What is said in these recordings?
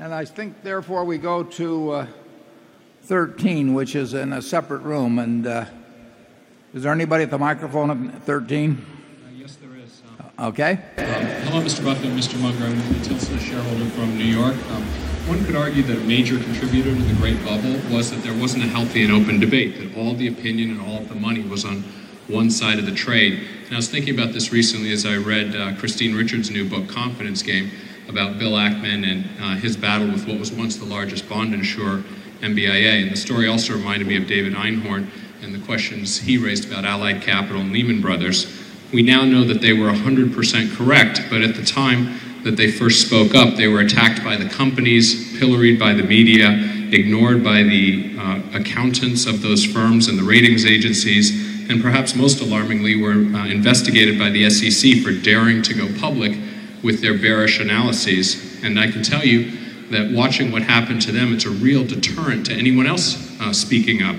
And I think, therefore, we go to 13, which is in a separate room. And is there anybody at the microphone? 13? Yes, there is. Okay. Hello, Mr. Buckner and Mr. Munger. I'm Nikita Titsa, shareholder from New York. One could argue that a major contributor to the great bubble was that there wasn't a healthy and open debate, that all the opinion and all of the money was on one side of the trade. And I was thinking about this recently as I read, Christine Richards' new book, Confidence Game, about Bill Ackman and, his battle with what was once the largest bond insurer, MBIA. And the story also reminded me of David Einhorn and the questions he raised about Allied Capital and Lehman Brothers. We now know that they were 100% correct, but at the time that they first spoke up, they were attacked by the companies, pilloried by the media, ignored by the accountants of those firms and the ratings agencies and perhaps most alarmingly were investigated by the SEC for daring to go public with their bearish analysis. That watching what happened to them, it's a real deterrent to anyone else speaking up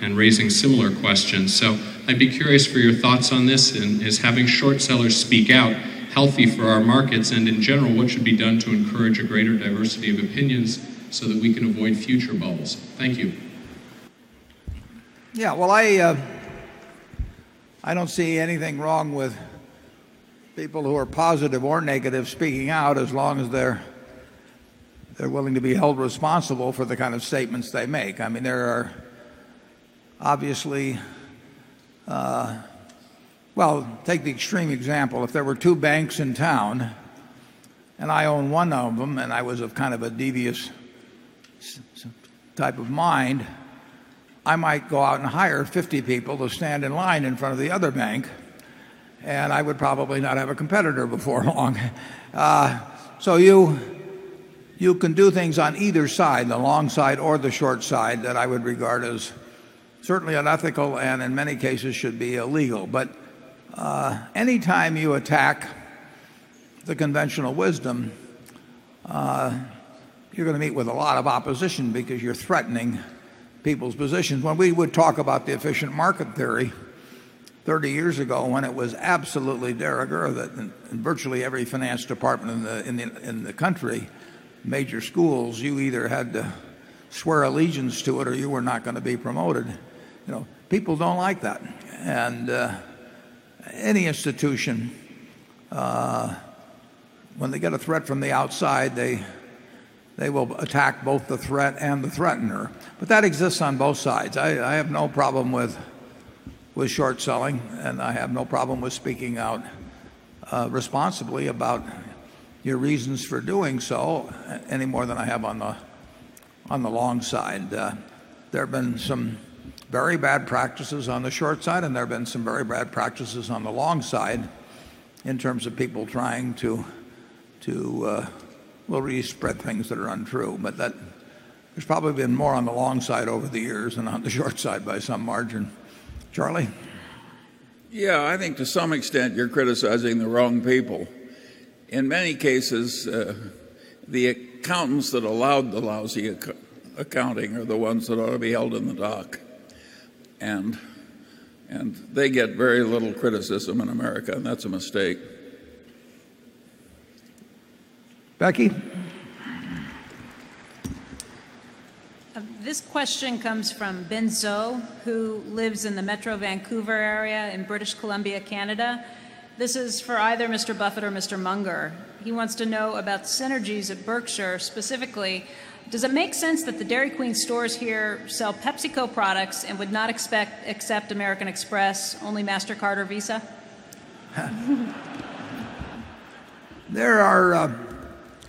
and raising similar questions. So I'd be curious for your thoughts on this. And is having short sellers speak out healthy for our markets? And in general, what should be done to encourage a greater diversity of opinions so that we can avoid future bubbles? Thank you. Yeah. Well, I, I don't see anything wrong with people who are positive or negative speaking out as long as they're willing to be held responsible for the kind of statements they make. I mean, there are obviously, well, take the extreme example. If there were 2 banks in town and I own one of them and I was of kind of a devious type of mind, I might go out and hire 50 people to stand in line in front of the other bank. And I would probably not have a competitor before long. So you can do things on either side, the long side or the short side that I would regard as certainly unethical and in many cases should be illegal. But anytime you attack the conventional wisdom, you're going to meet with a lot of opposition because you're threatening people's positions. When we would talk about the efficient market theory 30 years ago when it was absolutely derogator virtually every finance department in the country, major schools, you either had to swear allegiance to it or you were not going to be promoted. People don't like that. And any institution, when they get a threat from the outside, they will attack both the threat and the threatener. But that exists on both sides. I have no problem with short selling and I have no problem with speaking out responsibly about your reasons for doing so any more than I have on the long side. There have been some very bad practices on the short side and there have been some very bad practices on the long side in terms of people trying to to, will re spread things that are untrue. But that there's probably been more on the long side over the years than on the short side by some margin. Charlie? Yeah. I think to some extent you're criticizing the wrong people. In many cases, the accountants that allowed the lousy accounting are the ones that ought to be held in the dock And, they get very little criticism in America and that's a mistake. Becky? This question comes from Ben So who lives in the Metro Vancouver area in British Columbia, Canada. This is for either mister Buffet or mister Munger. He wants to know about synergies of Berkshire. Specifically, does it make sense that the Dairy Queen stores here sell PepsiCo products and would not expect accept American Express, only Mastercard or Visa? There are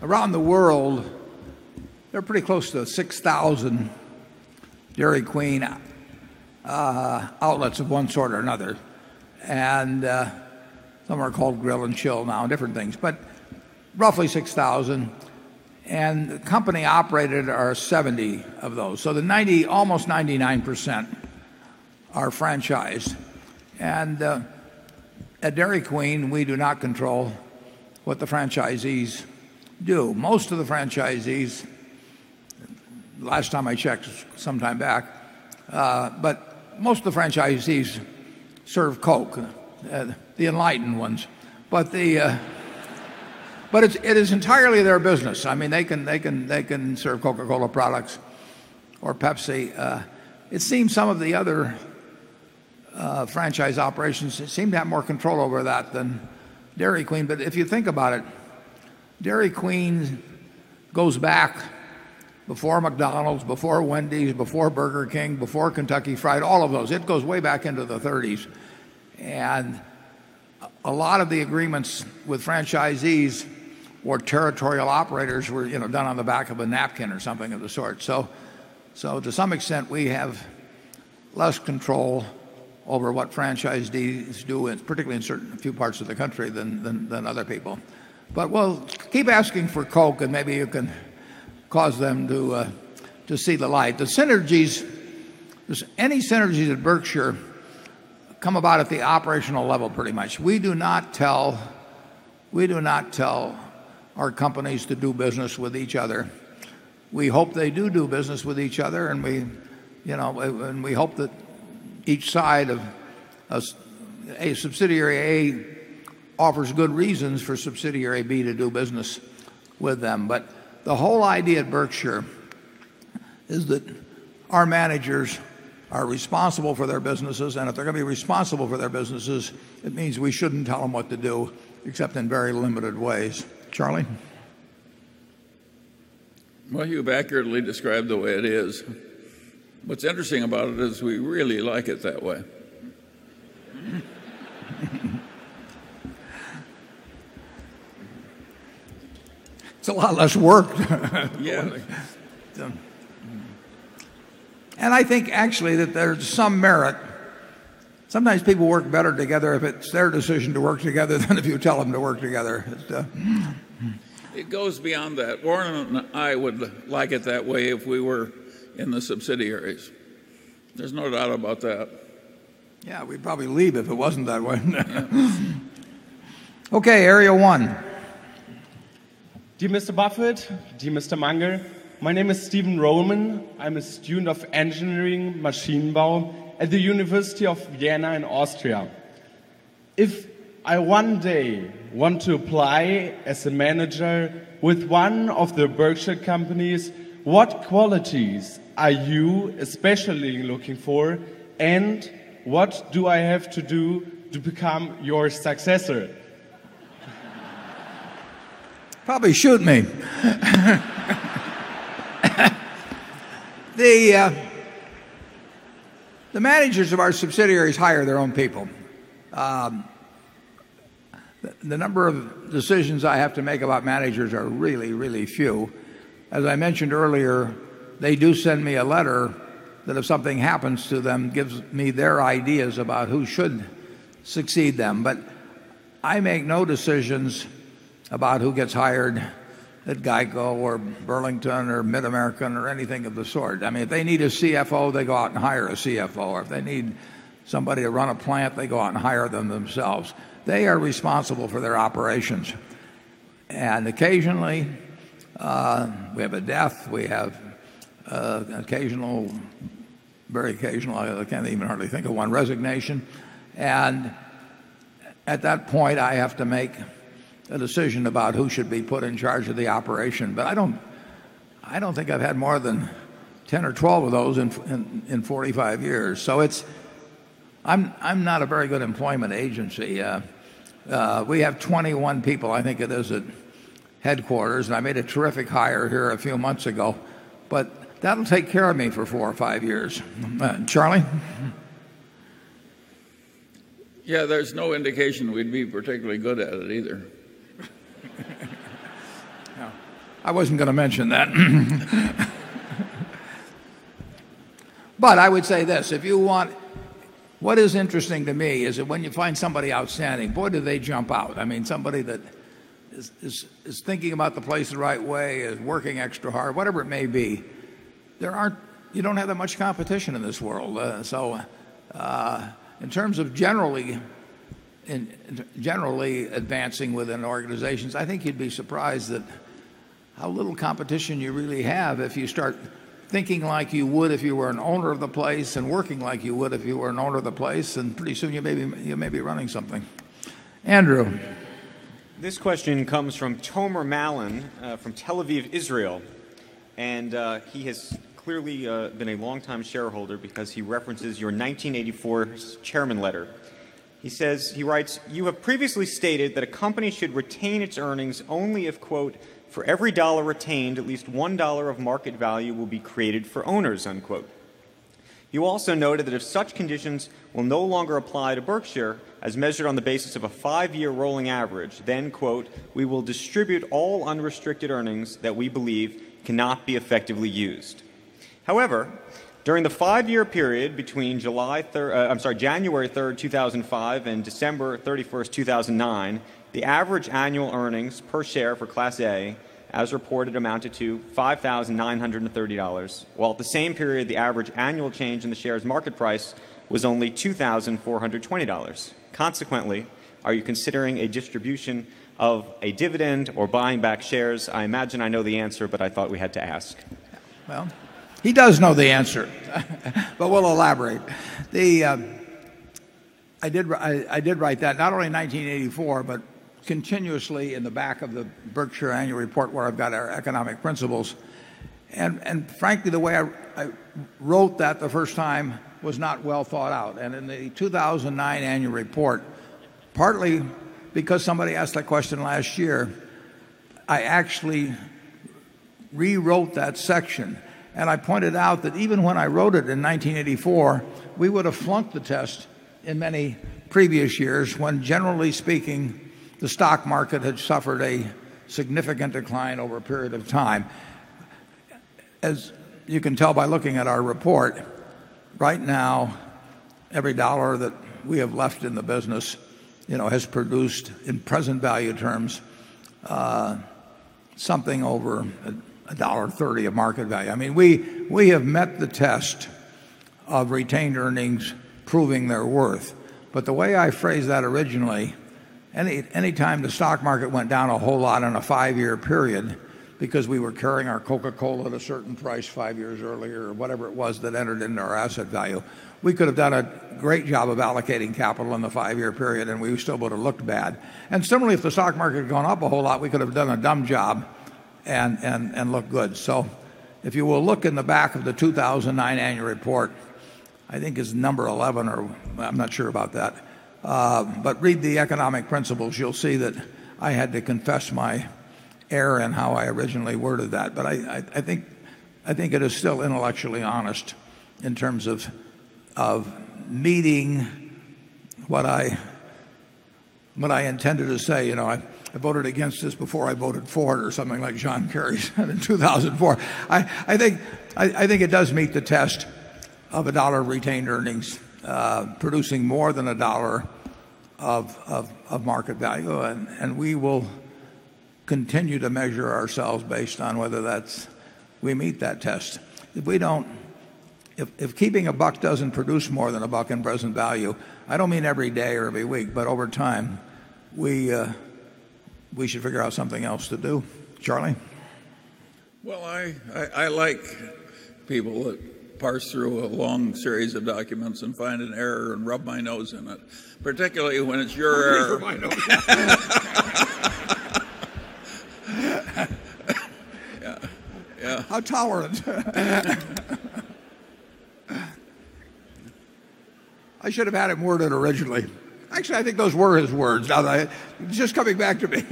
around the world, there are pretty close to 6,000 Dairy Queen outlets of one sort or another. And some are called grill and chill now and different things, but roughly 6,000. And company operated are 70 of those. So the 90 almost 99% are franchise. And at Dairy Queen, we do not control what the franchisees do. Most of the franchisees, last time I checked sometime back, but most of the franchisees serve Coke, the enlightened ones. But the but it is entirely their business. I mean, they can serve Coca Cola products or Pepsi. It seems some of the other franchise operations seem to have more control over that than Dairy Queen. But if you think about it, Dairy Queen goes back before McDonald's, before Wendy's, before Burger King, before Kentucky Fried, all of those. It goes way back into the 30s. And a lot of the agreements with franchisees or territorial operators were done on the back of a napkin or something of the sort. So to some extent, we have less control over what franchisees do and particularly in certain few parts of the country than other people. But we'll keep asking for Coke and maybe you can cause them to see the light. The synergies any synergies at Berkshire come about at the operational level pretty much? We do not tell our companies to do business with each other. We hope they do business with each other and we hope that each side of us, a subsidiary A offers good reasons for subsidiary B to do business with them. But the whole idea at Berkshire is that our managers are responsible for their businesses and if they're going to be responsible for their businesses, it means we shouldn't tell them what to do except in very limited ways. Charlie? Well, you've accurately described the way it is. What's interesting about it is we really like it that way. It's a lot less work. And I think actually that there's some merit. Sometimes people work better together if it's their decision to work together than if you tell them to work together. It goes beyond that. Warren and I would like it that way if we were in the subsidiaries. There's no doubt about that. Yes. We'd probably leave if it wasn't that way. Okay. Area 1. Dear Mr. Buffet, dear Mr. Munger, my name is Stephen Roman. I'm a student of Engineering Machinbaum at the University of Vienna in Austria. If I one day want to apply as a manager with 1 of the Berkshire Companies, what qualities are you especially looking for? And what do I have to do to become your successor? Probably should me. The managers of our subsidiaries hire their own people. The number of decisions I have to make about managers are really, really few. As I mentioned earlier, they do send me a letter that if something happens to them, gives me their ideas about who should succeed them. But I make no decisions about who gets hired at GEICO or Burlington or Mid America or anything of the sort. I mean, if they need a CFO, they go out and hire a CFO. If they need somebody to run a plant, they go out and hire them themselves. They are responsible for their operations. And occasionally, we have a death. We have occasional, very occasional, I can't even hardly think of one resignation. And at that point, I have to make a decision about who should be put in charge of the operation. But I don't I don't think I've had more than 10 or 12 of those in 45 years. So, it's I'm not a very good employment agency. We have 21 people, I think it is at headquarters and I made a terrific hire here a few months ago. But that will take care of me for 4 or 5 years. Charlie? Yeah. There's no indication we'd be particularly good at it either. Wasn't going to mention that. But I would say this, if you want what is interesting to me is that when you find somebody outstanding, boy, do they jump out. I mean, somebody that is thinking about the place the right way, is working extra hard, whatever it may be, there aren't you don't have that much competition in this world. So in terms of generally advancing within organizations, I think you'd be surprised that how little competition you really have if you start thinking like you would if you were an owner of the place and working like you would if you were an owner of the place and pretty soon you may be running something. Andrew? This question comes from Tomer Mallon from Tel Aviv, Israel. And he has clearly been a long time shareholder because he references your 1984 Chairman letter. He says, he writes, you have previously stated that a company should retain its earnings only if quote for every dollar retained, at least $1 of market value will be created for owners unquote. You also noted that if such conditions will no longer apply to Berkshire as measured on the basis of a 5 year rolling average, then, quote, we will distribute all unrestricted earnings that we believe cannot be effectively used. However, during the 5 year period between July 3rd, I'm sorry, January 3, 2005 and December 31, 2009, the average annual earnings per share for Class A as reported amounted to $5,930 while at the same period the average annual change in the shares market price was only $2,420 Consequently, are you considering a distribution of a dividend or buying back shares? I imagine I know the answer, but I thought we had to ask. Well, he does know the answer, but we'll elaborate. The I did write that not only in 1984 but continuously in the back of the Berkshire annual report where I've got our economic principles. And frankly, the way I wrote that the first time was not well thought out. And in the 2,009 annual report, partly because somebody asked that question last year, I actually rewrote that section. And I pointed out that even when I wrote it in 1984, we would have flunked the test in many previous years when generally speaking, the stock market had suffered a significant decline over a period of time. As you can tell by looking at our report, right now, every dollar that we have left in the business has produced in present value terms, something over $1.30 of market value. I mean, we have met the test of retained earnings proving their worth. But the way I phrase that originally, any time the stock market went down a whole lot on a 5 year period because we were carrying our Coca Cola at certain price 5 years earlier or whatever it was that entered into our asset value. We could have done a great job of allocating capital in the 5 year period and we still would have looked bad. Similarly, if the stock market had gone up a whole lot, we could have done a dumb job and look good. So if you will look in the back of the 2,009 annual report, I think it's number 11 or I'm not sure about that. But read the economic principles, you'll see that I had to confess my error and how I originally worded that. But I think I think it is still intellectually honest in terms of meeting what I intended to say. I voted against this before I voted for it or something like John Kerry said in 2004. I think it does meet the test of $1 retained earnings producing more than $1 of market value. And we will continue to measure ourselves based on whether that's we meet that test. If we don't if keeping a buck doesn't produce more than a buck in present value, I don't mean every day or every week, but over time, we should figure out something else to do. Charlie? Well, I like people that parse through a long series of documents and find an error and rub my nose in it, particularly when it's your I should have added more than originally. Actually, I think those were his words. Just coming back to me.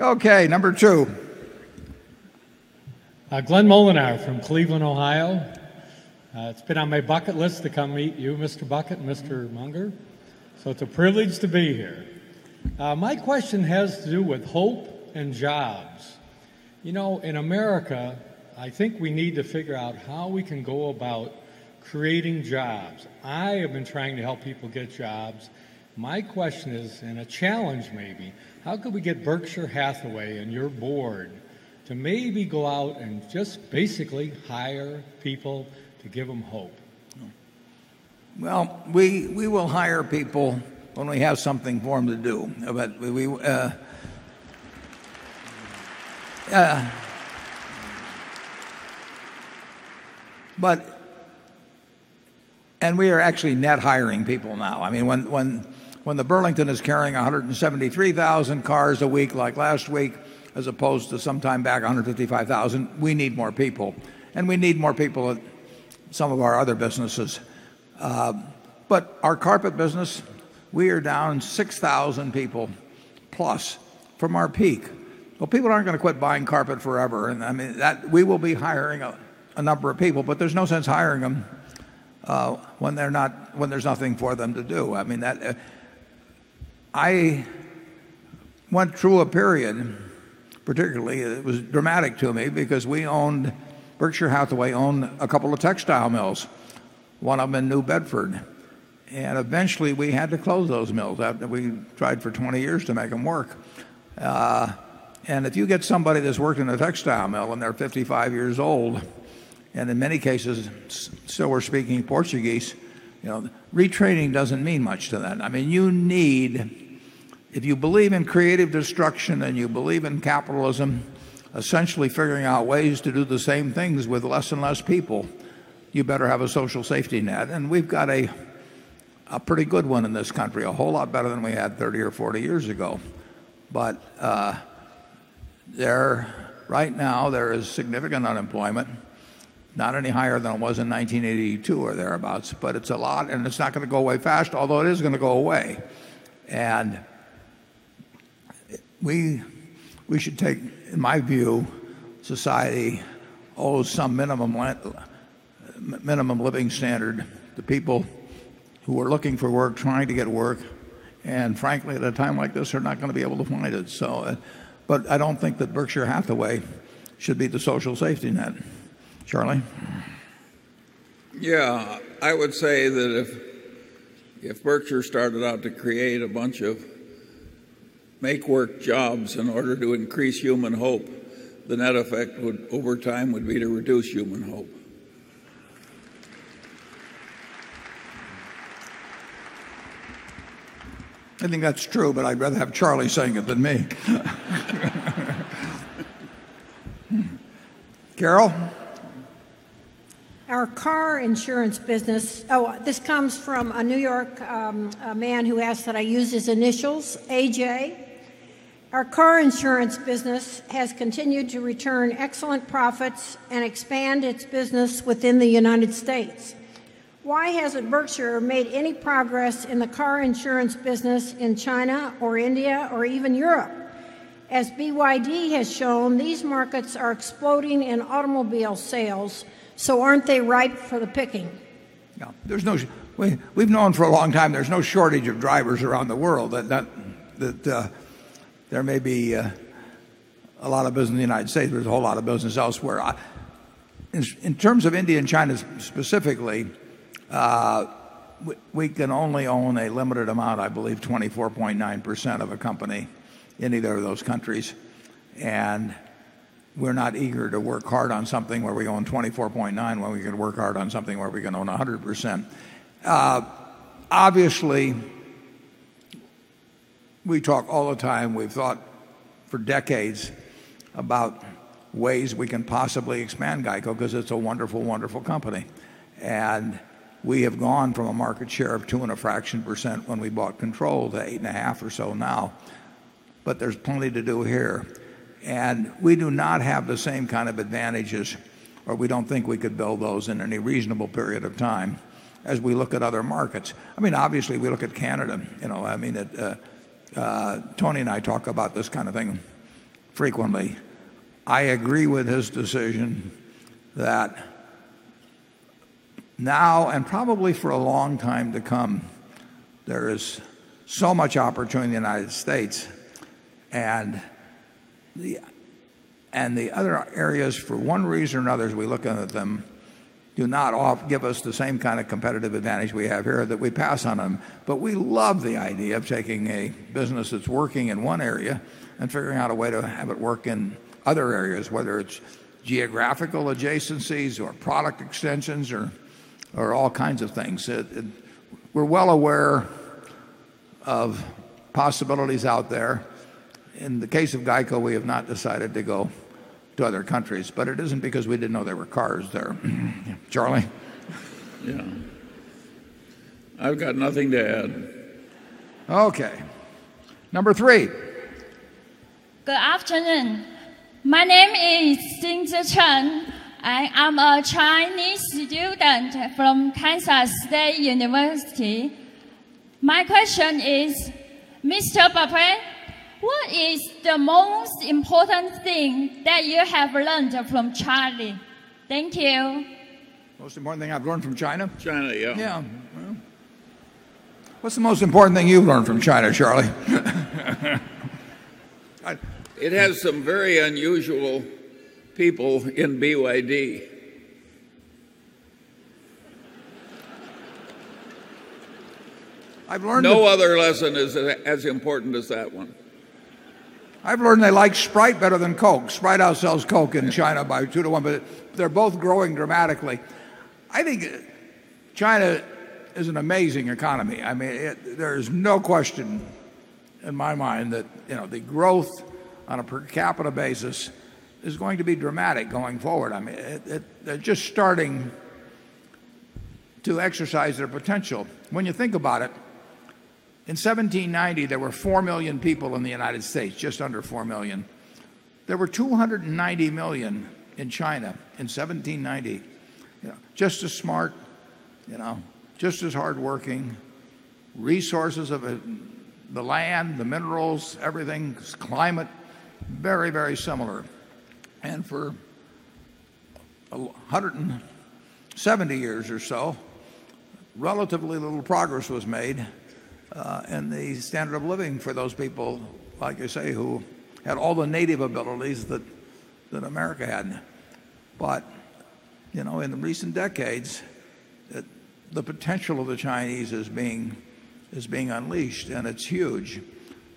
Okay. Number 2. Glenn Molineux from Cleveland, Ohio. It's been on my bucket list to come meet you, Mr. Bucket, Mr. Munger. So it's a privilege to be here. My question has to do with hope and jobs. In America, I think we need to figure out how we can go about creating jobs. I have been trying to help people get jobs. My question is, and a challenge maybe, how could we get Berkshire Hathaway and your board to maybe go out and just basically hire people to give them hope? Well, we will hire people when we have something for them to do. But and we are actually net hiring people now. I mean, when when the Burlington is carrying 173,000 cars a week like last week as opposed to sometime back 155,000. We need more people. And we need more people at some of our other businesses. But our carpet business, we are down 6,000 people plus from our peak. People aren't going to quit buying carpet forever. And I mean that we will be hiring a number of people, but there's no sense hiring them when they're not when there's nothing for them to do. I mean, that I went through a period, particularly, it was dramatic to me because we owned Berkshire Hathaway owned a couple of textile mills. One of them in New Bedford. And eventually we had to close those mills out that we tried for 20 years to make them work. And if you get somebody that's worked in in their 55 years old and in many cases, so we're speaking Portuguese, retraining doesn't mean much to that. I mean, you need if you believe in creative destruction and you believe in capitalism, essentially figuring out ways to do the same things with less and less people, you better have a social safety net. And we've got a pretty good one in this country, a whole lot better than we had 30 or 40 years ago. But there right now, there is significant unemployment, not any higher than it was in 1982 or thereabouts. But it's a lot and it's not going to go away fast, although it is going to go away. And we we should take in my view, society owes some minimum minimum living standard to people who are looking for work, trying to get work. And frankly, at a time like this, they're not going to be able to find it. So, but I don't think that Berkshire Hathaway should be the social safety net. Charlie? Yes. I would say that if Berkshire started out to create a bunch of make work jobs in order to increase human hope, the net effect would over time would be to reduce human hope. I think that's true, but I'd rather have Charlie saying it than me. Carol? Our car insurance business, this comes from a New York man who asked that I use his initials, A. J. Our car insurance business has continued to return excellent profits and expand its business within the United States. Why hasn't Berkshire made any progress in the car insurance business in China or India or even Europe. As BYD has shown, these markets are exploding in automobile sales. So aren't they ripe for the picking? No. There's no we've known for a long time there's no shortage of drivers around the world that there may be a lot of business in the United States. There's a whole lot of business elsewhere. In terms of India and China specifically, we can only own a limited amount, I believe 24.9 percent of a company in either of those countries. And we're not eager to work hard on something where we own 24.9. Well, we're going to work hard on something where we can own 100%. Obviously, we talk all the time. We've thought for decades about ways we can possibly expand GEICO because it's a wonderful, wonderful company. And we have gone from a market share of 2.5 percent when we bought control, the 8.5% or so now. But there's plenty to do here. And we do not have the same kind of advantages or we don't think we could build those in any reasonable period of time as we look at other markets. I mean, obviously, we look at Canada. I mean, Tony and I talk about this kind of thing frequently. I agree with his decision that now and probably for a long time to come, there is so much opportunity in the United States. And the other areas for one reason or another as we look at them do not give us the same kind of competitive advantage we have here that we pass on them. But we love the idea of taking a business that's working in one area and figuring out a way to have it work in other areas, whether it's geographical adjacencies or product extensions or all kinds of things. We're well aware of possibilities out there. In the case of GEICO, we have not decided to go to other countries. But it isn't because we didn't know there were cars there. Charlie? Yeah. I've got nothing to add. Okay. Number 3. Good afternoon. My name is. I am a Chinese student from Kansas State University. My question is, mister, what is the most important thing that you have learned from Charlie? Thank you. Most important thing I've learned from China? China, yes. Yes. What's the most important thing you've learned from China, Charlie? It has some very unusual people in BYD. I've learned No other lesson is as important as that one. I've learned they like Sprite better than Coke. Sprite outsells Coke in China by 2 to 1. But they're both growing dramatically. I think China is an amazing economy. I mean, there is no question in my mind that the growth on a per capita basis is going to be dramatic going forward. I mean, they're just starting to exercise their potential. When you think about it, in 17/90, there were 4,000,000 people in the United States, just under 4,000,000. There were 290,000,000 in China in 17/90, just as smart, just as hard working, resources of the land, the minerals, everything, climate, very, very similar. And for 170 years or so, relatively little progress was made, and the standard of living for those people like you say who had all the native abilities that America had. But, you know, in the recent decades, the potential of the Chinese is being unleashed and it's huge.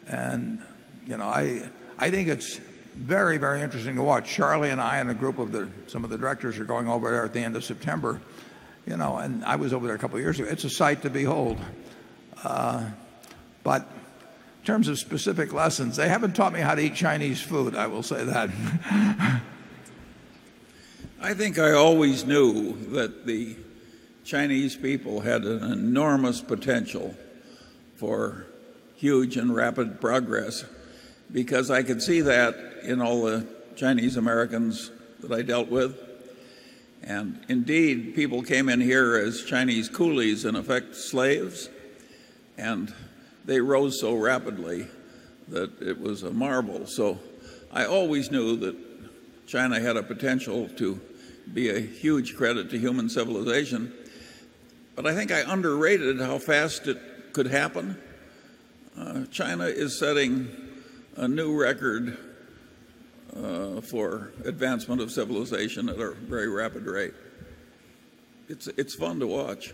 And I think it's very, very interesting to watch. Charlie and I and a group of the some of the directors are going over there at the end of September. And I was over there a couple of years ago. It's a sight to behold. But in terms of specific lessons, they haven't taught me how to eat Chinese food. I will say that. I think I always knew that the Chinese people had an enormous potential for huge and rapid progress because I could see that in all the Chinese Americans that I dealt with and indeed, people came in here as Chinese coolies and in effect, slaves and they rose so rapidly that it was a marble. So, I always knew that China had a potential to be a huge credit to human civilization, but I think I underrated how fast it could happen. China is setting a new record for advancement of civilization at a very rapid rate. It's fun to watch.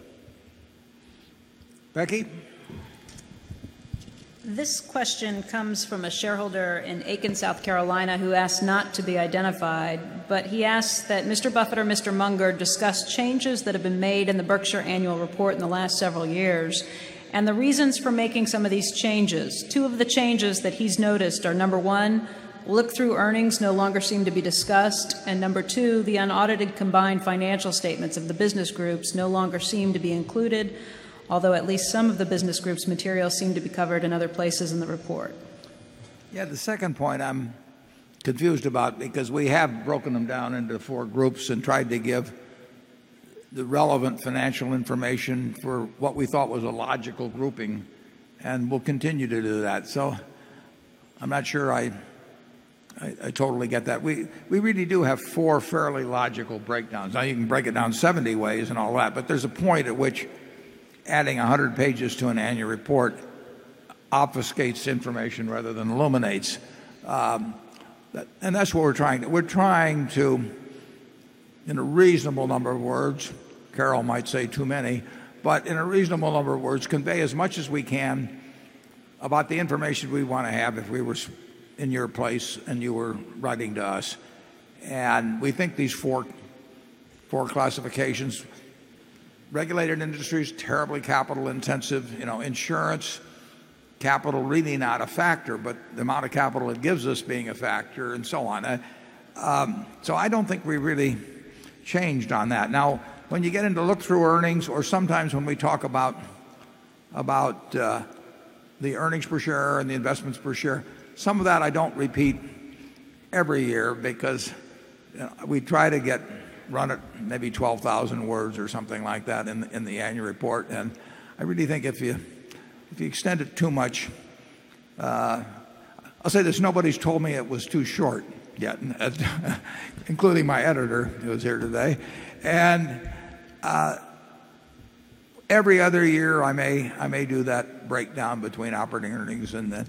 Becky? This question comes from a shareholder in Aiken, South Carolina who asked not to be identified, but he asked that Mr. Buffet or Mr. Munger discuss changes that have been made in the Berkshire Annual Report in the last several years and the reasons for making some of these changes. 2 of the changes that he's noticed are, number 1, look through earnings no longer seem to be discussed and number 2, the unaudited combined financial statements of the business groups no longer seem to be included, although at least some of the business groups' material seem to be covered in other places in the report. Yes. The second point I'm confused about because we have broken them down into 4 groups and tried to give the relevant financial information for what we thought was a logical grouping and we'll continue to do that. So I'm not sure I totally get that. We really do have 4 fairly logical breakdowns. I even break it down 70 ways and all that. But there's a point at which adding 100 pages to an annual report obfuscates information rather than illuminates. And that's what we're trying. We're trying to, in a reasonable number of words, Carol might say too many, but in a reasonable number of words, convey as much as we can about the information we want to have if we were in your place and you were writing to us. And we think these 4 classifications, regulated industries, terribly capital intensive, insurance, capital really not a factor, but the amount of capital it gives us being a factor and so on. So I don't think we really changed on that. Now when you get into look through earnings or sometimes when we talk about the earnings per share and the investments per share, Some of that I don't repeat every year because we try to get run at maybe 12,000 words or something like that in the annual report. And I really think if you extend it too much, I'll say this, nobody's told me it was too short yet, including my editor who is here today. And every other year, I may do that breakdown between operating earnings and that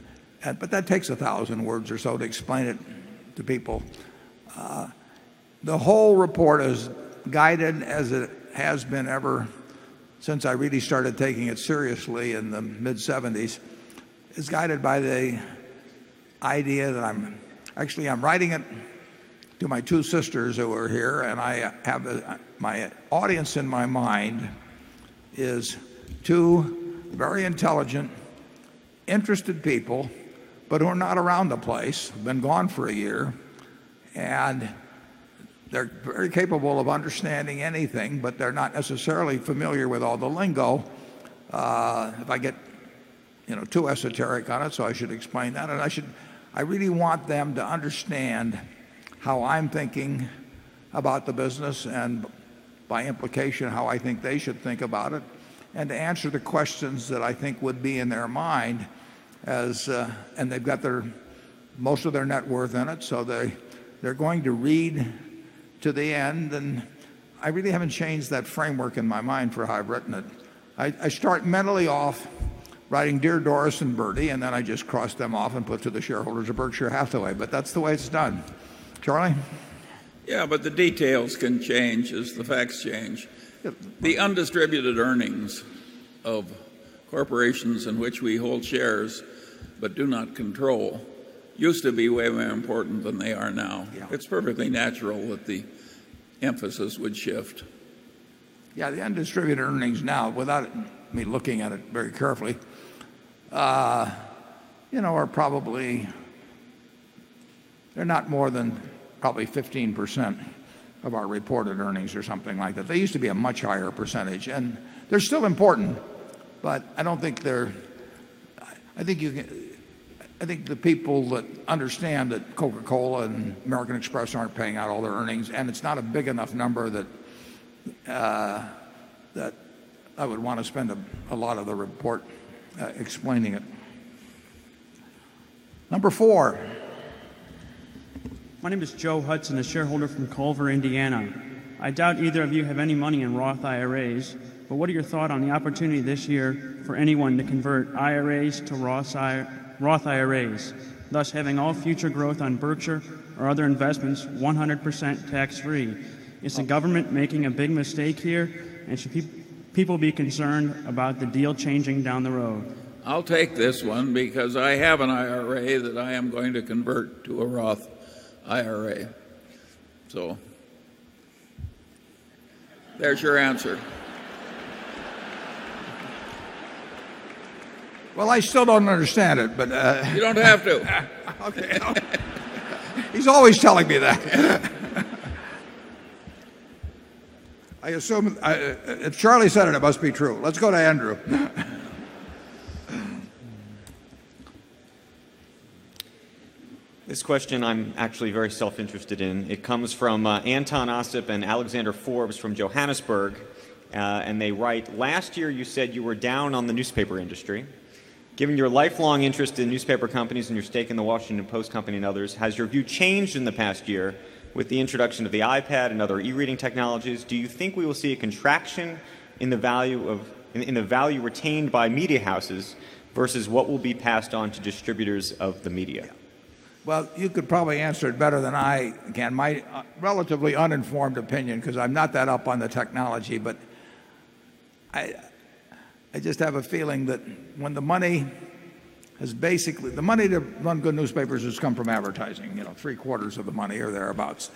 but that takes a 1,000 words or so to explain it to people. The whole report is guided as it has been ever since I really started taking it seriously in the mid seventies. Is guided by the idea that I'm actually, I'm writing it to my 2 sisters who are here and I have my audience in my mind is 2 very intelligent, interested people but who are not around the place, been gone for a year. And they're very capable of understanding anything but they're not necessarily familiar with all the lingo. If I get too esoteric on it, so I should explain that. And I should I really want them to understand how I'm thinking about the business and by implication how I think they should think about it and to answer the questions that I think would be in their mind as, and they've got their most of their net worth in it. So they're going to read to the end. And I really haven't changed that framework in my mind for how I've written it. I start mentally off writing Dear Doris and Bertie and then I just cross them off and put to the shareholders of Berkshire Hathaway. But that's the way it's done. Charlie? Yes, but the details can change as the facts change. The undistributed earnings of Corporations in which we hold shares but do not control used to be way more important than they are now. It's perfectly natural that the emphasis would shift. Yes, the undistributed earnings now without me looking at it very carefully, are probably they're not more than probably 15% of our reported earnings or something like that. They used to be a much higher percentage. And they're still important. But I don't think they're I think you can I think the people that understand that Coca Cola and American Express aren't paying out all their earnings? And it's not a big enough number that I would want to spend a lot of the report explaining it. Number 4. My name is Joe Hudson, a shareholder from Culver, Indiana. I doubt either of you have any money in Roth IRAs. What are your thoughts on the opportunity this year for anyone to convert IRAs to Roth IRAs, thus having all future growth on Berkshire or other investments 100% tax free. Is the government making a big mistake here? And should people be concerned about the deal changing down the road? I'll take this one because I have an IRA that I am going to convert to a Roth IRA. So, there's your answer. Well, I still don't understand it, but You don't have to. Okay. He's always telling me that. I assume Charlie said it, it must be true. Let's go to Andrew. This question I'm actually very self interested It comes from Anton Ossip and Alexander Forbes from Johannesburg. And they write, last year you said you were down on the newspaper industry. Given your lifelong interest in newspaper companies and your stake in the Washington Post Company and others, has your view changed in the past year with the introduction of the iPad and other e reading technologies? Do you think we will see a contraction in the value retained by media houses versus what will be passed on to distributors of the media? Well, you could probably answer it better than I can. My relatively uninformed opinion because I'm not that up on the technology. But I just have a feeling that when the money is basically the money to run good newspapers has come from advertising, 3 quarters of the money or thereabouts.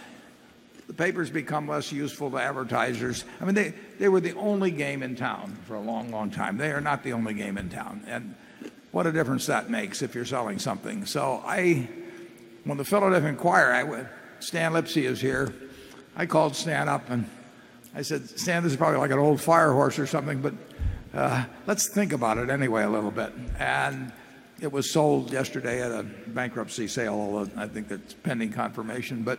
The papers become less useful to advertisers. I mean, they were the only game in town for a long, long time. They are not the only game in town. And what a difference that makes if you're selling something. So I when the fellow didn't inquire, Stan Lipsey is here. I called Stan up and said, Stan, this is probably like an old fire horse or something. But, let's think about it anyway a little bit. And it was sold yesterday at a bankruptcy sale. Although I think that's pending confirmation. But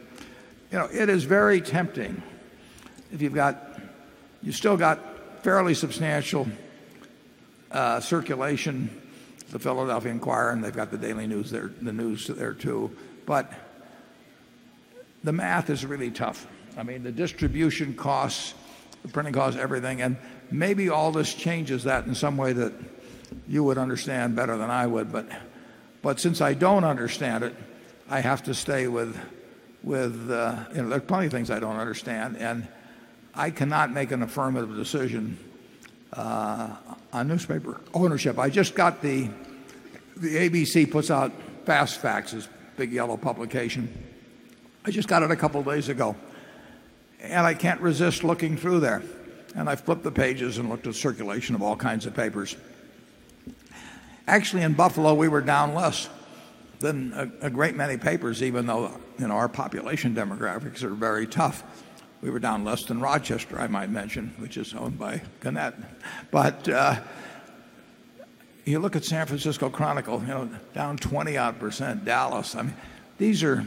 it is very tempting if you've got you still got fairly substantial circulation, the Philadelphia Inquirer and they've got the daily news there, the news there too. But the math is really tough. I mean, the distribution costs, the printing costs, everything. And maybe all this changes that in some way that you would understand better than I would. But since I don't understand it, I have to stay with plenty of things I don't understand. And I cannot make an affirmative decision, on newspaper ownership. I just got the the ABC puts out fast faxes, big yellow publication. I just got it a couple days ago. And I can't resist looking through there. And I flipped the pages and looked at circulation of all kinds of papers. Actually, in Buffalo, we were down less than a great many papers even though our population demographics are very tough. We were down less than Rochester, I might mention, which is owned by Gannett. But, you look at San Francisco Chronicle, down 20 odd percent, Dallas. I mean, these are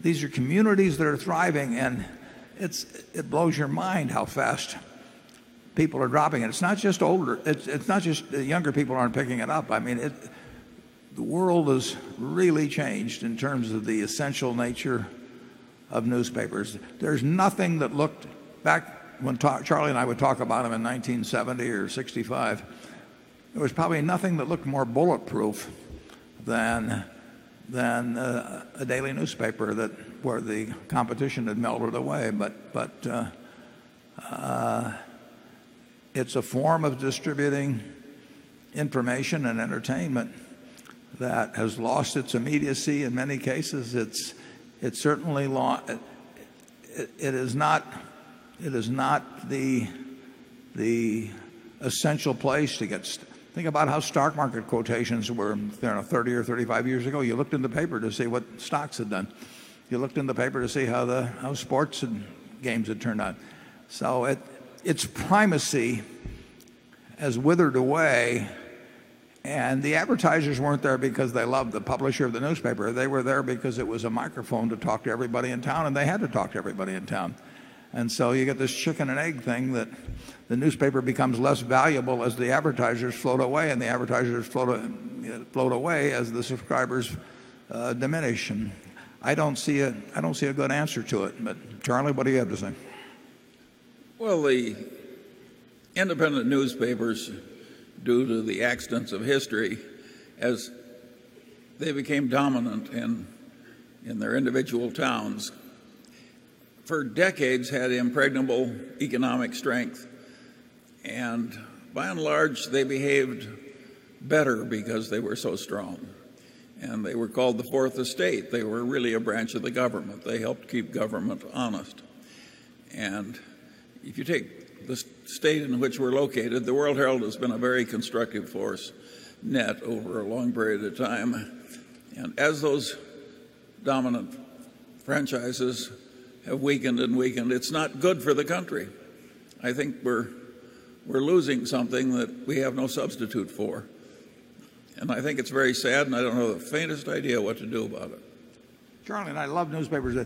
these are communities that are thriving and it blows your mind how fast people are dropping it. It's not just older. It's not just the younger people aren't picking it up. I mean, the world has really changed in terms of the essential nature of newspapers. There's nothing that looked back when Charlie and I would talk about them in 1970 or 'sixty 5, there was probably nothing that looked more bulletproof than than a daily newspaper that where the competition had melted away. But But, it's a form of distributing information and entertainment that has lost its immediacy in many cases. It's it's certainly it is not it is not the essential place to get think about how stock market quotations were there 30 or 35 years ago. You looked in the paper to see what stocks had done. You looked in the paper to see how the how sports and games had turned out. So, it its primacy has withered away and the advertisers weren't there because they loved the publisher of the newspaper. They were there because it was a microphone to talk to everybody in town and they had to talk to everybody in town. And so you get this chicken and egg thing that the newspaper becomes less valuable as the advertisers float away and the advertisers float away as the subscribers, diminish. And I don't see a I don't see a good answer to it. But Charlie, what do you have to say? Well, the independent newspapers, due to the accidents of history, as they became dominant in their individual towns. For decades had impregnable economic strength and by and large they behaved better because they were so strong. And they were called the 4th estate. They were really a branch of the government. They help keep government honest. And if you take the state in which we are located, the World Herald has been a very constructive force net over a long period of time. And as those dominant franchises have weakened and weakened, it's not good for the country. I think we're losing something that we have no substitute for. And I think it's very sad and I don't know the faintest idea what to do about it. Charlie and I love newspapers.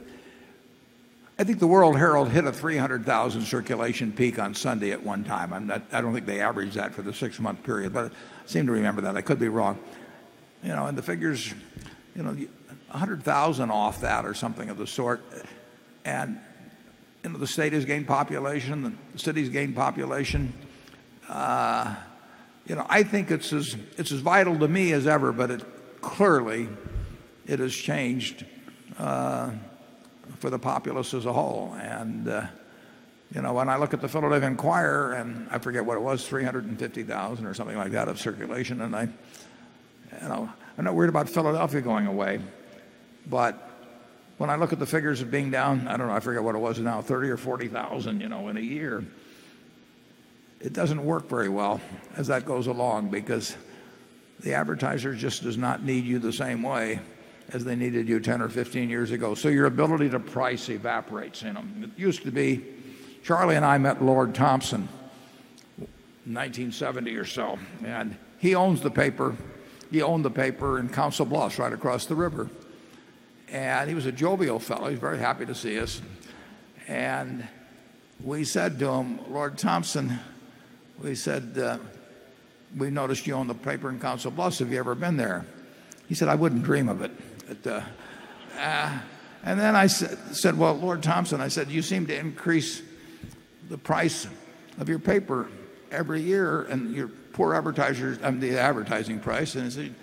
I think the World Herald hit a 300,000 circulation peak on Sunday at one time. And I don't think they average that for the 6 month period. But I seem to remember that, I could be wrong. And the figures dollars 100,000 off that or something of the sort. And the state has gained population. The city has gained population. You know, I think it's as vital to me as ever, but it clearly, it has changed for the populace as a whole. And, you know, when I look at the Philadelphia Inquirer and I forget what it was, 350 or something like that of circulation. And I, you know, I'm not worried about Philadelphia going away. But when I look at the figures of being down, I don't know, I forgot what it was now, 30 or 40,000, you know, in a year. It doesn't work very well as that goes along because the advertiser just does not need you the same way as they needed you 10 or 15 years ago. So your ability to price evaporates, you know. It used to be, Charlie and I met Lord Thompson, in 1970 or so. And he owns the paper. He owned the paper in Council Bluffs right across the river. And he was a Jovial fellow. He was very happy to see us. And we said to him, Lord Thompson, we said, we noticed you own the paper and council bus. Have you ever been there? He said, I wouldn't dream of it. But, and then I said, well, Lord Thompson, I said, you seem to increase the price of your paper every year and your poor advertisers the advertising price. And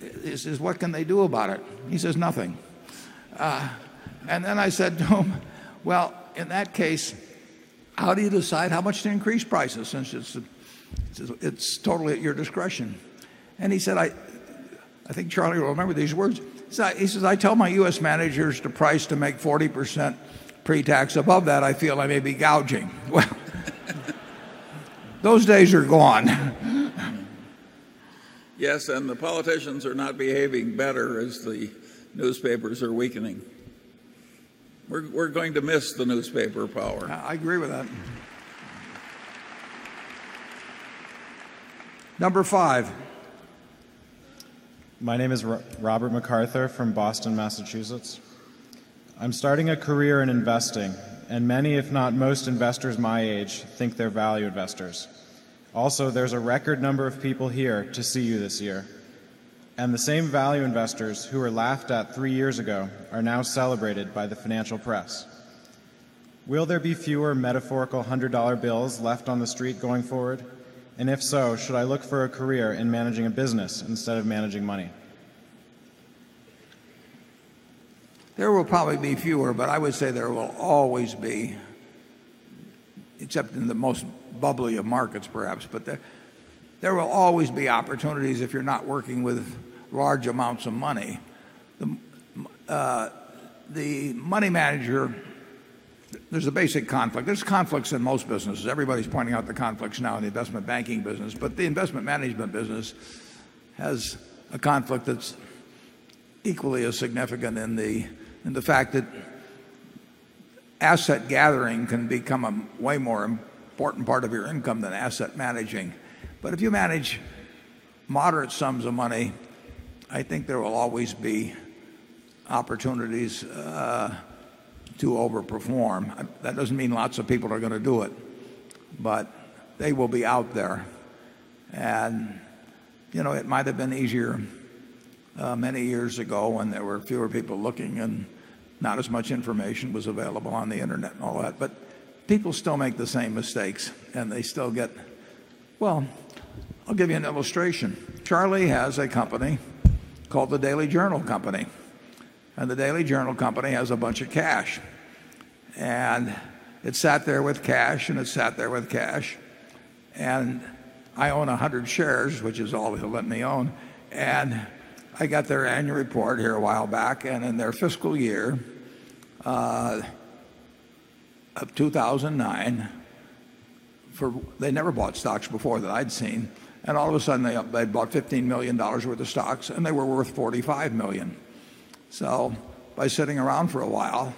is what can they do about it? He says nothing. And then I said, well, in that case, how do you decide how much to increase prices since it's totally at your discretion? And he said, I think Charlie will remember these words. He said, I tell my U. S. Managers to price to make 40% pretax above that I feel I may be gouging. Well, Those days are gone. Yes. And the politicians are not behaving better as the newspapers are weakening. We're going to miss the newspaper power. I agree with that. Number 5. My name is Robert MacArthur from Boston, Massachusetts. I'm starting a career in investing, and many, if not most investors my age, think they're value investors. Also, there's a record number of people here to see you this year. And the same value investors who were laughed at 3 years ago are now celebrated by the financial press. Will there be fewer metaphorical $100 bills left on the street going forward? And if so, should I look for a career in managing a business instead of managing money? There will probably be fewer. But I would say there will always be, except in the most bubbly of markets perhaps, but there will always be opportunities if you're not working with large amounts of money. The money manager, there's a basic conflict. There's conflicts in most businesses. Everybody's pointing out the Investment Banking business. But the Investment Management business has a conflict that's equally as significant in the fact that asset gathering can become a way more important part of your income than asset managing. But if you manage moderate sums of money, I think there will always be opportunities to over perform. That doesn't mean lots of people are going to do it, but they will be out there. And it might have been easier many years ago when there were fewer people looking and not as much information was available on the internet and all that. But people still make the same mistakes and they still get well, I'll give you an illustration. Charlie has a company called the Daily Journal Company. And the Daily Journal Company has a bunch of cash. And it sat there with cash and it sat there with cash. And I own a 100 shares, which is all they let me own. And I got their annual report here a while back. And in their fiscal year of 2,009 for they never bought stocks before that I'd seen. And all of a sudden they bought $15,000,000 worth of stocks and they were worth $45,000,000 So by sitting around for a while,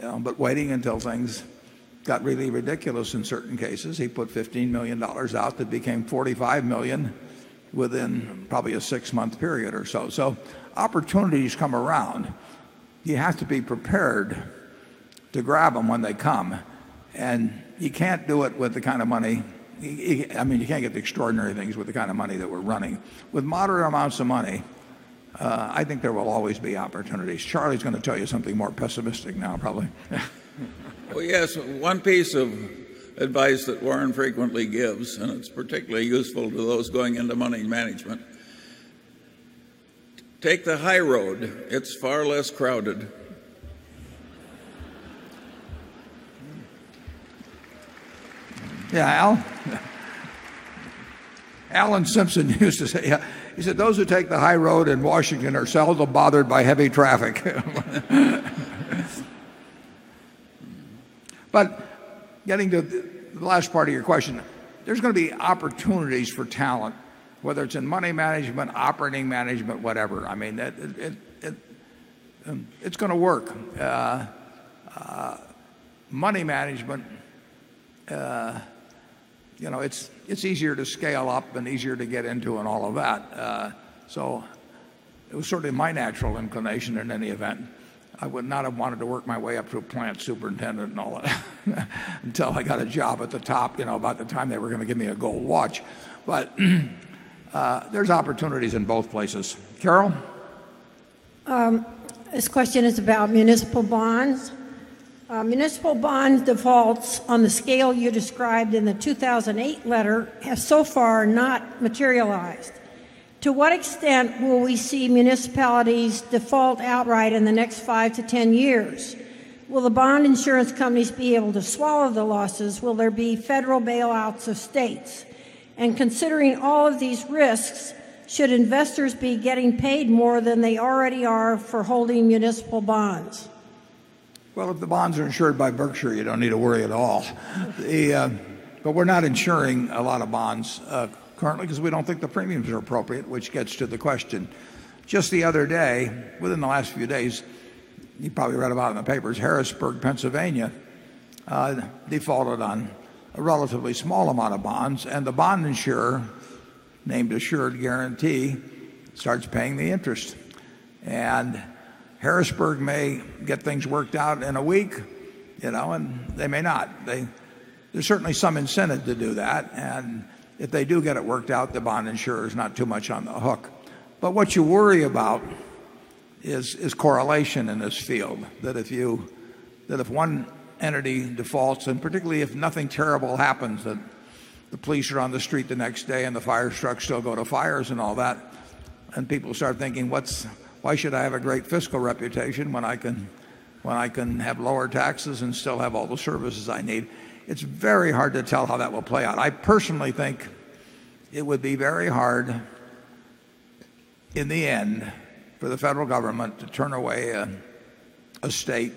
but waiting until things got really ridiculous in certain cases, he put $15,000,000 out that became $45,000,000 within probably a 6 month period or so. So opportunities come around. You have to be prepared to grab them when they come. And you can't do it with the kind of money. I mean, you can't get the extraordinary things with the kind of money that we're running. With moderate amounts of money, I think there will always be opportunities. Charlie is going to tell you something more pessimistic now probably. Well, yes, one piece of advice that Warren frequently gives and it's particularly useful to those going into money management. Yeah, Al? Alan Simpson used to say, he said, those who take the high road in Washington are seldom bothered by heavy traffic. But getting to the last part of your question, there's going to be opportunities for talent, whether it's in money management, operating management, whatever. I mean, it's going to work. Money management, you know, it's it's easier to scale up and easier to get into and all of that. So, it was certainly my natural inclination in any event. I would not have wanted to work my way up to a plant superintendent and all that until I got a job at the top, you know, about the time they were going to give me a gold watch. But, there's opportunities in both places. Carol? This question is about municipal bonds. Municipal bond defaults on the scale you described in the 2,008 letter have so far not materialized. To what extent will we see municipalities default outright in the next 5 to 10 years? Will the bond insurance companies be able to swallow the losses? Will there be federal bailouts of states? And considering all of these risks, should investors be getting paid more than they already are for holding municipal bonds? Well, if the bonds are insured by Berkshire, you don't need to worry at all. But we're not insuring a lot of bonds currently because we don't think the premiums are appropriate, which gets to the question. Just the other day, within the last few days, you probably read about in the papers, Harrisburg, Pennsylvania, defaulted on a relatively small amount of bonds. And the bond insurer named Assured Guarantee starts paying the interest. And Harrisburg may get things worked out in a week, you know, and they may not. There's certainly some incentive to do that. And if they do get it worked out, the bond insurers not too much on the hook. But what you worry about is correlation in this field that if you that if one entity defaults and particularly if nothing terrible happens and the police are on the street the next day and the fire trucks still go to fires and all that And people start thinking what's why should I have a great fiscal reputation when I can have lower taxes and still have all the services I need. It's very hard to tell how that will play out. I personally think it would be very hard in the end for the federal government to turn away a state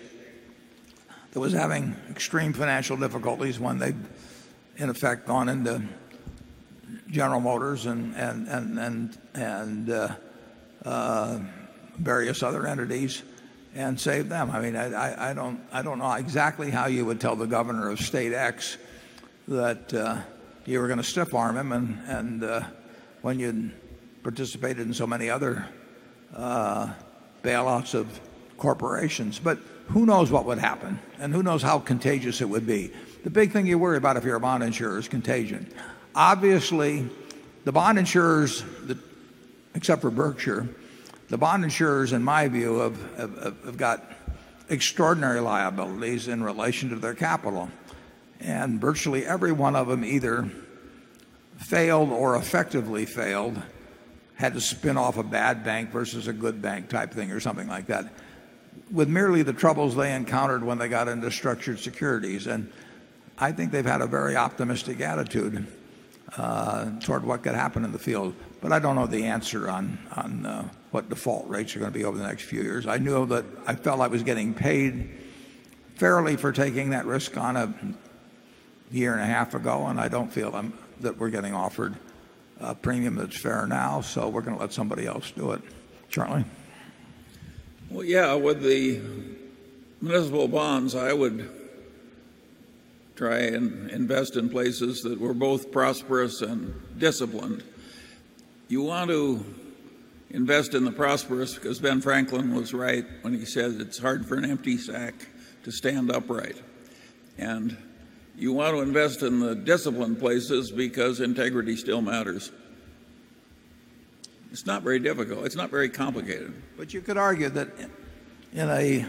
that was having extreme financial difficulties when they, in effect gone into General Motors and various other entities and save them. I mean, I don't know exactly how you would tell the governor of state x that you were going to stiff arm him and when you participated in so many other bailouts of corporations. But who knows what would happen and who knows how contagious it would be. The big thing you worry about if you're a bond insurer is contagion. Obviously, the bond insurers except for Berkshire, the bond insurers in my view have got extraordinary liabilities in relation to their capital. And virtually every one of them either failed or effectively failed, had to spin off a bad bank versus a good bank type thing or something like that. With merely the troubles they encountered when they got into structured securities. And I think they've had a very optimistic attitude toward what could happen in the field. But I don't know the answer on what default rates are going to be over the next few years. I knew that I felt I was getting paid fairly for taking that risk on a year and a half ago and I don't feel that we're getting offered a premium that's fair now. So we're going to let somebody else do it. Charlie? Well, yes, with the municipal bonds I would try and invest in places that were both prosperous and disciplined. You want to invest in the prosperous because Ben Franklin was right when he said it's hard for an empty sack to stand upright. And you want to invest in the disciplined places because integrity still matters. It's not very difficult. It's not very complicated. But you could argue that in a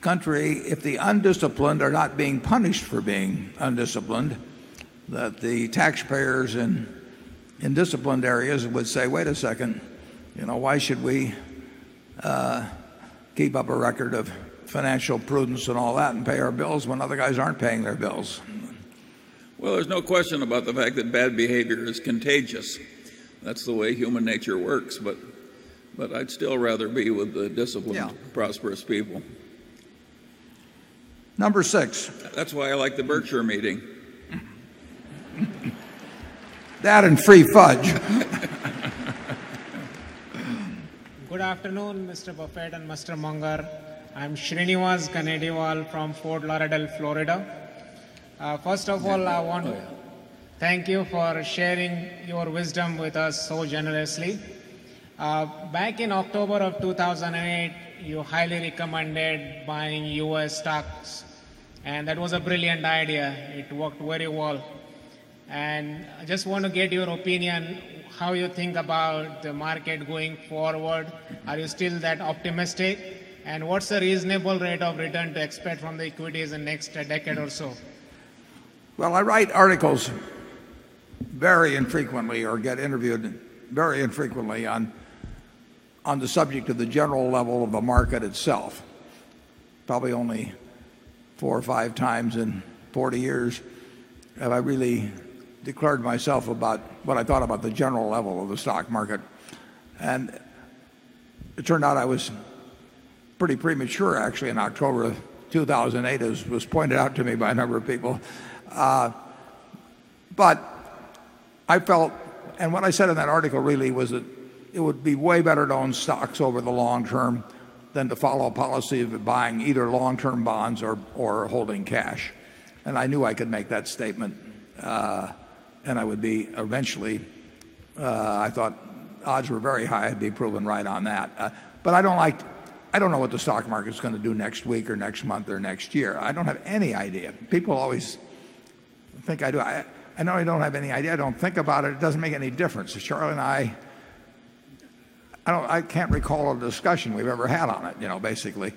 country, if the undisciplined are not being punished for being undisciplined that the taxpayers in disciplined areas would say, wait a second, you know, why should we keep up a record of financial prudence and all that and pay our bills when other guys aren't paying their bills? Well, there's no question about the fact that bad behavior is contagious. That's the way human nature works. But I'd still rather be with the disciplined, prosperous people. Number 6. That's why I like the Berkshire meeting. That and free fudge. Good afternoon, Mr. Buffet and Mr. Manger. I'm Shrinivas Kanadewal from Fort Lauderdale, Florida. First of all, I want to thank you for sharing your wisdom with us so generously. Back in October of 2,008, you highly recommended buying U. S. Stocks and that was a brilliant idea. It worked very well. And I just want to get your opinion how you think about the market going forward? Are you still that optimistic? And what's the reasonable rate of return to expect from the equities in next decade or so? Well, I write articles very infrequently or get interviewed very infrequently on on the subject of the general level of the market itself. Probably only 4 or 5 times in 40 years have I really declared myself about what I thought about the general level of the stock market. And it turned out I was pretty premature actually in October 2008 as was pointed out to me by a number of people. But I felt and what I said in that article really was that it would be way better to own stocks over the long term than to follow a policy of buying either long term bonds or holding cash. And I knew I could make that statement. And I would be eventually, I thought odds were very high, I'd be proven right on that. But I don't like I don't know what the stock market is going to do next week or next month or next year. I don't have any idea. People always think I do. I know I don't have any idea. I don't think about it. It doesn't make any difference. So Charlotte and I, I don't I can't recall a discussion we've ever had on it, basically.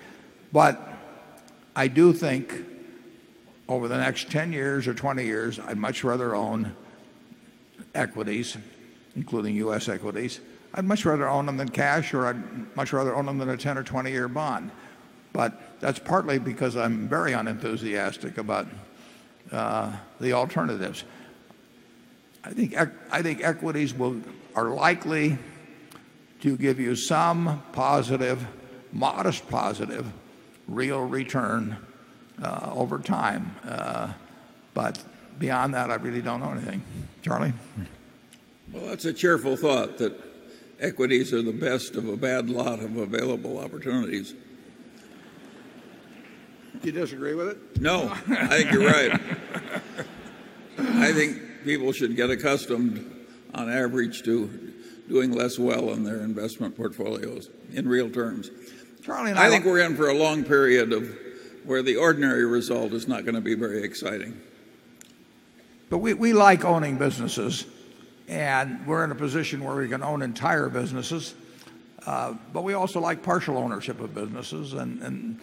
But I do think over the next 10 years or 20 years, I'd much rather own equities, including U. S. Equities. I'd much rather own them than cash or I'd much rather own them than a 10 or 20 year bond. But that's partly because I'm very unenthusiastic about the alternatives. I think equities will are likely to give you some positive, modest positive real return over time. But beyond that, I really don't know anything. Charlie? Well, that's a cheerful thought that equities are the best of a bad lot of available opportunities. Do you disagree with it? No. I think you are right. I think people should get accustomed on average to doing less well on their investment portfolios in real terms. Charlie and I I think we're in for a long period of where the ordinary result is not going to be very exciting. But we like owning businesses and we're in a position where we can own entire businesses. But we also like partial ownership of businesses and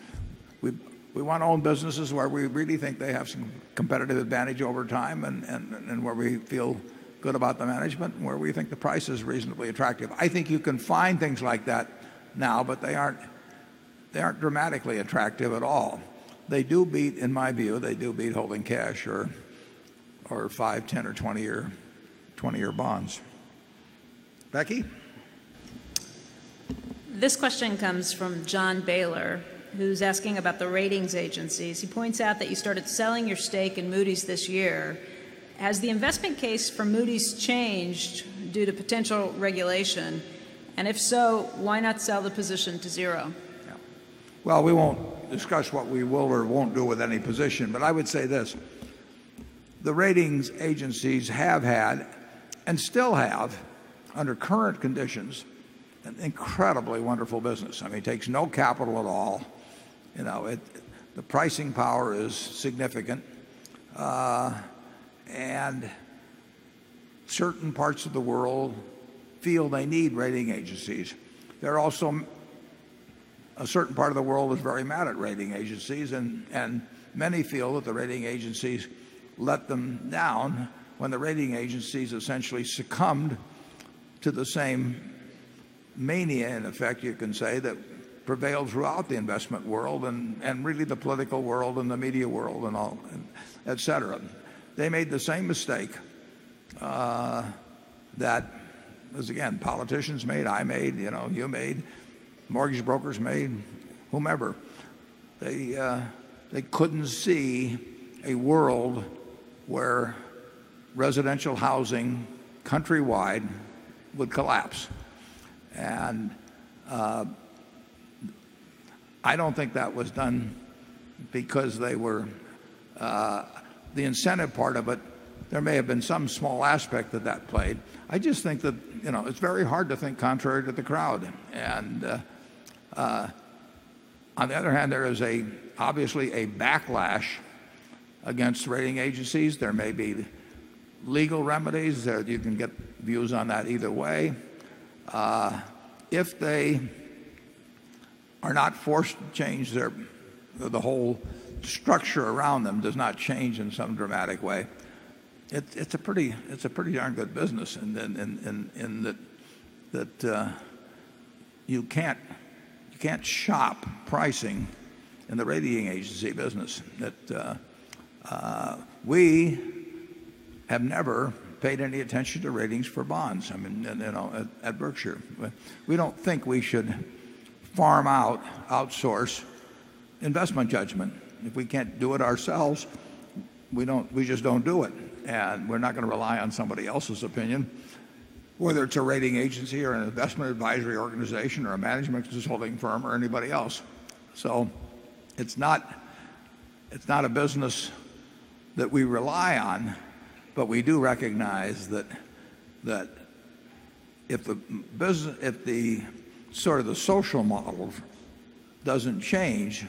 we want to own businesses where we really think they have some competitive advantage over time and where we feel good about the management and where we think the price is reasonably attractive. I think you can find things like that now, but they aren't dramatically attractive at all. They do beat, in my view, they do beat holding cash or 5, 10 or 20 year bonds. Becky? This question comes from John Bailer who's asking about the ratings agencies. He points out that you started selling your stake in Moody's this year. Has the investment case for Moody's changed due to potential regulation? And if so, why not sell the position to 0? Well, we won't discuss what we will or won't do with any position. But I would say this, the ratings agencies have had and still have under current conditions an incredibly wonderful business. I mean, it takes no capital at all. The pricing power is significant. And certain parts of the world feel they need rating agencies. There are also a certain part of the world is very mad at rating agencies and many feel that the rating agencies let them down when the rating agencies essentially succumbed to the same mania and effect you can say that prevailed throughout the investment world and and really the political world and the media world and all etcetera. They made the same mistake that as again politicians made, I made, you made, mortgage brokers made whomever. They couldn't see a world where residential housing countrywide would collapse. And, I don't think that was done because they were, the incentive part of it. There may have been some small aspect that that played. I just think that it's very hard to think contrary to the crowd. And on the other hand, there is a obviously a backlash against rating agencies. There may be legal remedies that you can get views on that either way. If they are not forced to change their the whole structure around them does not change in some dramatic way, it's a pretty darn good business. And that you you can't shop pricing in the rating agency business that, we have never paid any attention to ratings for bonds. I mean at Berkshire, we don't think we should farm out, outsource investment judgment. If we can't do it ourselves, we don't we just don't do it. And we're not going to rely on somebody else's opinion, whether it's a rating agency or an investment advisory organization or a management consulting firm or anybody else. So it's not a business that we rely on, but we do recognize that if the business if the sort of the social model doesn't change,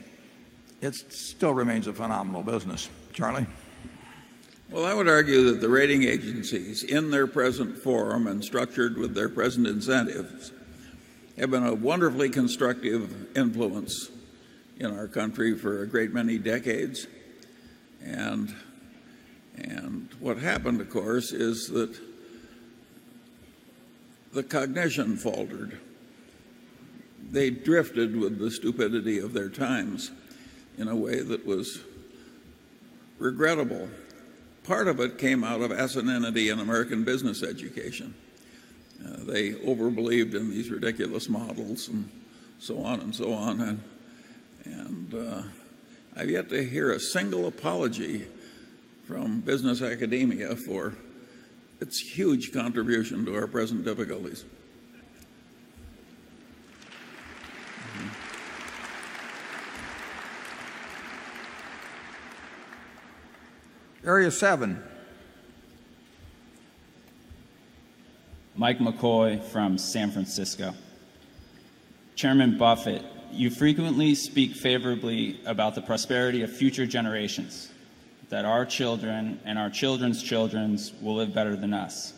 it still remains a phenomenal business. Charlie? Well, I would argue that the rating agencies in their present forum and structured with their present incentives have been a wonderfully constructive influence in our country for a great many decades. And And what happened, of course, is that the cognition faltered. They drifted with the stupidity of their times in a way that was regrettable. Part of it came out of asininity in American Business Education. They over believed in these ridiculous models and so on and so on. And I have yet to hear a single apology from business academia for its huge contribution to our present difficulties. Area 7. Mike McCoy from San Francisco. Chairman Buffett, you frequently speak favorably about the prosperity of future generations, that our children and our children's children will live better than us.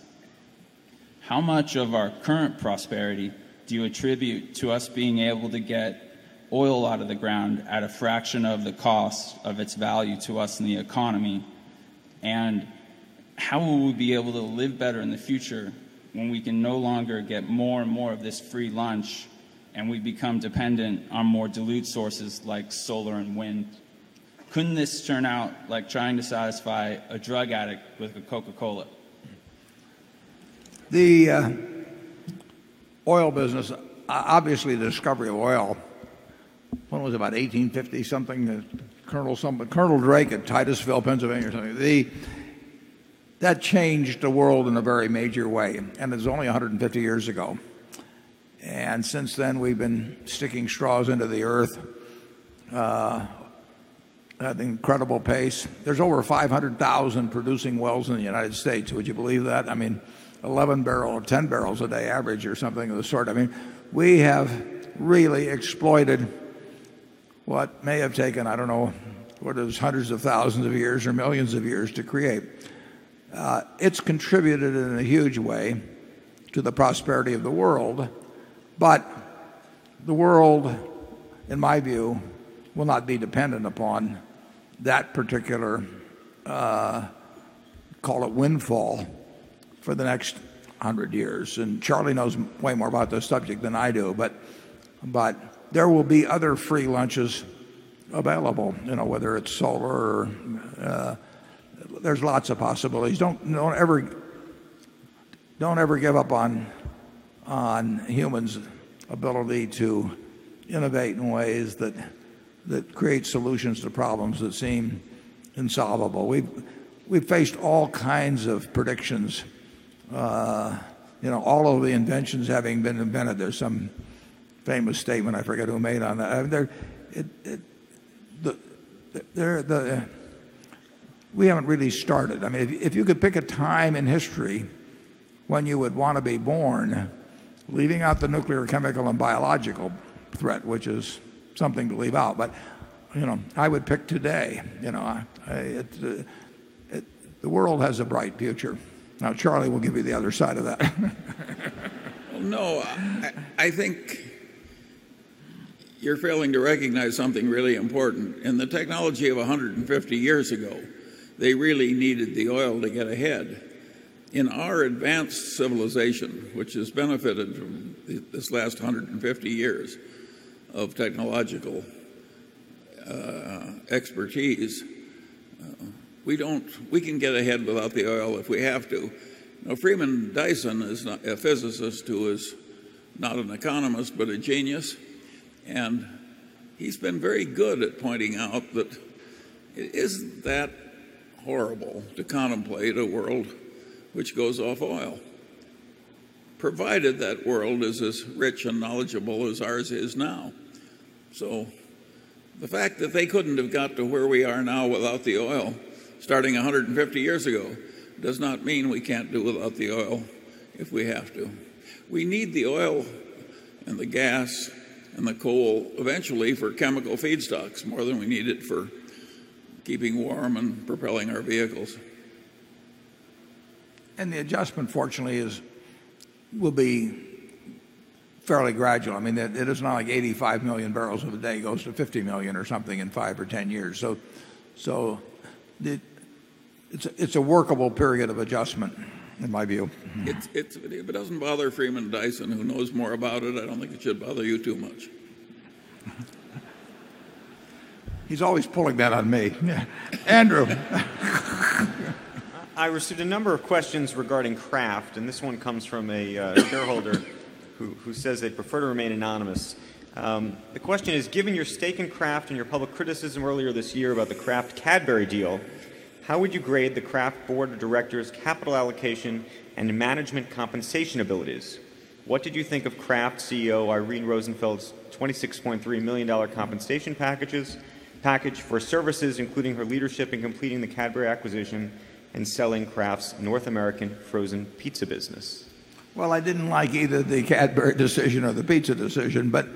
How much of our current prosperity do you attribute to us being able to get oil out of the ground at a fraction of the cost of its value to us in the economy? And how will we be able to live better in the future when we can no longer get more and more of this free lunch and we become dependent on more dilute sources like solar and wind? Couldn't this turn out like trying to satisfy a drug addict with a Coca Cola? The oil business, obviously, the discovery of oil, when was it, about 18/50 something, Colonel Drake at Titusville, Pennsylvania or something. That changed the world in a very major way. And it's only 150 years ago. And since then, we've been sticking straws into the earth at incredible pace. There's over 500,000 producing wells in the United States. Would you believe that? I mean, 11 barrels or 10 barrels a day average or something of the sort. I mean, we have really exploited what may have taken, I don't know, what is 100 of 1000 of years or 1000000 of years to create. It's contributed in a huge way to the prosperity of the world. But the world, in my view, will not be dependent upon that particular, call it, windfall for the next 100 years. And Charlie knows way more about this subject than I do. But there will be other free lunches available, you know, whether it's solar or, there's lots of possibilities. Don't don't ever don't ever give up on, on humans' ability to innovate in ways that, that create solutions to problems that seem insolvable. We've faced all kinds of predictions, All of the inventions having been invented. There's some famous statement I forget who made on that. There the we haven't really started. I mean, if you could pick a time in history when you would want to be born, leaving out the nuclear, chemical and biological threat which is something to leave out. But you know, I would pick today. You know, the world has a bright future. Now Charlie will give you the other side of that. No, I think you're failing to recognize something really important. In the technology of 150 years ago, they really needed the oil to get ahead. In our advanced civilization, which has benefited from this last 150 years of technological expertise, we don't we can get ahead without the oil if we have to. Freeman Dyson is a physicist who is not an economist, but a genius and he's been very good at pointing out that it isn't that horrible to contemplate a world which goes off oil, provided that world is as rich and knowledgeable as ours is now. So the fact that they couldn't have got to where we are now without the oil starting 150 years ago does not mean we can't do without the oil if we have to. We need the oil and the gas and the coal eventually for chemical feedstocks more than we need it for keeping warm and propelling our vehicles. And the adjustment fortunately is will be fairly gradual. I mean it is not like 85,000,000 barrels of day goes to 50,000,000 or something in 5 or 10 years. So it's a workable period of adjustment in my view. It doesn't bother Freeman Dyson who knows more about it. I don't think it should bother you too much. He is always pulling that on me. Andrew. I received a number of questions regarding craft and this one comes from a shareholder who says they prefer to remain anonymous. The question is given your stake in craft and your public criticism earlier this year about the craft Cadbury deal, how would you grade the Kraft Board of Directors' capital allocation and management compensation abilities? What did you think of Kraft CEO Irene Rosenfeld's $26,300,000 compensation packages, package for services including her leadership in completing the Cadbury acquisition and selling Kraft's North American frozen pizza business. Well, I didn't like either the Cadbury decision or the pizza decision, but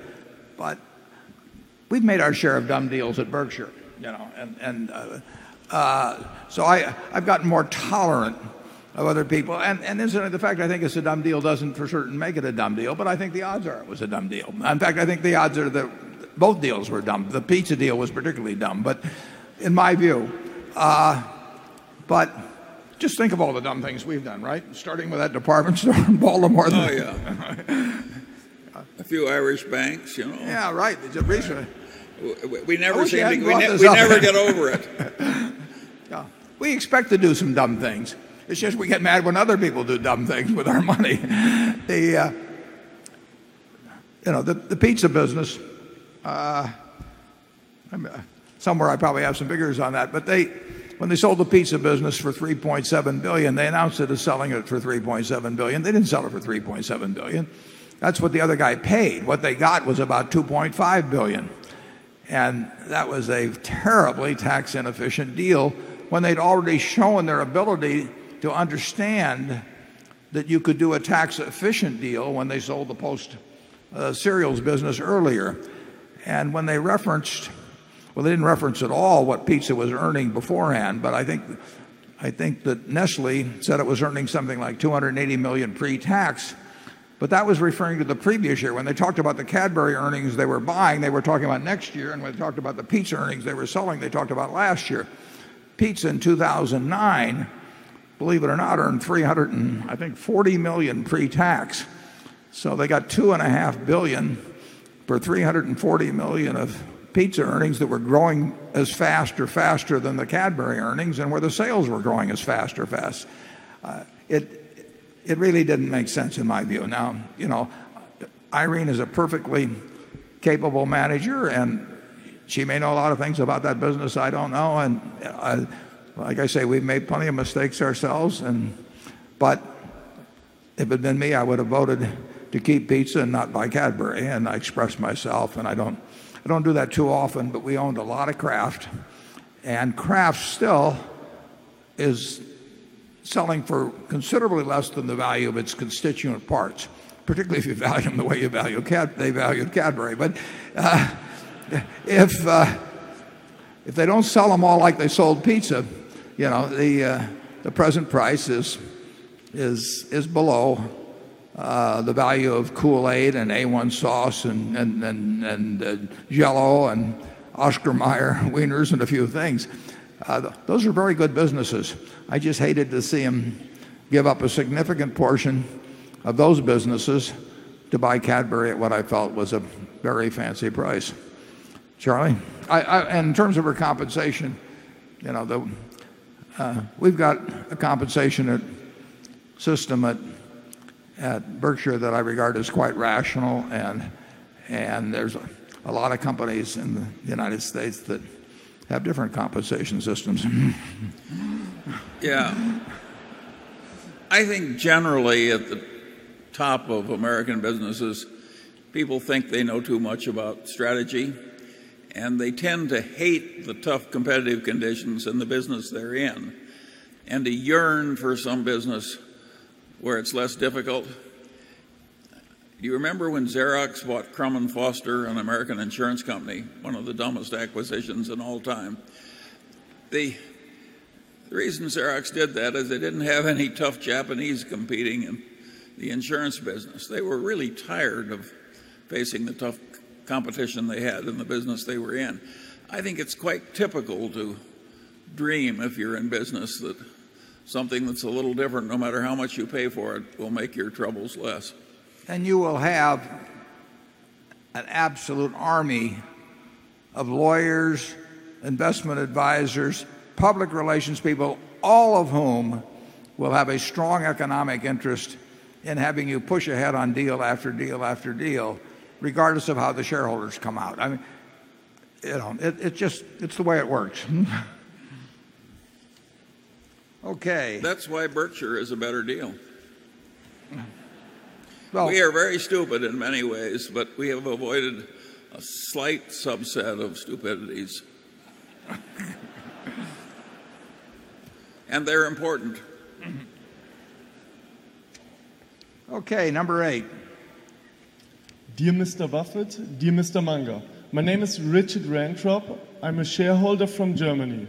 we've made our share of dumb deals at Berkshire. And so I've gotten more tolerant of other people. And incidentally, the fact I think it's a dumb deal doesn't for certain make it a dumb deal, but I think the odds are it was a dumb deal. In fact, I think the odds are that both deals were dumb. The pizza deal was particularly dumb. But in my view, but just think of all the dumb things we've done, right? Starting with that department store in Baltimore. A few Irish banks. Yeah, right. We never see anything. We never get over it. Yes. We expect to do some dumb things. It's just we get mad when other people do dumb things with our money. The pizza business, somewhere I probably have some figures on that. But they when they sold the pizza business for $3,700,000,000 they announced that they're selling it for $3,700,000,000 They didn't sell it for $3,700,000,000 dollars That's what the other guy paid. What they got was about $2,500,000,000 And that was a terribly tax inefficient deal when they'd already shown their ability to understand that you could do a tax efficient deal when they sold the post cereals business earlier. And when they referenced, well, they didn't reference at all what pizza was earning beforehand. But I think that Nestle said it was earning something like $280,000,000 pretax. But that was referring to the previous year. When they talked about the Cadbury earnings they were buying, they were talking about next year. And when they talked about the pizza earnings they were selling, they talked about last year. Pizza in 2,009, believe it or not earned 300 and I think $40,000,000 pretax. So they got $2,500,000,000 for $340,000,000 of pizza earnings that were growing as fast or faster than the Cadbury earnings and where the sales were growing as fast or fast. It really didn't make sense in my view. Now you know, Irene is a perfectly capable manager and she may know a lot of things about that business I don't know. And like I say, we've made plenty of mistakes ourselves. And but if it had been me, I would have voted to keep pizza and not buy Cadbury. And I expressed myself and I don't do that too often. But we owned a lot of craft. And craft still is selling for considerably less than the value of its constituent parts, particularly if you value them the way you value they value Cadbury. But, if, if they don't sell them all like they sold pizza, the present price is below the value of Kool Aid and A1 sauce and Jell O and Oscar Mayer wieners and a few things. Those are very good businesses. I just hated to see them give up a significant portion of those businesses to buy Cadbury at what I felt was a very fancy price. Charlie? And in terms of her compensation, you know, we've got a compensation system at Berkshire that I regard as quite rational and there's a lot of companies in the United States that have different compensation systems. Yeah. I think generally at the top of American businesses, people think they know too much about strategy and they tend to hate the tough competitive conditions in the business they are in and they yearn for some business where it's less difficult. You remember when Xerox bought Crum and Foster, an American Insurance Company, one of the dumbest acquisitions in all time. The reason Xerox did that is they didn't have any tough Japanese competing in the insurance business. They were really tired of facing the tough competition they had in the business they were in. I think it's quite typical to dream if you're in business that something that's a little different no matter how much you pay for it will make your troubles less. And you will have an absolute army of lawyers, investment advisors, public relations people, all of whom will have a strong economic interest in having you push ahead on deal after deal after deal regardless of how the shareholders come out. I mean, you know, it's just it's the way it works. Okay. That's why Berkshire is a better deal. We are very stupid in many ways, but we have avoided a slight subset of stupidities and they're important. Okay. Number 8. Dear Mr. Wafford, dear Mr. Munger, my name is Richard Rantrop. I'm a shareholder from Germany.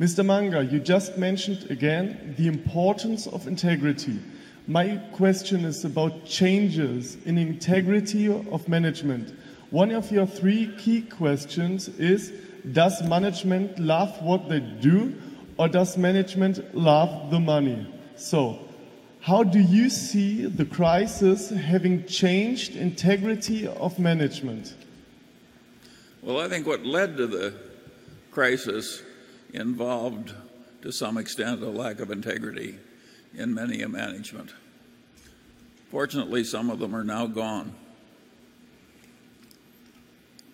Mr. Manger, you just mentioned again the importance of integrity. My question is about changes in integrity of management. One of your 3 key questions is, does management love what they do or does management love the money? So how do you see the crisis having changed integrity of management? Well, I think what led to the crisis involved to some extent a lack of integrity in many a management. Fortunately, some of them are now gone.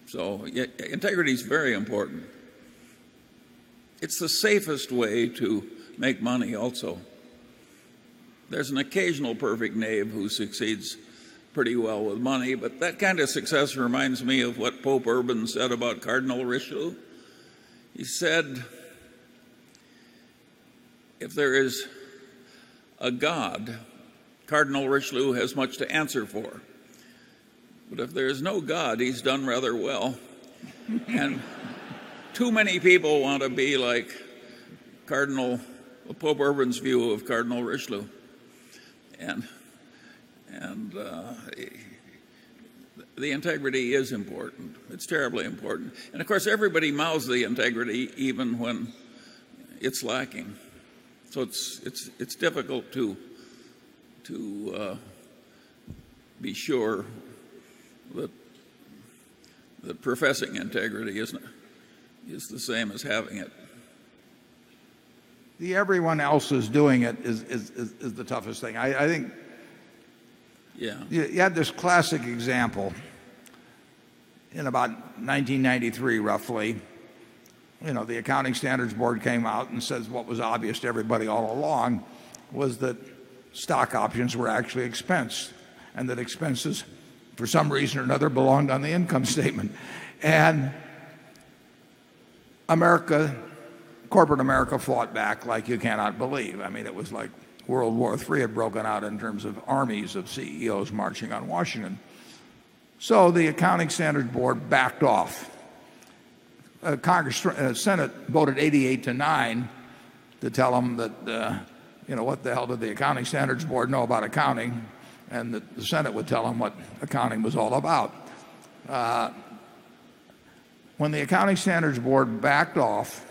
So, integrity is very important. It is the safest way to make money also. There is an occasional perfect name who succeeds pretty well with money, but that kind of success reminds me of what Pope Urban said about Cardinal Richel. He said, if there is a God, Cardinal Richelieu has much to answer for. But if there is no God, he has done rather well and too many people want to be like Cardinal, Pope Urban's view of Cardinal Richelieu. And the integrity is important. It's terribly important. And of course everybody mouths the integrity even when it's lacking. So it's difficult to be sure that that professing integrity is the same as having it. Everyone else is doing it is the toughest thing. I think Yes. Yes, there's the Accounting Standards Board came out and says what was obvious to everybody all along was that stock options were actually expensed. And that expenses, for some reason or another, belonged on the income statement. And America, corporate America fought back like you cannot believe. I mean, it was like World War III had broken out in terms of armies of CEOs marching on Washington. So the Accounting Standards Board backed off. Congress Senate voted 88 to 9 to tell them that, you know, what the hell did the Accounting Standards Board know about accounting and that the Senate would tell them what accounting was all about. When the Accounting Standards Board backed off,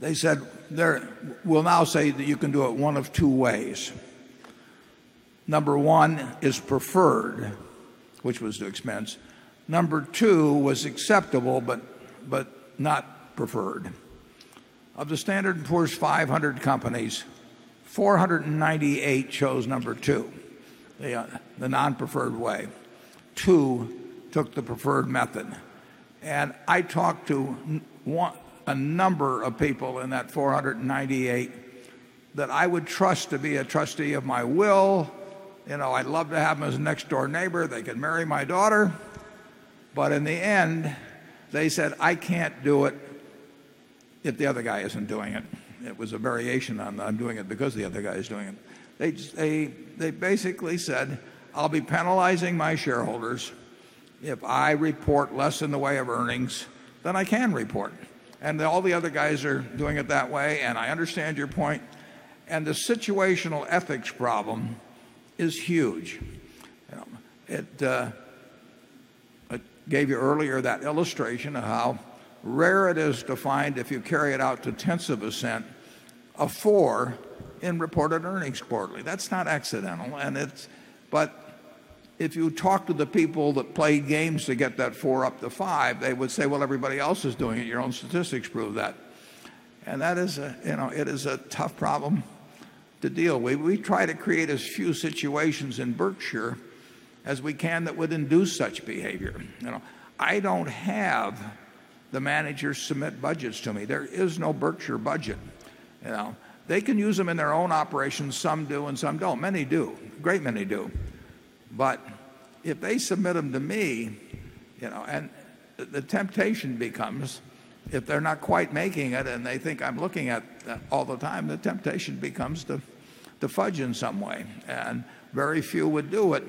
they said there we'll now say that you can do it 1 of 2 ways. Number 1 is preferred, which was the expense. Number 2 was acceptable, but not preferred. Of the Standard and Poor's 500 companies, 498 chose number 2. The non preferred way. 2 took the preferred method. And I talked to a number of people in that 498 that I would trust to be a trustee of my will. I'd love to have him as a next door neighbor. They could marry my daughter. But in the end, they said, I can't do it if the other guy isn't doing it. It was a variation on doing it because the other guy is doing it. They basically said, I'll be penalizing my shareholders if I report less in the way of earnings than I can report. And all the other guys are doing it that way. And I understand your point. And the situational ethics problem is huge. It I gave you earlier that illustration of how rare it is to find if you carry it out to tenths of a cent, a 4 in reported earnings quarterly. That's not accidental. And it's but if you talk to the people that play games to get that 4 up to 5, they would say, well, everybody else is doing it. Your own statistics prove that. And that is a you know, it is a tough problem to deal with. We try to create as few situations in Berkshire as we can that would induce such behavior. I don't have the managers submit budgets to me. There is no Berkshire budget. They can use them in their own operations, some do and some don't. Many do, great many do. But if they submit them to me and the temptation becomes if they're not quite making it and they think I'm looking at all the time, the temptation becomes to fudge in some way. And very few would do it.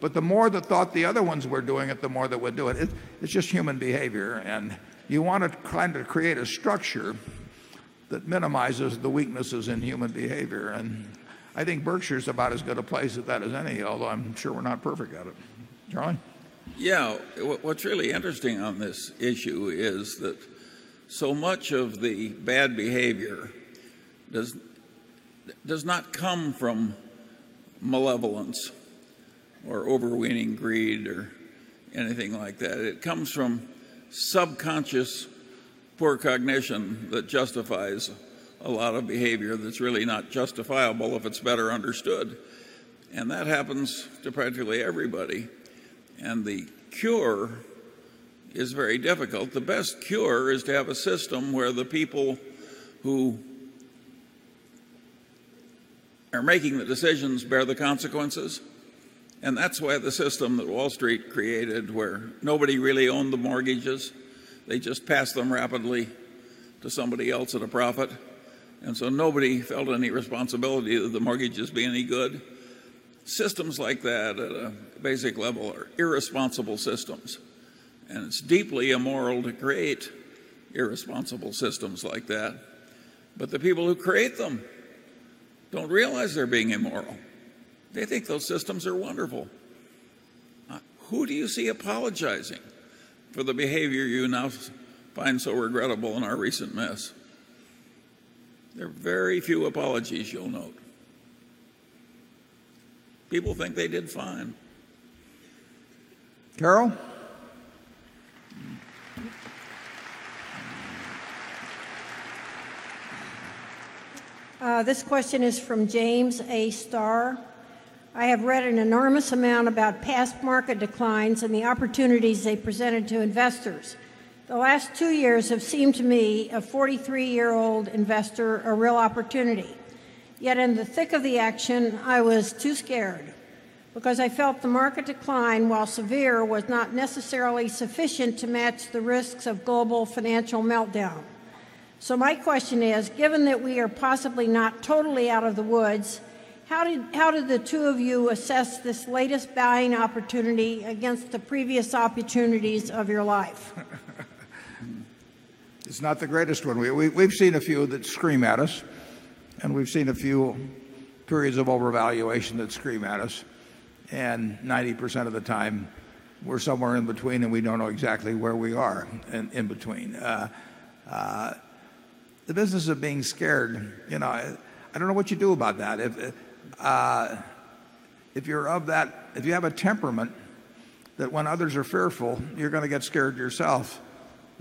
But the more that thought the other ones were doing it, the more that would do it. It's just human behavior and you want to kind of create a structure that minimizes the weaknesses in human behavior. And I think Berkshire is about as good a place at that as any, although I'm sure we're not perfect at it. Charlie? Yeah. What's really interesting on this issue is that so much of the bad behavior does not come from malevolence or overweening greed or anything like that. It comes from subconscious poor cognition that justifies a lot of behavior that's really not justifiable if it's better understood. And that happens to practically everybody. And the cure is very difficult. The best cure is to have a system where the people who are making the decisions bear the consequences and that's why the system that Wall Street created where nobody really owned the mortgages, they just passed them rapidly to somebody else at a profit And so nobody felt any responsibility that the mortgages be any good. Systems like that at a basic level are irresponsible systems. And it's deeply immoral to create irresponsible systems like that. But the people who create them don't realize they're being immoral. They think those systems are wonderful. Who do you see apologizing for the behavior you now find so regrettable in our recent mess? There are very few apologies you'll note. People think they did fine. This question is from James A. Starr. I have read an enormous amount about past market declines and the opportunities they presented to investors. The last 2 years have seemed to me a 43 year old investor a real opportunity. Yet in the thick of the action, I was too scared because I felt the market decline, while severe, was not necessarily sufficient to match the risks of global financial meltdown. So my question is, given that we are possibly not totally out of the woods, how did the 2 of you assess this latest buying opportunity against the previous opportunities of your life? It's not the greatest one. We've seen a few that scream at us and we've seen a few periods of overvaluation that scream at us. And 90% of the time, we're somewhere in between and we don't know exactly where we are in between. The business of being scared, I don't know what you do about that. If you're of that, if you have a temperament that when others are fearful, you're going to get scared yourself,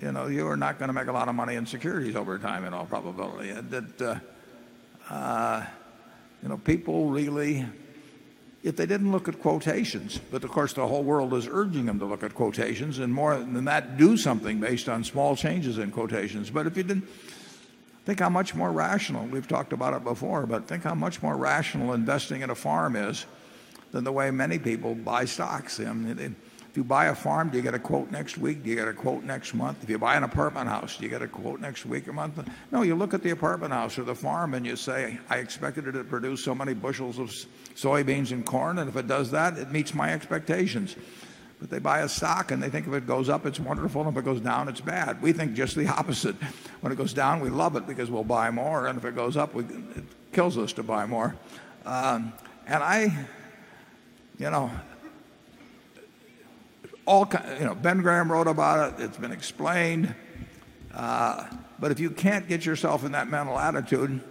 you are not going to make a lot of money in securities over time in all probably. People really, if they didn't look at quotations, but of course the whole world is urging them to look at quotations and more than that do something based on small changes in quotations. But if you didn't think how much more rational, we've talked about it before, but think how much more rational investing in a farm is than the way many people buy stocks. And if you buy a farm, do you get a quote next week? Do you get a quote next month? If you buy an apartment house, do you get a quote next week or month? No, you look at the apartment house or the farm and you say, I expected it to produce so many bushels of soybeans and corn. And if it does that, it meets my expectations. But they buy a stock and they think if it goes up, it's wonderful. If it goes down, it's bad. We think just the opposite. When it goes down we love it because we'll buy more and if it goes up it kills us to buy more. And I all Ben Graham wrote about it. It's been explained. But if you can't get yourself in that mental attitude,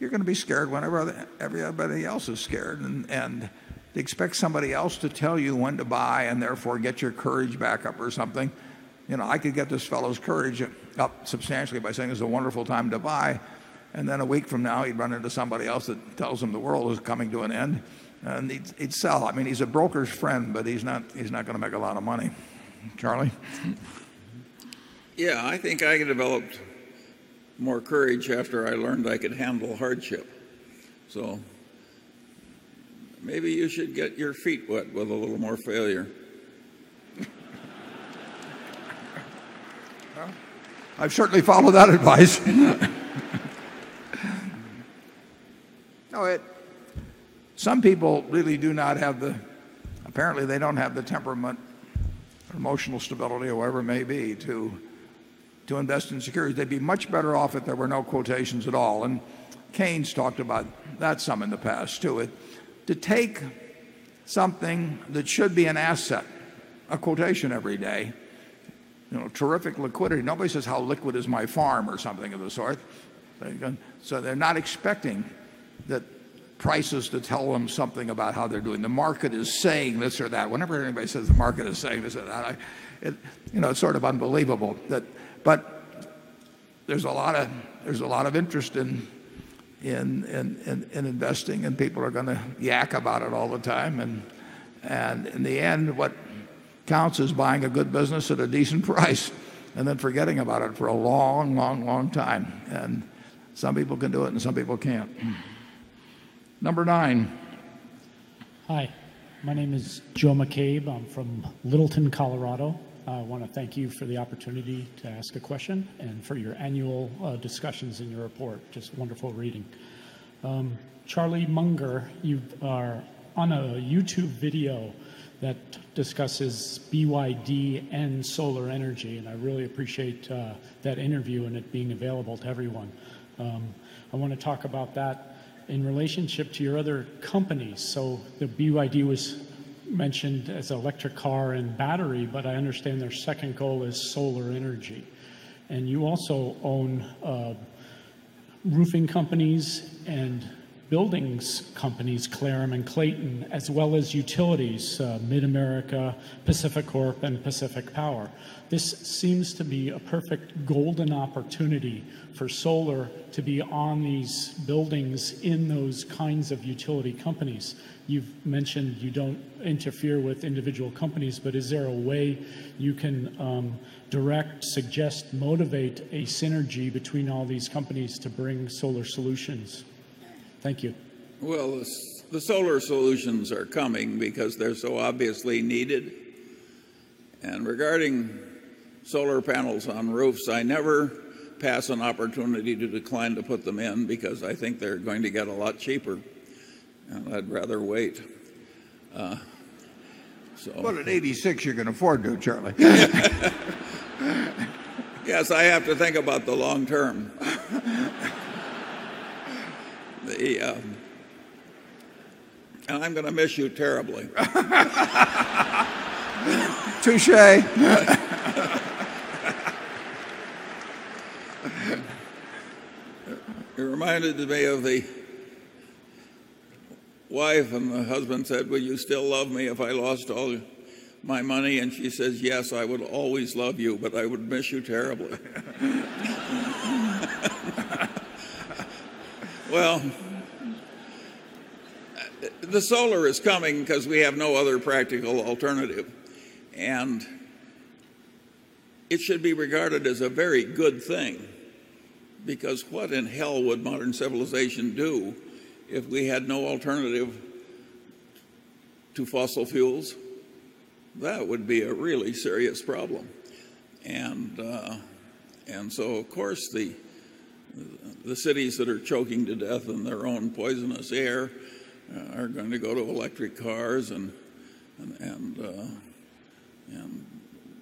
you're going to be scared whenever everybody else is scared. And expect somebody else to tell you when to buy and therefore get your courage back up or something. You know, I could get this fellow's courage up substantially by saying it's a wonderful time to buy. And then a week from now he'd run into somebody else that tells him the world is coming to an end and he'd sell. I mean he's a broker's friend, but he's not going to make a lot of money. Charlie? Yes. I think I developed more courage after I learned I could handle hardship. So, maybe you should get your feet wet with a little more failure. I've certainly followed that advice. Some people really do not have the apparently they don't have the temperament, emotional stability or whatever it may be to invest in securities. They'd be much better off if there were no quotations at all. And Keynes talked about that some in the past too. To take something that should be an asset, a quotation every day, terrific liquidity. Nobody says how liquid is my farm or something of the sort. So they're not expecting that prices to tell them something about how they're doing. The market is saying this or that. Whenever anybody says the market is saying this or that, it's sort of unbelievable that but there's a lot of there's a lot of interest in in in investing and people are going to yak about it all the time. And And in the end, what counts is buying a good business at a decent price and then forgetting about it for a long, long, long time. And people can do it and some people can't. Number 9. Hi. My name is Joe McCabe. I'm from Littleton, Colorado. I want to thank you for the opportunity to ask a question and for your annual discussions in your report. Just wonderful reading. Charlie Munger, you are on a YouTube video that discusses BYD and solar energy, and I really appreciate that interview and it being available to everyone. I want to talk about that in relationship to your other company. So the BYD was mentioned as electric car and battery, but I understand their second goal is solar energy. And you also own roofing companies and buildings companies, Clarum and Clayton, as well as utilities, Mid America, Pacific Corp and Pacific Power. This seems to be a perfect golden opportunity for solar to be on these buildings in those kinds of utility companies. You've mentioned you don't interfere with individual companies, but is there a way you can direct, suggest, motivate a synergy between all these companies to bring solar solutions? Thank you. Well, the solar solutions are coming because they're so obviously needed. And regarding solar panels on roofs, I never pass an opportunity to decline to put them in because I think they're going to get a lot cheaper and I'd rather wait. So What an 86 you're going to afford to, Charlie? Yes, I have to think about the long term. I'm going to miss you terribly. Touche. It reminded me of the wife and the husband said, will you still love me if I lost all my money? And she says, yes, I would always love you but I would miss you terribly. Well, the solar is coming because we have no other practical alternative. And it should be regarded as a very good thing because what in hell would modern civilization do if we had no alternative to fossil fuels, that would be a really serious problem. And so of course the cities that are choking to death in their own poisonous air are going to go to electric cars and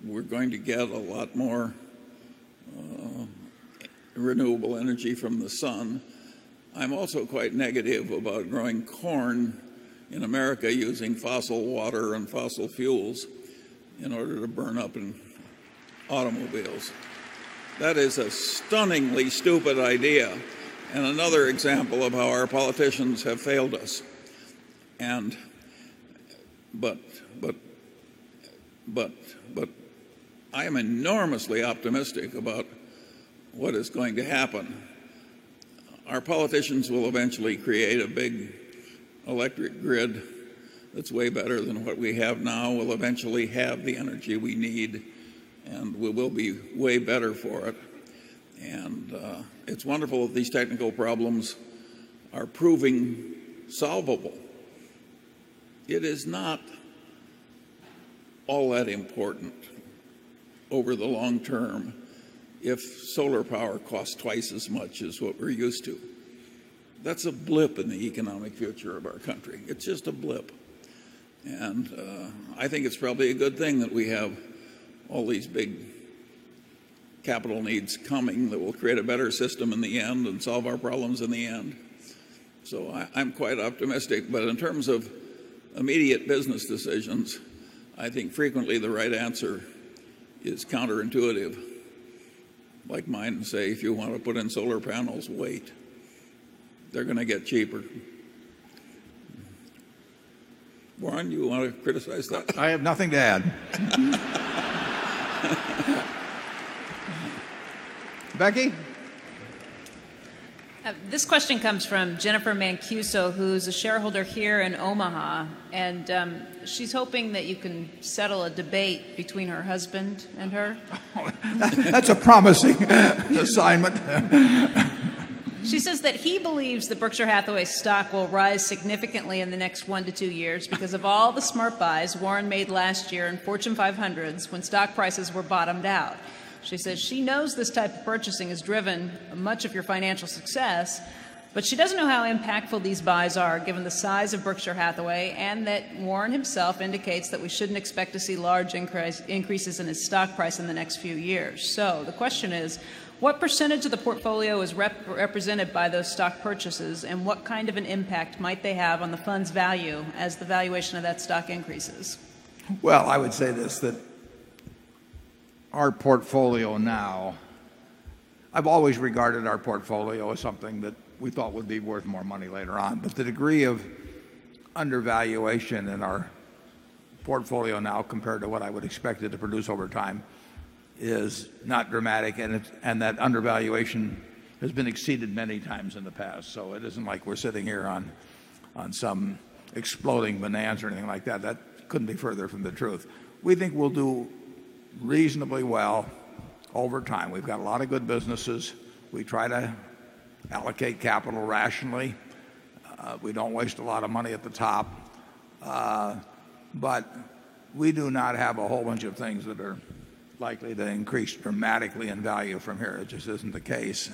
we're going to get a lot more renewable energy from the sun. I'm also quite negative about growing corn in America using fossil water and fossil fuels in order to burn up automobiles. That is a stunningly stupid idea and another example of how our politicians have failed us. And, but, but, but, I am enormously optimistic about what is going to happen. Our politicians will eventually create a big electric grid that's way better than what we have now. We'll eventually have the energy we need and we will be way better for it. And it's wonderful that these technical problems are proving solvable. It is not all that important over the long term if solar power costs twice as much as what we're used to. That's a blip in the economic future of our country. It's just a blip. And I think it's probably a good thing that we have all these big capital needs coming that will create a better system in the end and solve our problems in the end. So I'm quite optimistic. But in terms of immediate business decisions, I think frequently the right answer is counterintuitive. Like mine and say, if you want to put in solar panels, wait. They're going to get cheaper. Warren, do you want to criticize that? I have nothing to add. Becky? This question comes from Jennifer Mancuso, who's a shareholder here in Omaha. And she's hoping that you can settle a debate between her husband and her. That's a promising assignment. She says that he believes that Berkshire Hathaway stock will rise significantly in the next 1 to 2 years because of all the smart buys Warren made last year in Fortune 500s when stock prices were bottomed out. She says she knows this type of purchasing has driven much of your financial success, but she doesn't know how impactful these buys are given the size of Berkshire Hathaway and that Warren himself indicates that we shouldn't expect to see large increases in his stock price in the next few years. So the question is, what percentage of the portfolio is represented by those stock purchases? And what kind of an impact might they have on the fund's value as the valuation of that stock increases? Well, I would say this that our portfolio now I've always regarded our portfolio as something that we thought would be worth more money later on. But the degree of undervaluation in our portfolio now compared to what I would expect it to produce over time is not dramatic and that undervaluation has been exceeded many times in the past. So it isn't like we're sitting here on some exploding bananas or anything like that. That couldn't be further from the truth. We think we'll do reasonably well over time. We've got a lot of good businesses. We try to allocate capital rationally. We don't waste a lot of money at the top. But we do not have a whole bunch of things that are likely to increase dramatically in value from here. It just isn't the case.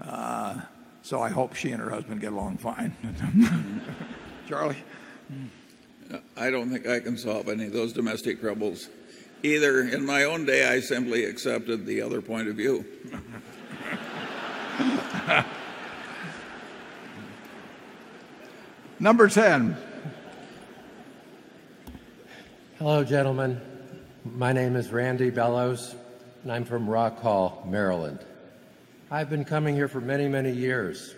So I hope she and her husband get along fine. Charlie? I don't think I can solve any of those domestic troubles either in my own day I simply accepted the other point of view. Number 10. Hello, gentlemen. My name is Randy Bellows, And I'm from Rock Hall, Maryland. I've been coming here for many, many years.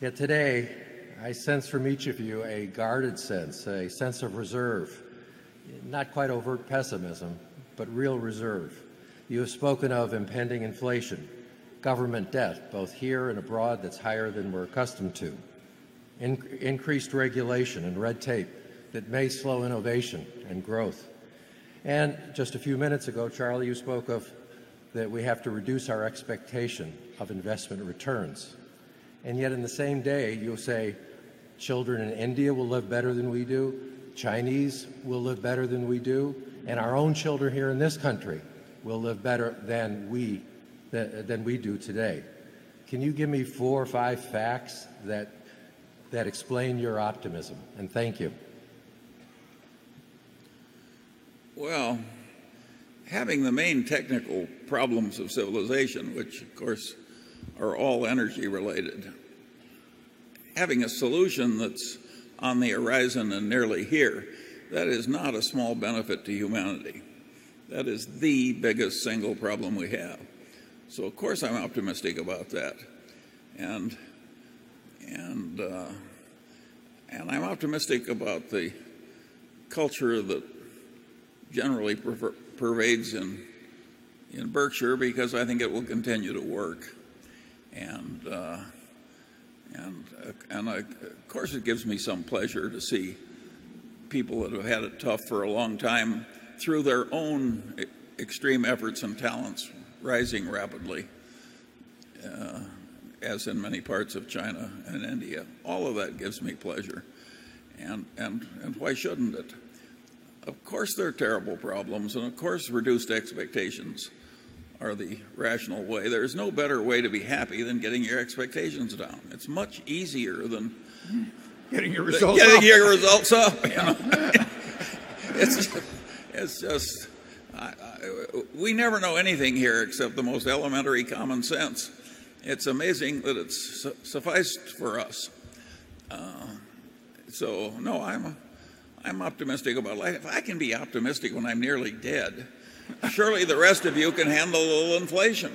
Yet today, I sense from each of you a guarded sense, a sense of reserve, not quite overt pessimism, but real reserve. You have spoken of impending inflation, government debt, both here and abroad that's higher than we're accustomed to, increased regulation and red tape that may slow innovation and growth. And just a few minutes ago, Charlie, you spoke of that we have to reduce our expectation of investment returns. And yet in the same day, you'll say children in India will live better than we do. Chinese will live better than we do. And our own children here in this country will live better than we do today. Can you give me 4 or 5 facts that explain your optimism? And thank you. Well, having the main technical problems of civilization, which, of course, are all energy related, Having a solution that's on the horizon and nearly here, that is not a small benefit to humanity. That is the biggest single problem we have. So, of course, I'm optimistic about that. And I'm optimistic about the culture that generally pervades in Berkshire because I think it will continue to work. And, and, of course, it gives me some pleasure to see people that have had it tough for a long time through their own extreme efforts and talents rising rapidly as in many parts of China and India. All of that gives me pleasure and why shouldn't it? Of course, there are terrible problems and of course reduced expectations are the rational way. There is no better way to be happy than getting your expectations down. It's much easier than getting your results up. Yes. It's just we never know anything here except the most elementary common sense. It's amazing that it's sufficed for us. So no, I'm optimistic about life. If I can be optimistic when I'm nearly dead, surely the rest of you can handle a little inflation.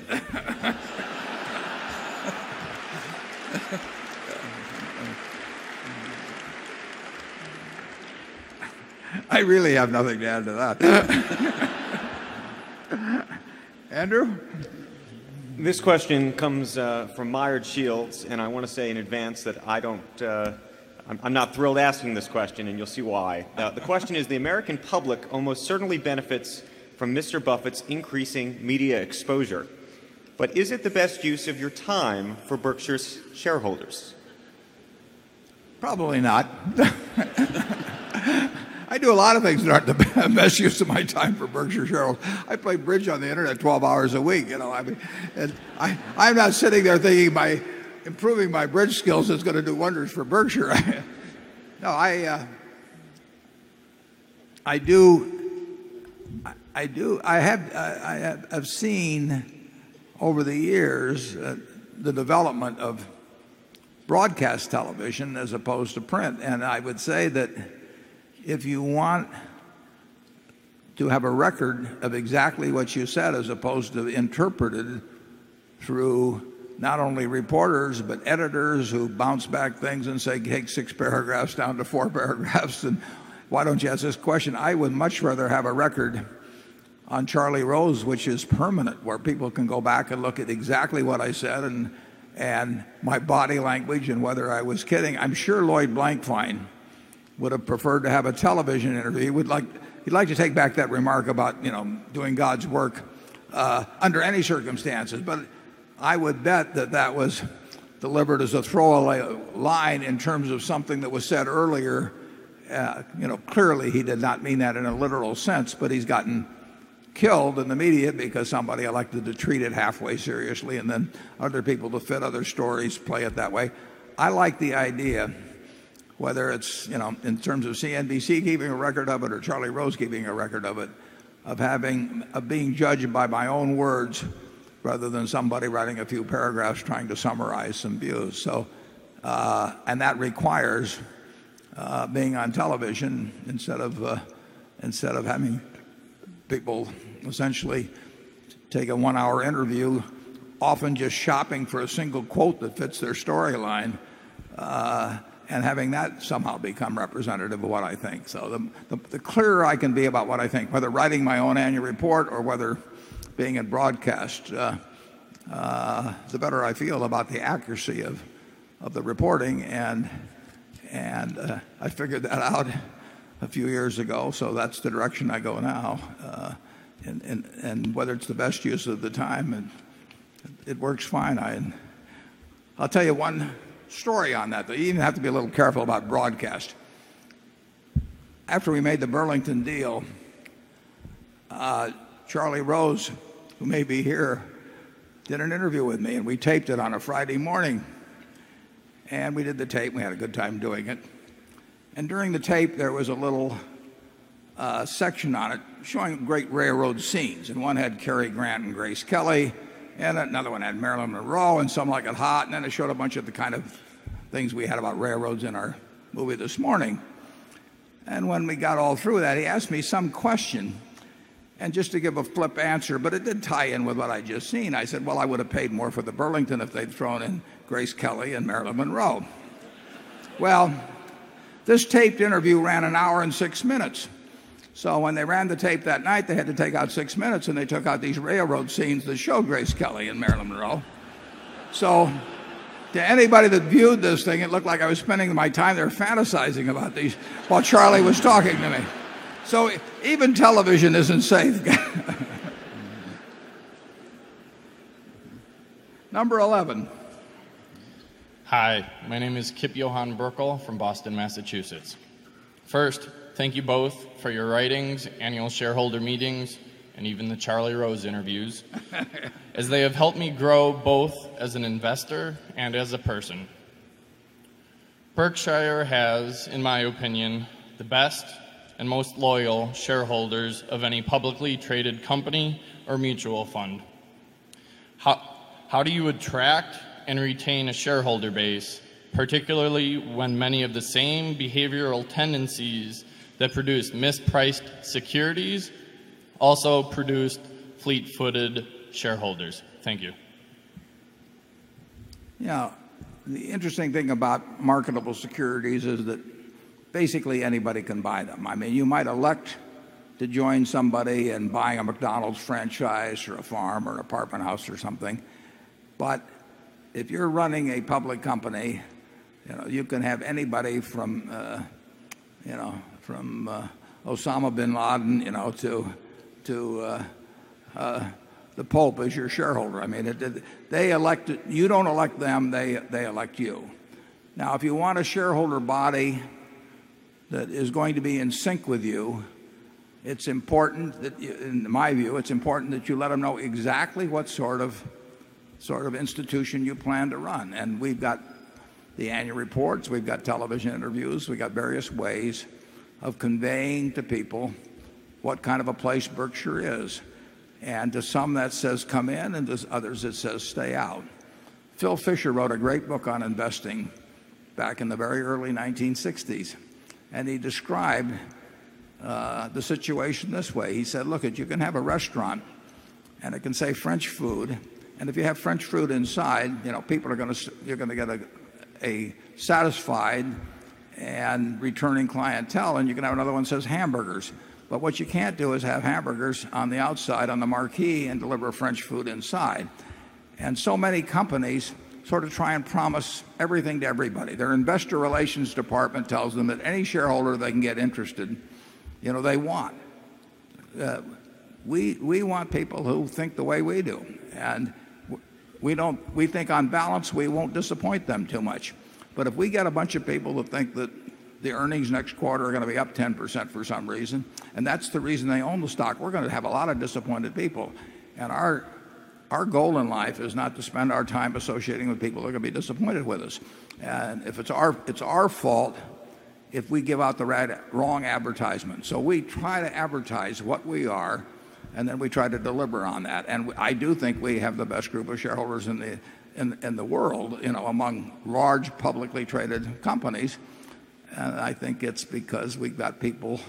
I really have nothing to add to that. Andrew? This question comes from Meyer Shields and I want to say in advance that I don't, I'm not thrilled asking this question and you'll see why. The question is the American public almost certainly benefits from Mr. Buffett's increasing media exposure. But is it the best use of your time for Berkshire's shareholders? Probably not. I do a lot of things that aren't the best use of my time for Berkshire shareholders. I play bridge on the Internet 12 hours a week. I'm not sitting there thinking my improving my bridge skills is going to do wonders for Berkshire. No, I do I have seen over the years the development of broadcast television as opposed to print. And I would say that if you want to have a record of exactly what you said as opposed to interpreted through not only reporters but editors who bounce back things and say take 6 paragraphs down to 4 paragraphs. And why don't you ask this question? I would much rather have a record on Charlie Rose, which is permanent where people can go back and look at exactly what I said and my body language and whether I was kidding. I'm sure Lloyd Blankfein would have preferred to have a television interview. He'd like to take back that remark about doing God's work under any circumstances. But I would bet that that was delivered as a throwaway line in terms of something that was said earlier. Clearly, he did not mean that in a literal sense, but he's gotten killed in the media because somebody elected to treat it halfway seriously and then other people to fit other stories play it that way. I like the idea whether it's in terms of CNBC keeping a record of it or Charlie Rose keeping a record of it, of having of being judged by my own words rather than somebody writing a few paragraphs trying to summarize some views. So and that requires being on television instead of instead of having people essentially take a 1 hour interview, often just shopping for a single quote that fits their storyline and having that somehow become representative of what I think. So the clearer I can be about what I think, whether writing my own annual report or whether being at broadcast, the better I feel about the accuracy of the reporting. And I figured that out a few years ago. So that's the direction I go now. And whether it's the best use of the time, it works fine. I'll tell you one story on that. You even have to be a little careful about broadcast. After we made the Burlington deal, Charlie Rose, who may be here, did an interview with me and we taped it on a Friday morning. And we did the tape. We had a good time doing it. And during the tape, there was a little section on it showing great railroad scenes. And one had Cary Grant and Grace Kelly. And another one had Marilyn Monroe and some like it hot. And then they showed a bunch of the kind of things we had about railroads in our movie this morning. And when we got all through that, he asked me some question. And just to give a flip answer, but it did tie in with what I just seen. I said, well, I would have paid more for the Burlington if they'd thrown in Grace Kelly and Marilyn Monroe. Well, this taped interview ran an hour and 6 minutes. So when they ran the tape that night, they had to take out 6 minutes and they took out these railroad scenes that show Grace Kelly and Marilyn Monroe. So to anybody that viewed this thing, it looked like I was spending my time there fantasizing about these while Charlie was talking to me. So, even television isn't safe. Number 11. Hi. My name is Kip Johann Burkel from Boston, Massachusetts. First, thank you both for your writings, annual shareholder meetings and even the Charlie Rose interviews as they have helped me grow both as an investor and as a person. Berkshire has, in my opinion, the best and most loyal shareholders of any publicly traded company or mutual fund. How do you attract and retain a shareholder base, particularly when many of the same behavioral tendencies that produce mispriced securities also produced fleet footed shareholders? Thank you. Yeah. The interesting thing about marketable securities is that basically anybody can buy them. I mean you might elect to join somebody in buying a McDonald's franchise or a farm or an apartment house or something. But if you're running a public company, you can have anybody from, from, Osama Bin Laden, you know, to to, the Pope as your shareholder. I mean, they elected you don't elect them, they elect you. Now if you want a shareholder body that is going to be in sync with you, it's important that in my view, it's important that you let them know exactly what sort of sort of institution you plan to run. And we've got the annual reports. We've got television interviews. We got various ways of conveying to people what kind of a place Berkshire is. And to some that says come in and to others it says stay out. Phil Fisher wrote a great book on investing back in the very early 1960s. And he described the situation this way. He said, look, if you can have a restaurant and it can say French food. And if you have French food inside, you know, people are going to you're going to get a satisfied and returning clientele and you can have another one says hamburgers. But what you can't do is have hamburgers on the outside on the marquee and deliver French food inside. And so many companies sort of try and promise everything to everybody. Their investor relations department tells them that any shareholder they can get interested. They want. We want people who think the way we do. And we don't we think on balance, we won't disappoint them too much. But if we get a bunch of people who think that the earnings next quarter are going to be up 10% for some reason, and that's the reason they own the stock, we're going to have a lot of disappointed people. And our goal in life is not to spend our time associating with people who are going to be disappointed with us. And if it's our fault if we give out the right wrong advertisement. So we try to advertise what we are and then we try to deliver on that. And I do think we have the best group of shareholders in the world among large publicly traded companies. And I think it's because we've got people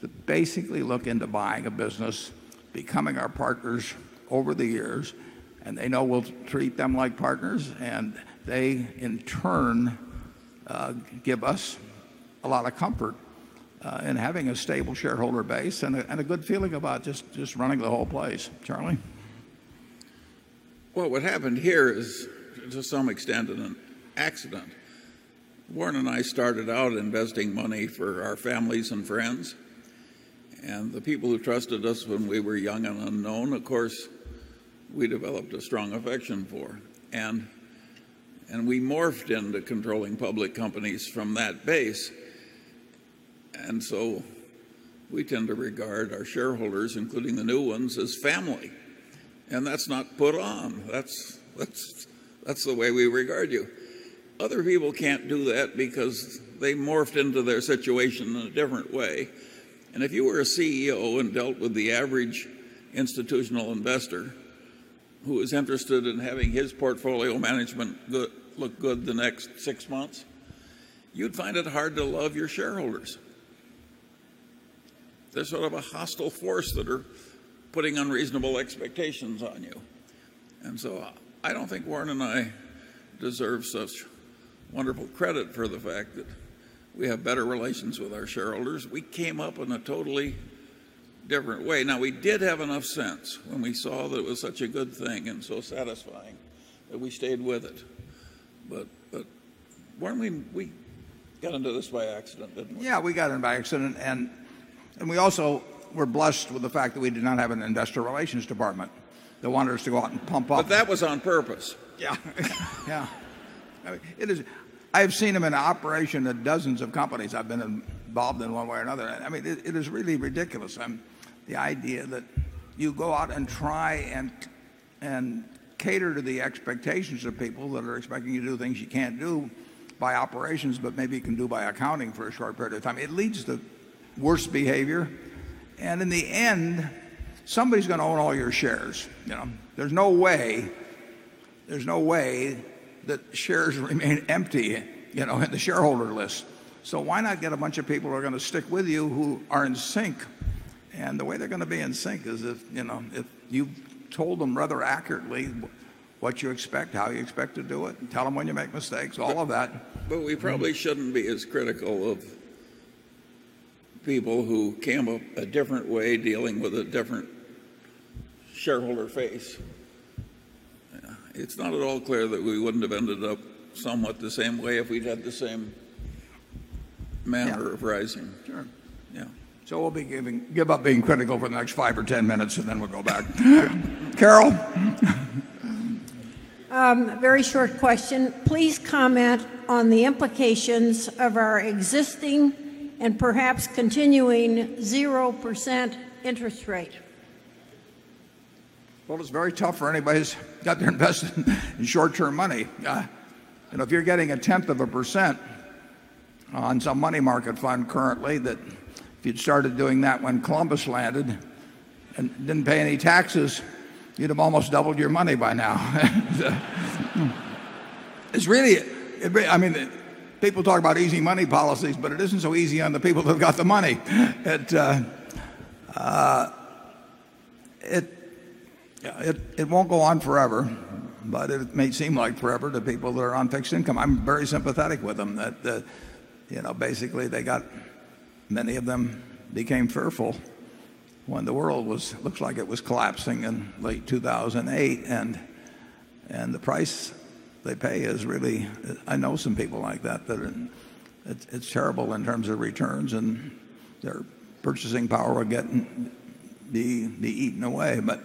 that basically look into buying a business, becoming our partners over the years. And they know we'll treat them like partners. And they in turn give us a lot of comfort in having a stable shareholder base and a good feeling about just running the whole place. Charlie? Well, what happened here is to some extent an accident. Warren and I started out investing money for our families and friends and the people who trusted us when we were young and unknown, of course, we developed a strong affection for. And we morphed into controlling public companies from that base. And so we tend to regard our shareholders, including the new ones, as family. And that's not put on. That's the way we regard you. Other people can't do that because they morphed into their situation in a different way. And if you were a CEO and dealt with the average institutional investor who is interested in having his portfolio management look good the next 6 months, you'd find it hard to love your shareholders. There's sort of a hostile force that are putting unreasonable expectations on you. And so I don't think Warren and I deserve such wonderful credit for the fact that we have better relations with our shareholders. We came up in a totally different way. Now we did have enough sense when we saw that it was such a good thing and so satisfying that we stayed with it. But weren't we we got into this by accident, didn't we? Yes, we got in by accident And we also were blessed with the fact that we did not have an Investor Relations department that wanted us to go out and pump up. But that was on purpose. Yes. Yes. I mean it is I've seen them in operation at dozens of companies I've been involved in one way or another. I mean it is really ridiculous. The idea that you go out and try and cater to the expectations of people that are expecting you to do things you can't do by operations but maybe you can do by accounting for a short period of time. It leads to worse behavior. And in the end, somebody's going to own all your shares. There's no way that shares remain empty in the shareholder list. So why not get a bunch of people who are going to stick with you who are in sync. And the way they're going to be in sync is if you told them rather accurately what you expect, how you expect to do it and tell them when you make mistakes, all of that. But we probably shouldn't be as critical of people who came up a different way dealing with a different shareholder face. It's not at all clear that we wouldn't have ended up somewhat the same way if we'd had the same manner of rising. Sure. Yes. So we'll be giving give up being critical for the next 5 or 10 minutes and then we'll go back. Carol? Very short question. Please comment on the implications of our existing and perhaps continuing 0% interest rate? Well, it's very tough for anybody who's got their investment in short term money. And if you're getting a 10th of a percent on some money market fund currently that if you'd started doing that when Columbus landed and didn't pay any taxes, you'd have almost doubled your money by now. It's really I mean, people talk about easy money policies, but it isn't so easy on the people who've got the money. It won't go on forever, but it may seem like forever to people that are on fixed income. I'm very sympathetic with them that, you know, basically they got many of them became fearful when the world was looks like it was collapsing in late 2008 and and the price they pay is really I know some people like that, but it's terrible in terms of returns and their purchasing power will get be eaten away. But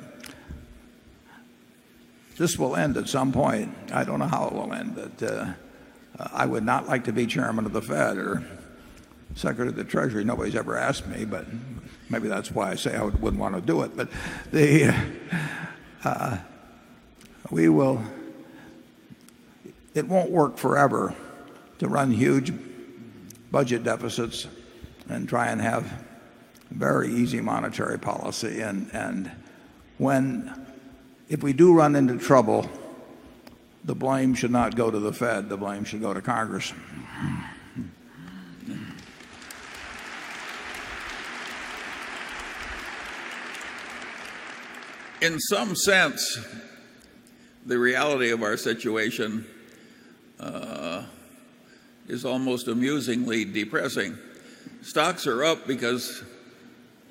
this will end at some point. I don't know how it will end but I would not like to be chairman of the Fed or secretary of the treasury. Nobody's ever asked me, but maybe that's why I say I wouldn't want to do it. But the we will it won't work forever to run huge budget deficits and try and have very easy monetary policy. And and when if we do run into trouble, the blame should not go to the Fed, the blame should go to Congress. In some sense, the reality of our situation is almost amusingly depressing. Stocks are up because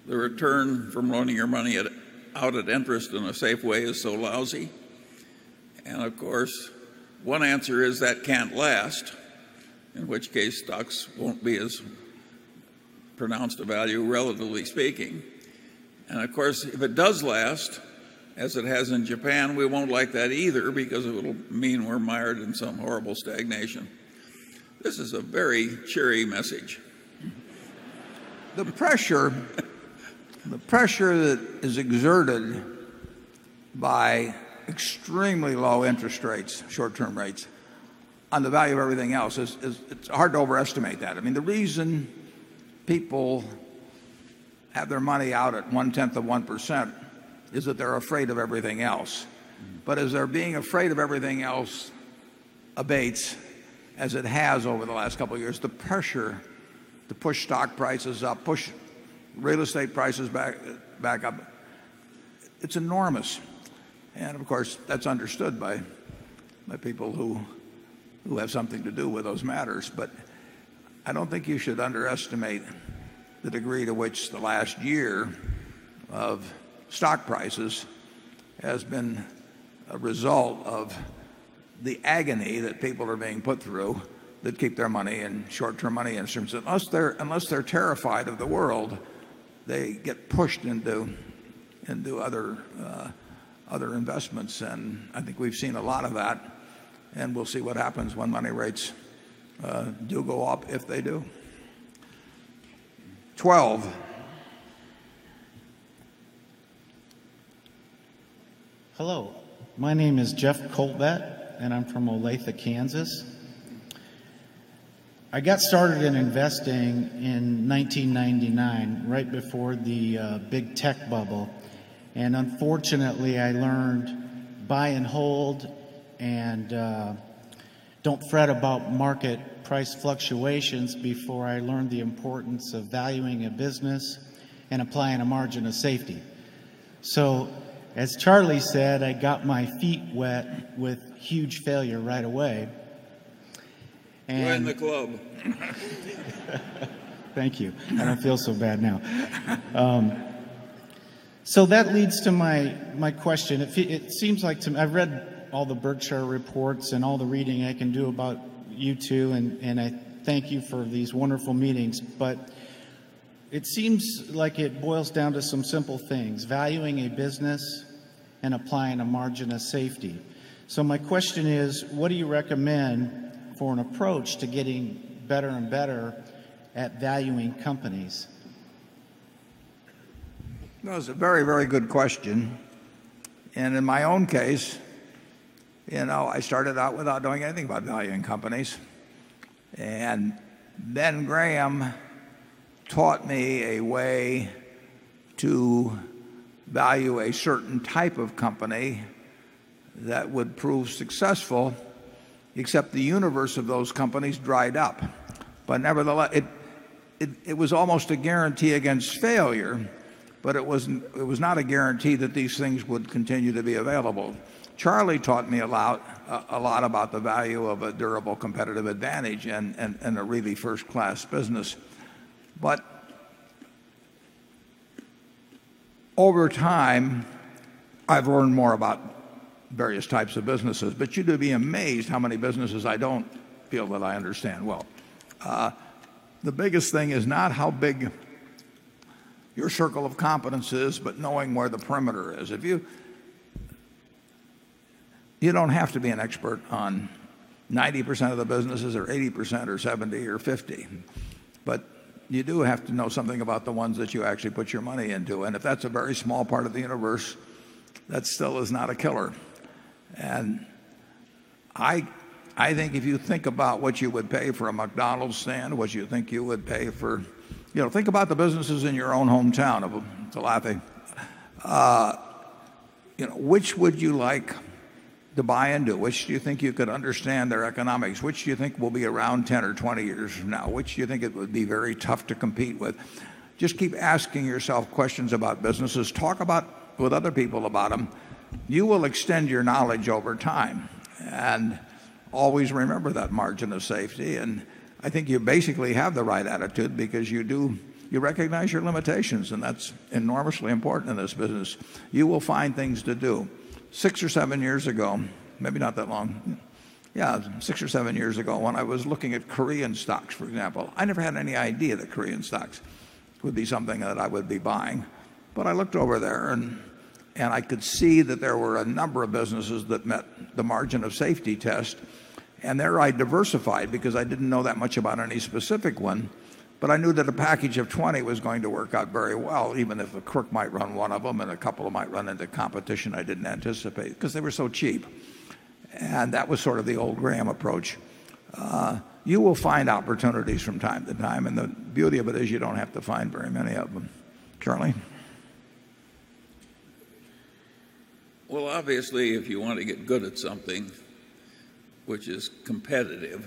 the return from running your money out at interest in a safe way is so lousy. And of course, one answer is that can't last, in which case stocks won't be as pronounced a value relatively speaking. And of course, if it does last as it has in Japan, we won't like that either because it will mean we are mired in some horrible stagnation. This is a very cheery message. The pressure the pressure that is exerted by extremely low interest rates, short term rates on the value of everything else is it's hard to overestimate that. I mean, the reason people have their money out at 1 10th of 1% is that they're afraid of everything else. But as they're being afraid of everything else abates as it has over the last couple of years, the pressure to push stock prices up, push real estate prices back up. It's enormous. And of course, that's understood by people who have something to do with those matters. But I don't think you should underestimate the degree to which the last year of stock prices has been a result of the agony that people are being put through that keep their money in short term money instruments. Unless they're terrified of the world, they get pushed into other investments. And I think we've seen a lot of that and we'll see what happens when money rates do go up if they do. 12. Hello. My name is Jeff Colvet, and I'm from Olathe, Kansas. I got started in investing in 1999, right before the big tech bubble. And unfortunately, I learned buy and hold and don't fret about market price fluctuations before I learned the importance of valuing a business and applying a margin of safety. So as Charlie said, I got my feet wet with huge failure right away. Wet in the globe. Thank you. I don't feel so bad now. So that leads to my question. It seems like I've read all the Berkshire reports and all the reading I can do about you 2, and I thank you for these wonderful meetings. But it seems like it boils down to some simple things, valuing a business and applying a margin of safety. So my question is, what do you recommend for an approach to getting better and better at valuing companies? That was a very, very good question. And in my own case, you know, I started out without doing anything about valuing companies. And then Graham taught me a way to value a certain type of company that would prove successful except the universe of those companies dried up. But nevertheless, it it was almost a guarantee against failure. But it was not a guarantee that these things would continue to be available. Charlie taught me a lot about the value of a durable competitive advantage and a really first class business. But over time, I've learned more about various types of businesses. But you'd be amazed how many businesses I don't feel that I understand well. The biggest thing is not how big your circle of competence is, but knowing where the perimeter is. If you you don't have to be an expert on 90% of the businesses or 80% or 70% or 50%. But you do have to know something about the ones that you actually put your money into. And if that's a very small part of the universe, that still is not a killer. And I think if you think about what you would pay for a McDonald's stand, what you think you would pay for you know, think about the businesses in your own hometown. I'm a laughing. Which would you like to buy into? Which do you think you could understand their economics? Which do you think will be around 10 or 20 years from now? Which do you think it would be very tough to compete with? Just keep asking yourself questions about businesses. Talk about with other people about them. You will extend your knowledge over time. And always remember that margin of safety. And I think you basically have the right attitude because you do you recognize your limitations and that's enormously important in this business. You will find things to do. 6 or 7 years ago, maybe not that long. Yes, 6 or 7 years ago when I was looking at Korean stocks for example, I never had any idea that Korean stocks would be something that I would be buying. But I looked over there and I could see that there were a number of businesses that met the margin of safety test. And there I diversified because I didn't know that much about any specific one. But I knew that a package of 20 was going to work out very well even if a crook might run one of them and a couple of might run into competition I didn't anticipate because they were so cheap. And that was sort of the old Graham approach. You will find opportunities from time to time. And the beauty of it is you don't have to find very many of them. Charlie? Well, obviously, if you want to get good at something which is competitive,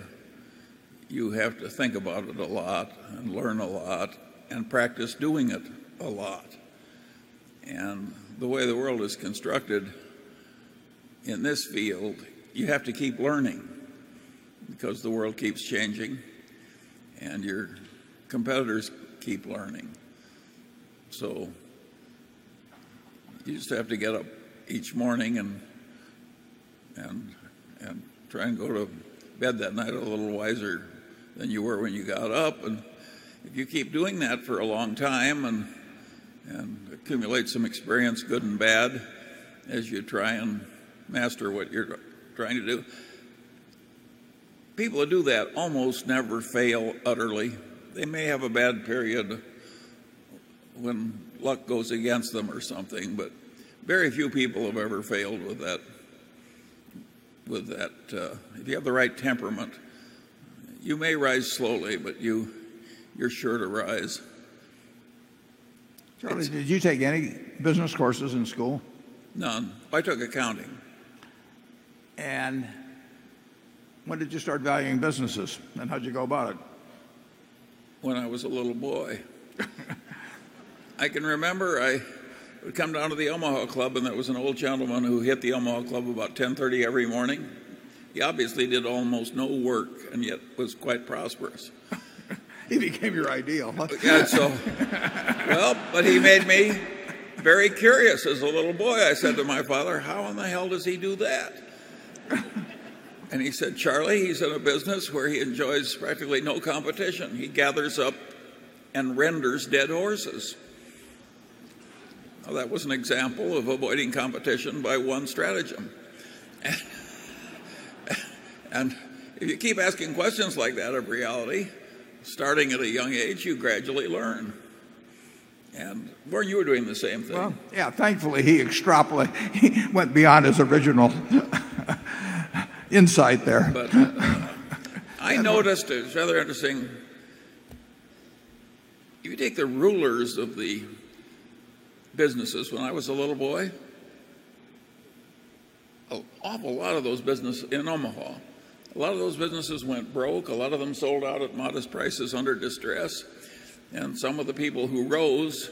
you have to think about it a lot and learn a lot and practice doing it a lot. And the way the world is constructed in this field, you have to keep learning because the world keeps changing and your competitors keep learning. So you used to have to get up each morning and and and try and go to bed that night a little wiser than you were when you got up. And if you keep doing that for a long time and accumulate some experience, good and bad, as you try and master what you're trying to do. People who do that almost never fail utterly. They may have a bad period when luck goes against them or something. But very few people have ever failed with that with that, if you have the right temperament, you may rise slowly but you are sure to rise. Did you take any business courses in school? None. I took accounting. And when did you start valuing businesses and how did you go about it? When I was a little boy. I can remember I would come down to the Omaha Club and there was an old gentleman who hit the Omaha Club about 10:30 every morning. He obviously did almost no work and yet was quite prosperous. He became your ideal. Well, but he made me very curious as a little boy. I said to my father, how in the hell does he do that? And he said, Charlie, he's in a business where he enjoys practically no competition. He gathers up and renders dead horses. Well, that was an example of avoiding competition by one stratagem. And if you keep asking questions like that of reality, starting at a young age, you gradually learn. And, Roy, you were doing the same thing. Well, yes. Thankfully, he extrapolate. He went beyond his original insight there. But I noticed it's rather interesting. If you take the rulers of the businesses when I was a little boy, an awful lot of those business in Omaha. A lot of those businesses went broke. A lot of them sold out at modest prices under distress. And some of the people who rose,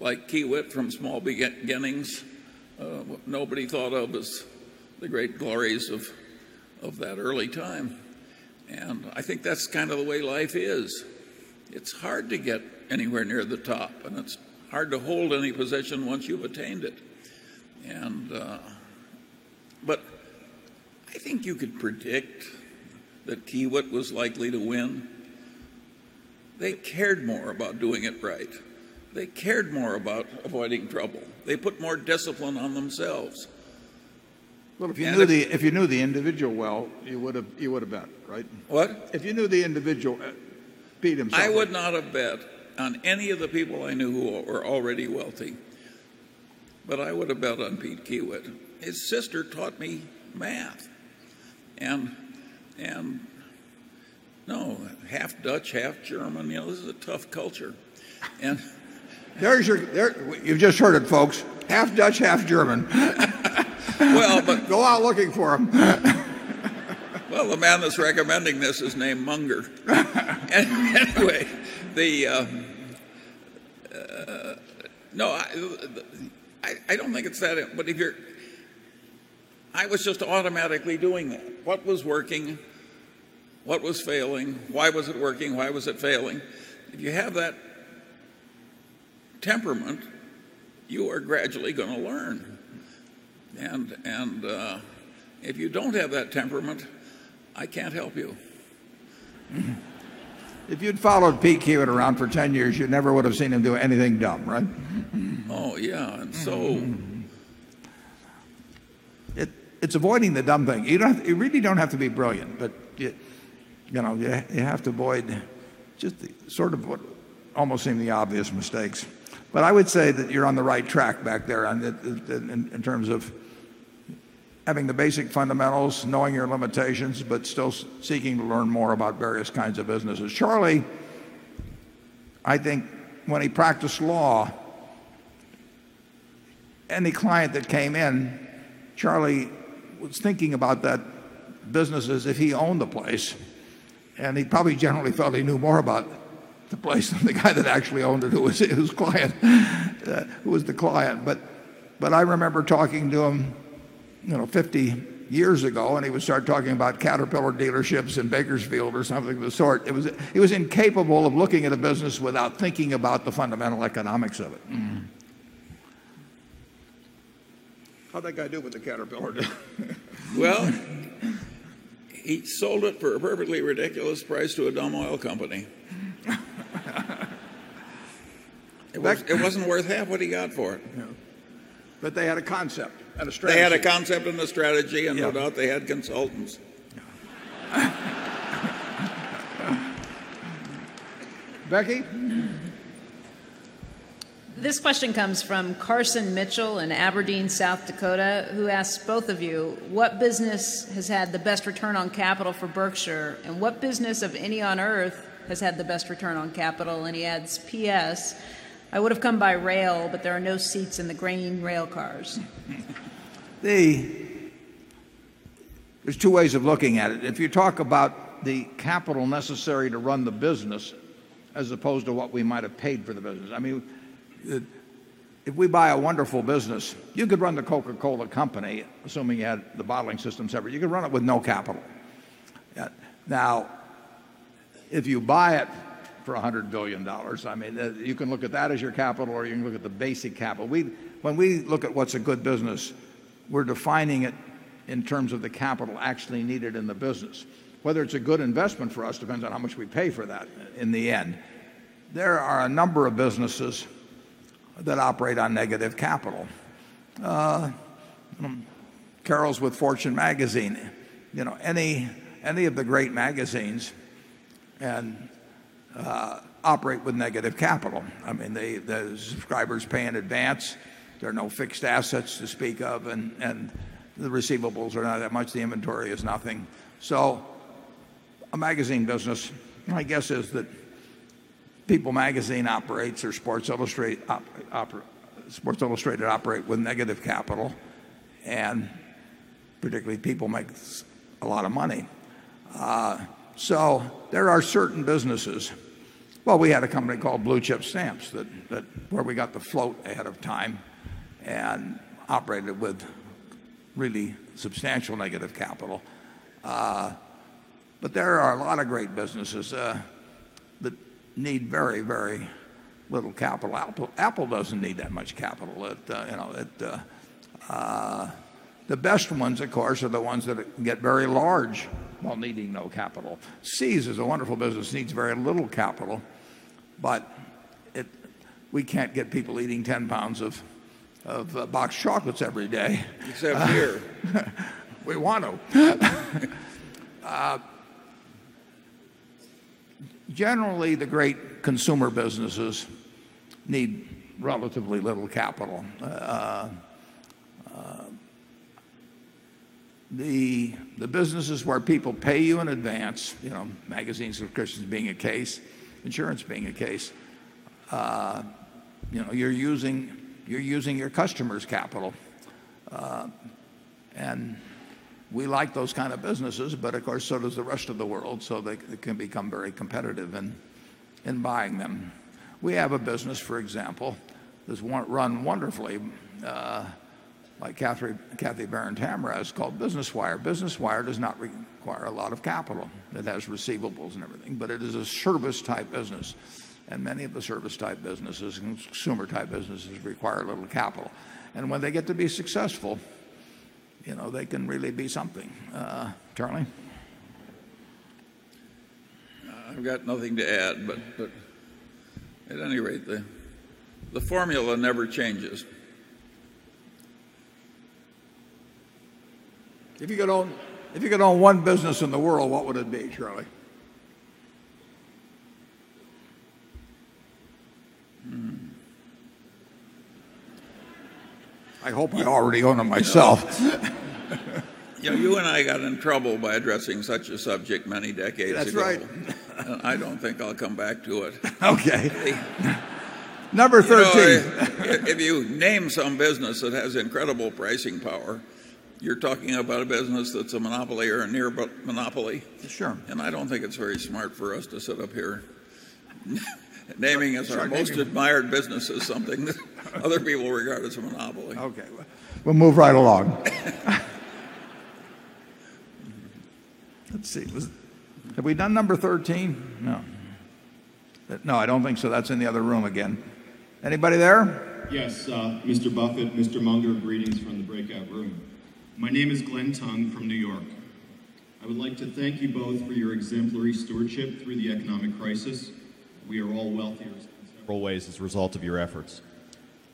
like Kiewit from small beginnings, what nobody thought of as the great glories of that early time. And I think that's kind of the way life is. It's hard to get anywhere near the top, and it's hard to hold any position once you've attained it. And, but I think you could predict that Kiewit was likely to win. They cared more about doing it right. They cared more about avoiding trouble. They put more discipline on themselves. Look, if you knew the individual well, you would have bet, right? What? If you knew the individual, Pete himself. I would not have bet on any of the people I knew who were already wealthy, but I would have bet on Pete Kiewit. His sister taught me math. And and no, half Dutch, half German. This is a tough culture. You've just heard it, folks. Half Dutch, half German. Well Go out looking for them. Well, the man that's recommending this is named Munger. Anyway, the, no, I don't think it's that I was just automatically doing that. What was working? What was failing? Why was it working? Why was it failing? If you have that temperament, you are gradually going to learn. And if you don't have that temperament, I can't help you. If you'd followed Pete Hewitt around for 10 years, you never would have seen him do anything dumb, right? Oh, yes. And so it's avoiding the dumb thing. You don't you really don't have to be brilliant. But you have to avoid just sort of what almost seem the obvious mistakes. But I would say that you're on the right track back there in terms of having the basic fundamentals, knowing your limitations but still seeking to learn more about various kinds of businesses. Charlie, I think, when he practiced law, any client that came in, Charlie was thinking about that business as if he owned the place. And he probably generally thought he knew more about the place than the guy that actually owned it, who was the client. But I remember talking to him, you know, 50 years ago and he would start talking about Caterpillar dealerships in Bakersfield or something of the sort. It was it was incapable of looking at a business without thinking about the fundamental economics of it. How did that guy do with the caterpillar? Well, he sold it for a perfectly ridiculous price to a dumb oil company. It wasn't worth half what he got for it. But they had a concept. They had a concept and a strategy and no doubt they had consultants. Becky? This question comes from Carson Mitchell in Aberdeen, South Dakota who asked both of you what business has had the best return on capital for Berkshire and what business of any on earth has had the best return on capital? And he adds, P. S, I would have come by rail, but there are no seats in the grain railcars. There's 2 ways of looking at it. If you talk about the capital necessary to run the business as opposed to what we might have paid for the business. I mean, if we buy a wonderful business, you could run the Coca Cola Company assuming you had the bottling systems ever. You could run it with no capital. Now if you buy it for $100,000,000,000 I mean, you can look at that as your capital or you can look at the basic capital. We when we look at what's a good business, we're defining it in terms of the capital actually needed in the business. Whether it's a good investment for us depends on how much we pay for that in the end. There are a number of businesses that operate on negative capital. Carols with Fortune Magazine. Any of the great magazines and operate with negative capital. I mean, the subscribers pay in advance. There are no fixed assets to speak of and the receivables are not that much. The inventory is nothing. So a magazine business, my guess is that People Magazine operates or Sports Illustrated operate with negative capital and particularly people make a lot of money. So there are certain businesses. Well, we had a company called Blue Chip Stamps that where we got the float ahead of time and operated with really substantial negative capital. But there are a lot of great businesses that need very, very little capital. Apple doesn't need that much capital. The best ones, of course, are the ones that get very large while needing no capital. Sees is a wonderful business, needs very little capital. But we can't get people eating £10 of box chocolates every day. Except here. We want to. Generally, the great consumer businesses need relatively little capital. The businesses where people pay you in advance, magazines of Christians being a case, insurance being a case, you're using your customers' capital. And we like those kind of businesses, but of course so does the rest of the world so they can become very competitive in buying them. We have a business for example that's run wonderfully like Kathy Baron Tamara has called Business Wire. Business Wire does not require a lot of capital. It has receivables and everything, but it is a service type business. And many of the service type businesses and consumer type businesses require a little capital. And when they get to be successful, you know, they can really be something. Charlie? I've got nothing to add but at any rate, the formula never changes. If you could own 1 business in the world, what would it be, Charlie? I hope I already own it myself. You know you and I got in trouble by addressing such a subject many decades. That's right. I don't think I'll come back to it. Okay. Number 13. So, if you name some business that has incredible pricing power, you're talking about a business that's a monopoly or a near monopoly? Sure. And I don't think it's very smart for us to sit up here. Naming us our most admired business is something that other people regard as a monopoly. Okay. We'll move right along. Let's see. Have we done number 13? No. No, I don't think so. That's in the other room again. Anybody there? Yes. Mr. Buffet, Mr. Munger, greetings from the breakout room. My name is Glenn Tung from New York. Would like to thank you both for your exemplary stewardship through the economic crisis. We are all wealthier in several ways as a result of your efforts.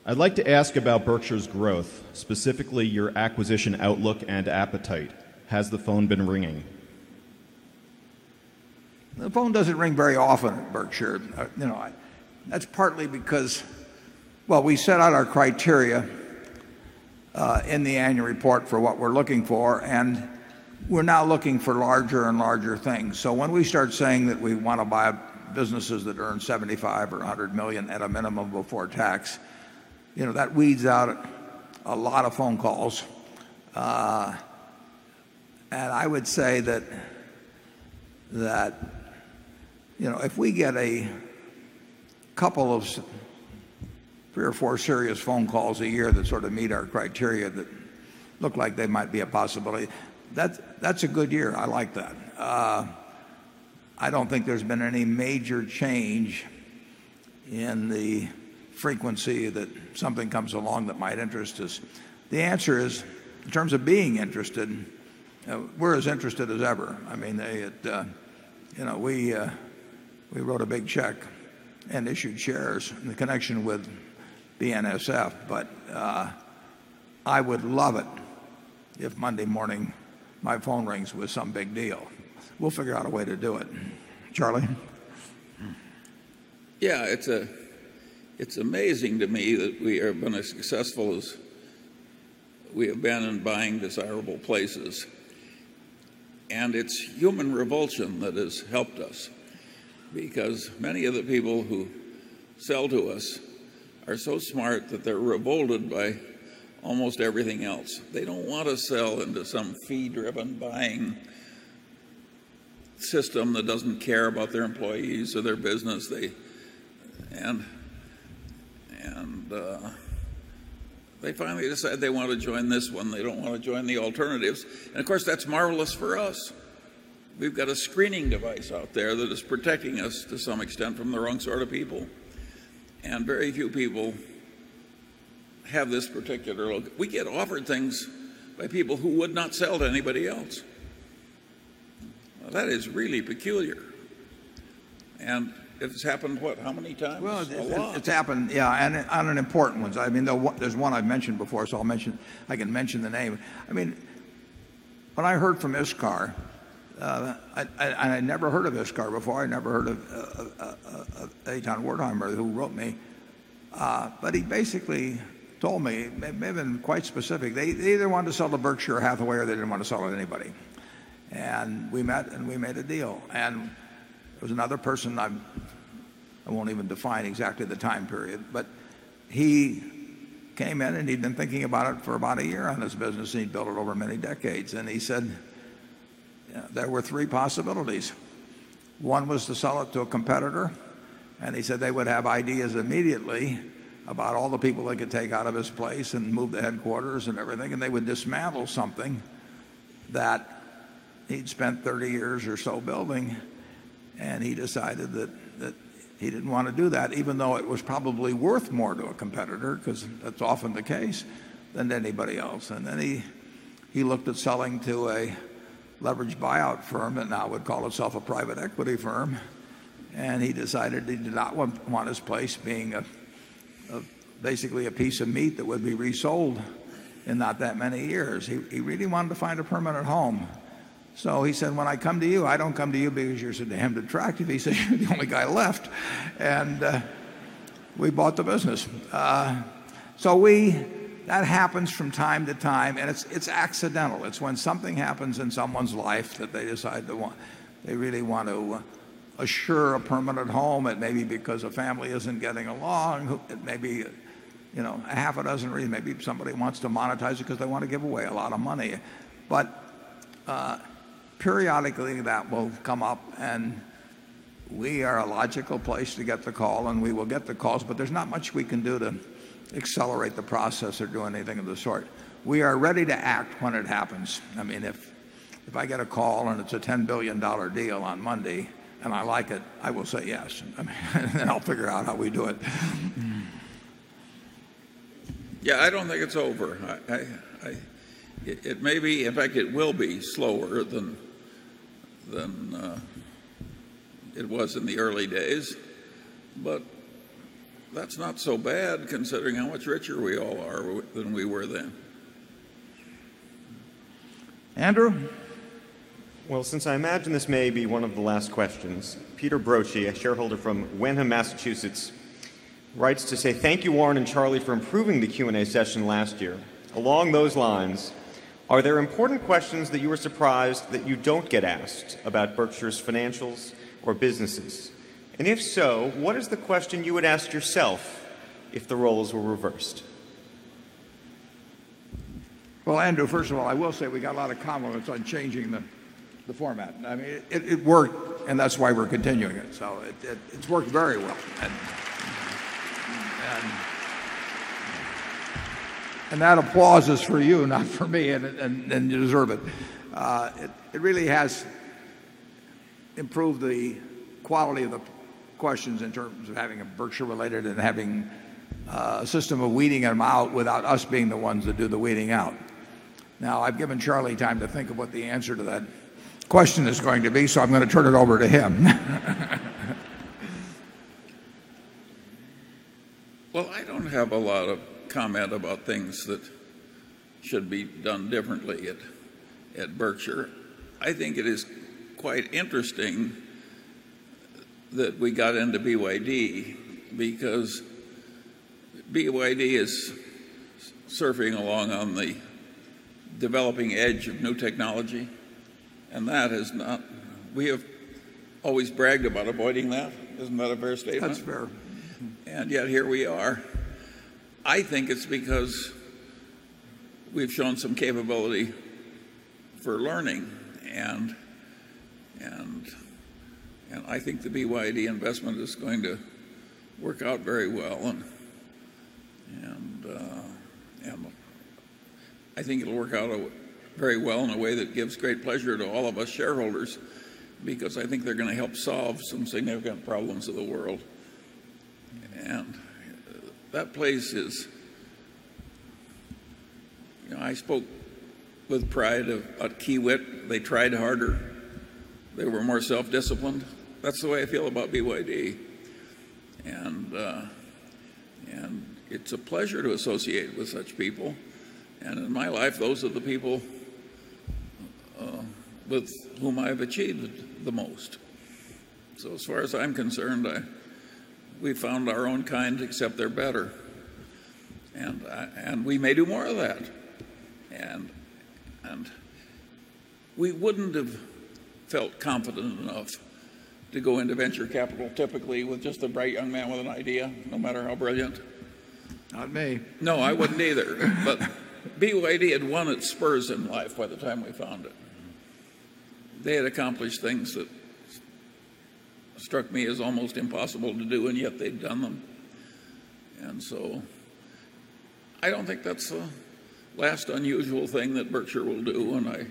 I'd like to ask about Berkshire's growth, specifically your acquisition outlook and appetite. Has the phone been ringing? The phone doesn't ring very often, Berkshire. That's partly because, well, we set out our criteria in the annual report for what we're looking for and we're now looking for larger and larger things. So when we start saying that we want to buy businesses that earn $75,000,000 or $100,000,000 at a minimum before tax, that weeds out a lot of phone calls. And I would say that that, you know, if we get a couple of 3 or 4 serious phone calls a year that sort of meet our criteria that look like they might be a possibility, that's that's a good year. I like that. I don't think there's been any major change in the frequency that something comes along that might interest us. The answer is in terms of being interested, we're as interested as ever. I mean, we wrote a big check and issued shares in connection with the NSF. But, I would love it if Monday morning my phone rings with some big deal. We'll figure out a way to do it. Charlie? Yes. It's amazing to me that we have been as successful as we have been in buying desirable places. And it's human revulsion that has helped us because many of the people who sell to us are so smart that they're rebolded by almost everything else. They don't want to sell into some fee driven buying system that doesn't care about their employees or their business. And they finally decided they want to join this one. They don't want to join the alternatives. And of course, that's marvelous for us. We've got a screening device out there that is protecting us to some extent from the wrong sort of people. And very few people have this particular look. We get offered things by people who would not sell to anybody else. That is really peculiar. And it's happened what, how many times? Well, it's happened, yes. And on an important one. I mean, there's one I mentioned before so I'll mention I can mention the name. I mean, when I heard from ISCAR, I had never heard of ISCAR before. I never heard of Eitan Wertheimer who wrote me. But he basically told me, they've been quite specific. They either want to sell the Berkshire Hathaway or they didn't want to sell with anybody. And we met and we made a deal. And there was another person I won't even define exactly the time period, but he came in and he'd been thinking about it for about a year on his business and he built it over many decades. And he said there were 3 possibilities. One was to sell it to a competitor. And he said they would have ideas immediately about all the people they could take out of his place and move the headquarters everything and they would dismantle something that he'd spent 30 years or so building. And he decided that he didn't want to do that even though it was probably worth more to a competitor because that's often the case than anybody else. And then he looked at selling to a leveraged buyout firm and I would call itself a private equity firm. And he decided he did not want his place being basically a piece of meat that would be resold in not that many years. He really wanted to find a permanent home. So he said, when I come to you, I don't come to you because you're a damn detractive. He said, you're the only guy left. And we bought the business. So we that happens from time to time and it's accidental. It's when something happens in someone's life that they decide to want they really want to assure a permanent home. It may be because a family isn't getting along. It may be, you know, half a dozen or maybe somebody wants to monetize it because they want to give away a lot of money. But periodically that will come up and we are a logical place to get the call and we will get the calls, but there's not much we can do to accelerate the process or do anything of the sort. We are ready to act when it happens. I mean if I get a call and it's a $10,000,000,000 deal on Monday and I like it, I will say yes. I mean, I'll figure out how we do it. Yes, I don't think it's over. It may be, in fact, it will be slower than it was in the early days. But that's not so bad considering how much richer we all are than we were then. Andrew? Well, since I imagine this may be one of the last questions, Peter Brochi, a shareholder from Wenham, Massachusetts, writes to say, thank you, Warren and Charlie, for improving the Q and A session last year. Along those lines, are there important questions that you were surprised that you don't get asked about Berkshire's Financials or Businesses? And if so, what is the question you would ask yourself if the roles were reversed? Well, Andrew, first of all, I will say we got a lot of comments on changing the format. I mean, it worked and that's why we're continuing it. So it's worked very well. And and that applause is for you, not for me. And and and you deserve it. It It really has improved the quality of the questions in terms of having a Berkshire related and having a system of weeding them out without us being the ones that do the weeding out. Now, I've given Charlie time to think about the answer to that question is going to be. So I'm going to turn it over to him. Well, I don't have a lot of comment about things that should be done differently at Berkshire. I think it is quite interesting that we got into BYD because BYD is surfing along on the developing edge of new technology And that has not we have always bragged about avoiding that. Isn't that a fair statement? That's fair. And yet here we are. I think it's because we've shown some capability for learning. And I think the BYD investment is going to work out very well. And I think it will work out very well in a way that gives great pleasure to all of us shareholders because I think they're going to help solve some significant problems of the world. And that place is, you know, I spoke with pride of a key wit. They tried harder. They were more self disciplined. That's the way I feel about BYD. And it's a pleasure to associate with such people. And in my life, those are the people with whom I have achieved the most. So as far as I'm concerned, we found our own kind except they're better. And we may do more of that. And we wouldn't have felt confident enough to go into venture capital typically with just a bright young man with an idea, no matter how brilliant. Not me. No. I wouldn't either. But BYD had won its spurs in life by the time we found it. They had accomplished things that struck me as almost impossible to do and yet they've done them. And so I don't think that's the last unusual thing that Berkshire will do and I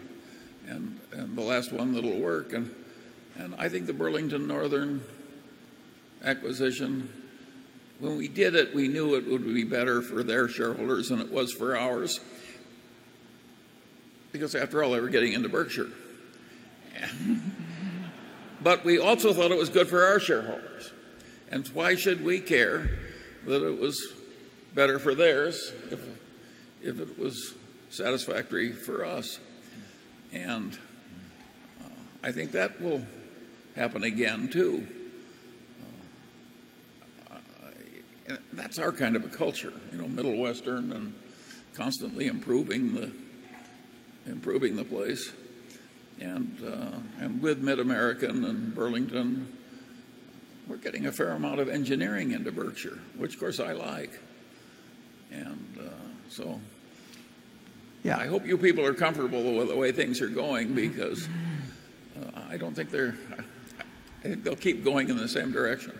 and the last one that will work. And I think the Burlington Northern acquisition, when we did it, we knew it would be better for their shareholders than it was for ours because after all they were getting into Berkshire. But we also thought it was good for our shareholders. And why should we care that it was better for theirs if it was satisfactory for us? And I think that will happen again too. That's our kind of a culture, you know, middle western and constantly improving the improving the place. And with Mid America and Burlington, we're getting a fair amount of engineering into Berkshire, which of course I like. And so yes, I hope you people are comfortable with the way things are going because I don't think they're they'll keep going in the same direction.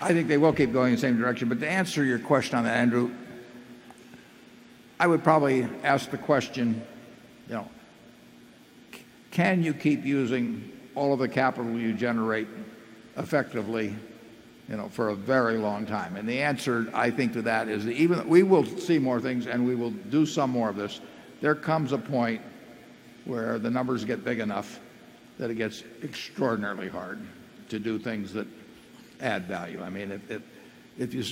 I think they will keep going in the same direction. But to answer your question on that, Andrew, I would probably ask the question, can you keep using all of the capital you generate effectively for a very long time. And the answer, I think, to that is that even we will see more things and we will do some more of this. There comes a point where the numbers get big enough that it gets extraordinarily hard to do things that add value. I mean, if you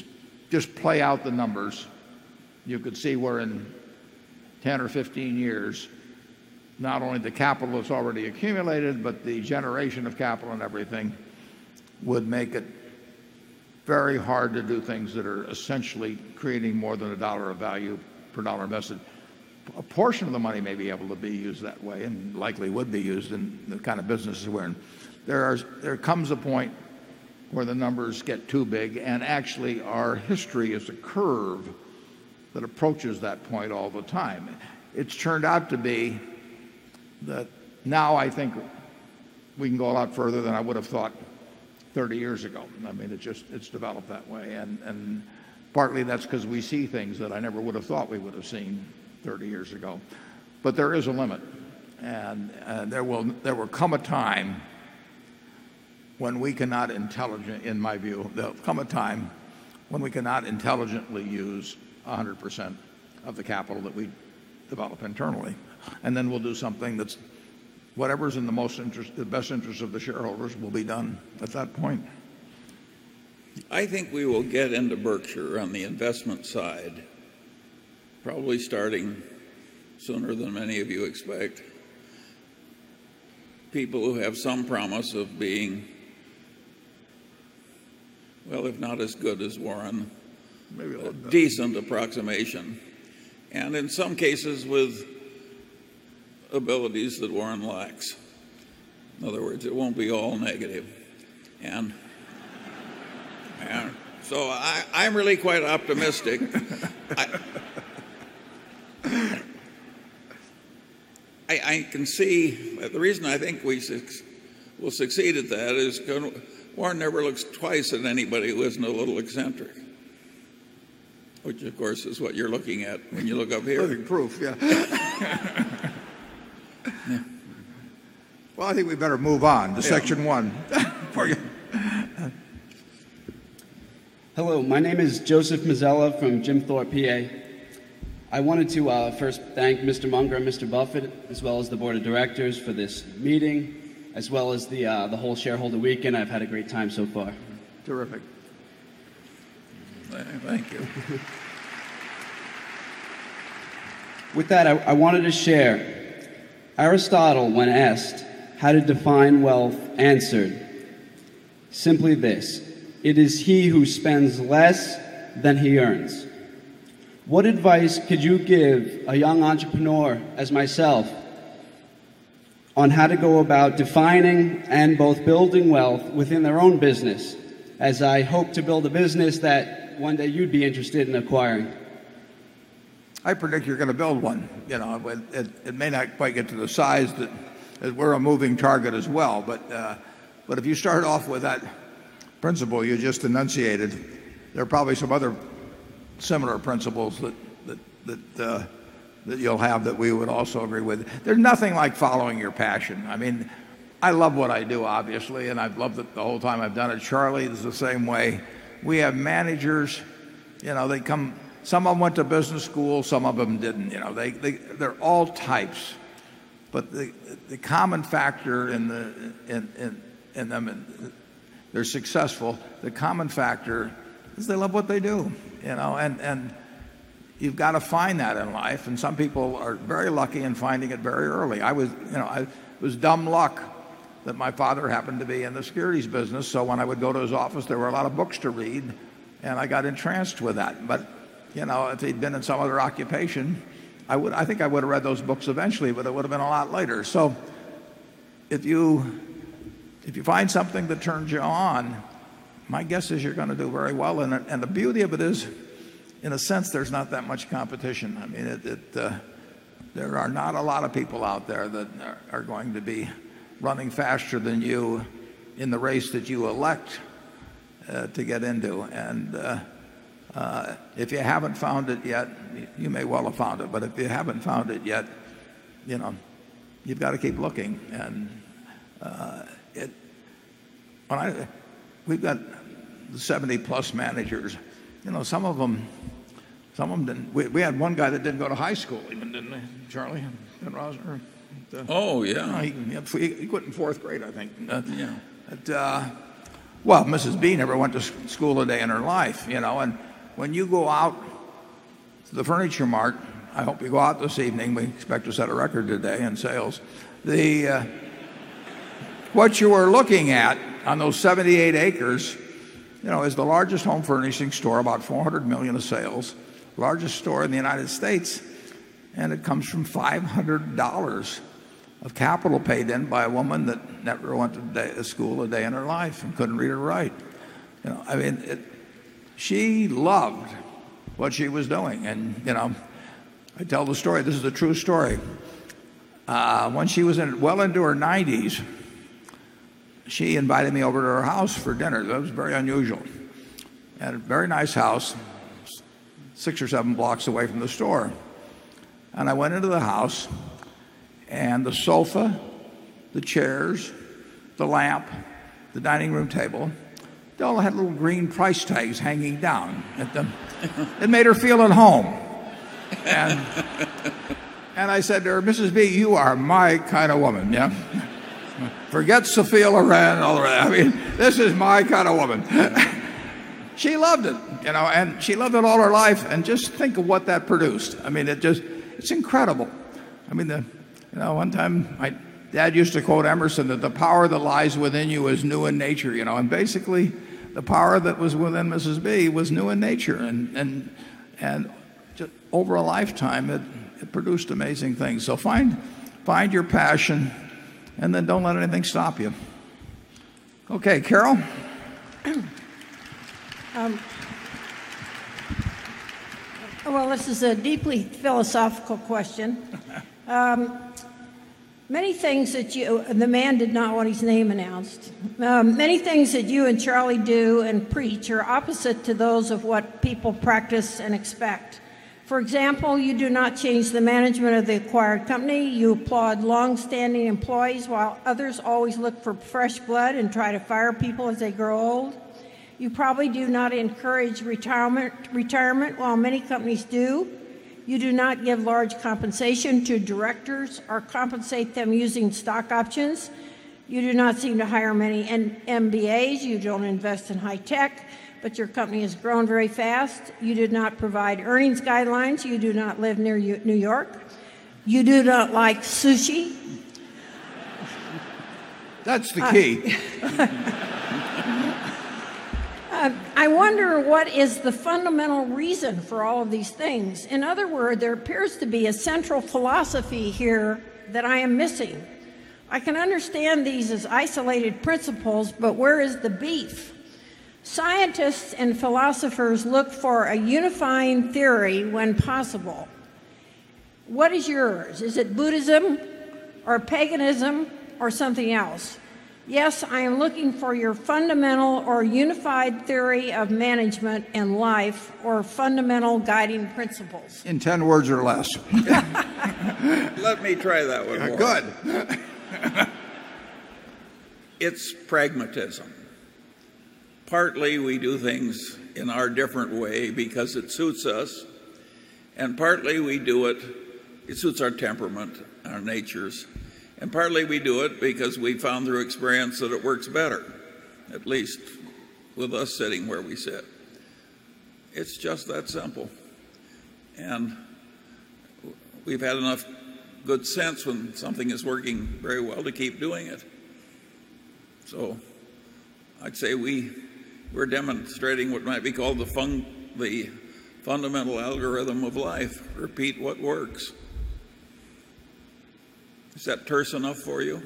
just play out the numbers, you could see where in 10 or 15 years, not only the capital that's already accumulated, but the generation of capital and everything would make it very hard to do things that are essentially creating more than $1 of value per dollar invested. A portion of the money may be able to be used that way and likely would be used in the kind of businesses we're in. There comes a point where the numbers get too big. And actually, our history is a curve that approaches that point all the time. It's turned out to be that now I think we can go a lot further than I would have thought 30 years ago. I mean, it's just it's developed that way. And partly that's because we see things that I never would have thought we would have seen 30 years ago. But there is a limit. And there will come a time when we cannot intelligent in my view, there'll come a time when we cannot intelligently use 100% of the capital that we develop internally. And then we'll do something that's whatever is in the most interest the best interest of the shareholders will be done at that point. I think we will get into Berkshire on the investment side probably starting sooner than many of you expect. People who have some promise of being, well, if not as good as Warren, decent approximation and in some cases with abilities that Warren lacks. In other words, it won't be all negative. And so I'm really quite optimistic. I can see the reason I think we will succeed at that is war never looks twice at anybody who isn't a little eccentric, which of course is what you're looking at when you look up here. Nothing proof. Yes. Well, I think we better move on to Section 1. Hello. My name is Joseph Mazzella from Jim Thorpe, PA. I wanted to, first thank Mr. Munger and Mr. Buffet as well as the Board of Directors for this meeting as well as the, the whole shareholder weekend. I've had a great time so far. Terrific. Thank you. With that, I wanted to share. Aristotle, when asked how to define wealth, answered simply this. It is he who spends less than he earns. What advice could you give a young entrepreneur as myself on how to go about defining and both building wealth within their own business, as I hope to build a business that one day you'd be interested in acquiring? I predict you're going to build 1. It may not quite get to the size that we're a moving target as well. But if you start off with that principle you just enunciated, there are probably some other similar principles that you'll have that we would also agree with. There's nothing like following your passion. I mean, I love what I do, obviously. And I've loved it the whole time I've done it. Charlie, it's the same way. We have managers. They come some of them went to business school. Some of them didn't. They're all types. But the common factor in them and they're successful. The common factor is they love what they do. And you've got to find that in life. And some people are very lucky in finding it very early. I was it was dumb luck that my father happened to be in the securities business. So when I would go to his office, there were a lot of books to read. And I got entranced with that. But if he'd been in some other occupation, would I think I would have read those books eventually, but it would have been a lot later. So if you if you find something that turns you on, my guess is you're going to do very well. And the beauty of it is, in a sense, there's not that much competition. I mean, it it there are not a lot of people out there that are going to be running faster than you in the race that you elect to get into. And, if you haven't found it yet, you may well have found it. But if you haven't found it yet, you've got to keep looking. And, it we've got 70 plus managers. You know, some of them some of them didn't. We had one guy that didn't go to high school even, didn't they? Charlie and Rosner. Oh, yeah. He quit in 4th grade, I think. Yeah. But, well, Mrs. Bean never went to school a day in her life, you know. And when you go out to the furniture mart, I hope you go out this evening. We expect to set a record today in sales. The what you are looking at on those 78 acres is the largest home furnishing store, about $400,000,000 of sales, largest store in the United States. And it comes from $500 of capital paid in by a woman that never went to school a day in her life and couldn't read or write. I mean, she loved what she was doing. And, you know, I tell the story. This is a true story. When she was in well into her 90s, she invited me over to her house for dinner. That was very unusual. At a very nice house, 6 or 7 blocks away from the store. And I went into the house and the sofa, the chairs, the lamp, the dining room table, they all had little green price tags hanging down. It made her feel at home. And I said to her, Mrs. B, you are my kind of woman. Forget Sophia Loren and all that. I mean, this is my kind of woman. She loved it. And she loved it all her life. And just think of what that produced. I mean, it just it's incredible. I mean, one time, my dad used to quote Emerson that the power that lies within you is new in nature. You know, and basically, the power that was within Mrs. B was new in nature. And and over a lifetime, it produced amazing things. So find find your passion, and then don't let anything stop you. Okay, Carol? Well, this is a deeply philosophical question. Many things that you the man did not want his name announced. Many things that you and Charlie do and preach are opposite to those of what people practice and expect. For example, you do not change the management of the acquired company. You applaud long standing employees, while others always look for fresh blood and try to fire people as they grow old. You probably do not encourage retirement, while many companies do. You do not give large compensation to directors or compensate them using stock options. You do not seem to hire many MBAs. You don't invest in high-tech, but your company has grown very fast. You did not provide earnings guidelines. You do not live near New York. You do not like sushi. That's the key. I wonder what is the fundamental reason for all of these things. In other words, there appears to be a central philosophy here that I am missing. I can understand these as isolated principles, but where is the beef? Scientists and philosophers look for a unifying theory when possible. What is yours? Is it Buddhism or paganism or something else? Yes, I am looking for your fundamental or unified theory of management in life or fundamental guiding principles? In 10 words or less. Let me try that one more. Good. It's It's pragmatism. Partly, we do things in our different way because it suits us and partly we do it it suits our temperament and our natures. And partly we do it because we found through experience that it works better, at least with us sitting where we sit. It's just that simple. And we've had enough good sense when something is working very well to keep doing it. So I'd say we were demonstrating what might be called the fundamental algorithm of life, repeat what works. Is that terse enough for you?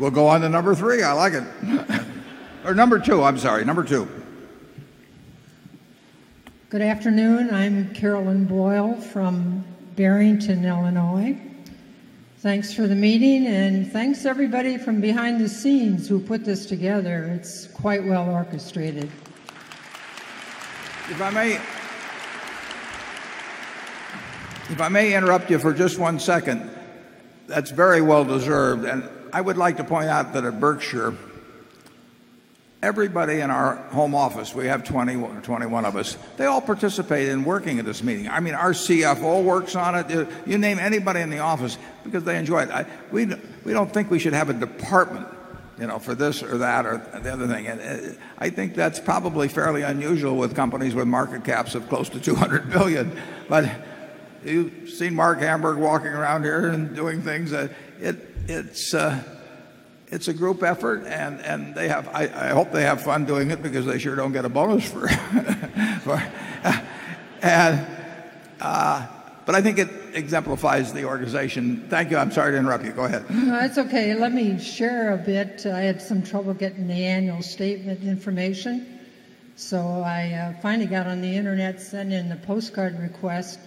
We'll go on to number 3. I like it. Number 2, I'm sorry. Number 2. Good afternoon. I'm Carolyn Boyle from Barrington, Illinois. Thanks for the meeting. And thanks, everybody, from behind the scenes who put this together. It's quite well orchestrated. If I may If I may interrupt you for just one second, that's very well deserved. And I would like to point out that at Berkshire, everybody in our home office, we have 21 of us, they all participated in working at this meeting. I mean, our CFO works on it. You name anybody in the office because they enjoy it. We don't think we should have a department for this or that or the other thing. And I think that's probably fairly unusual with companies with market caps of close to $200,000,000 But you've seen Mark Hamburg walking around here and doing things. It it's, it's a group effort. And and they have I hope they have fun doing it because they sure don't get a bonus for and, but I think it exemplifies the organization. Thank you. I'm sorry to interrupt you. Go ahead. No, it's okay. Let me share a bit. I had some trouble getting the annual statement information. So I finally got on the Internet, sent in the postcard request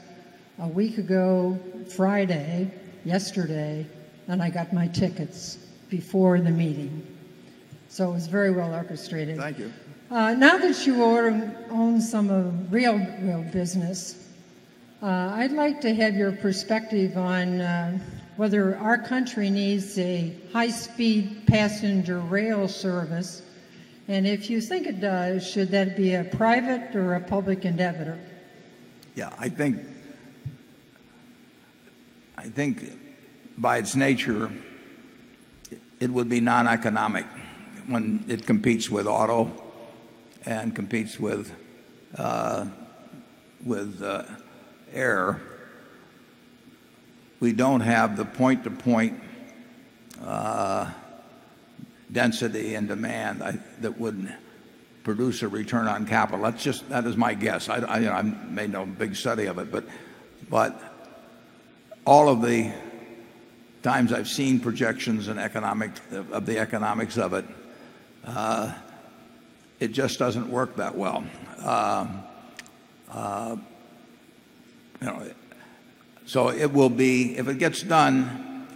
a week ago, Friday, yesterday, and I got my tickets before the meeting. So it was very well orchestrated. Thank you. Now that you own some of real business, I'd like to have your perspective on whether our country needs a high speed passenger rail service. And if you think it does, should that be a private or a public endeavor? Yeah. I think I think by its nature, it would be non economic when it competes with auto and competes with with air, we don't have the point to point density and demand that would produce a return on capital. That's just that is my guess. I made no big study of it. But all of the times I've seen projections and economic of the economics of it, it just doesn't work that well. So, it will be if it gets done,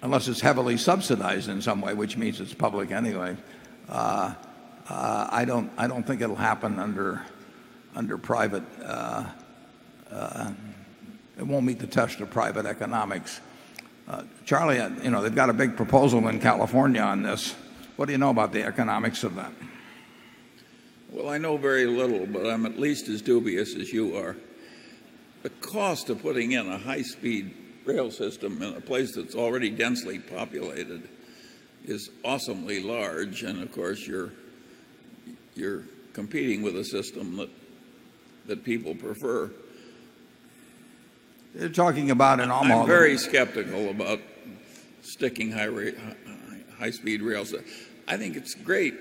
unless it's heavily subsidized in some way, which means it's public anyway, I don't I don't think it'll happen under under private. It won't meet the test of private economics. Charlie, you know, they've got a big proposal in California on this. What do you know about the economics of that? Well, I know very little but I'm at least as dubious as you are. The cost of putting in a high speed rail system in a place that's already densely populated is awesomely large and of course you're competing with a system that people prefer. You're talking about an automotive. I'm very skeptical about sticking high speed rails. I think it's great.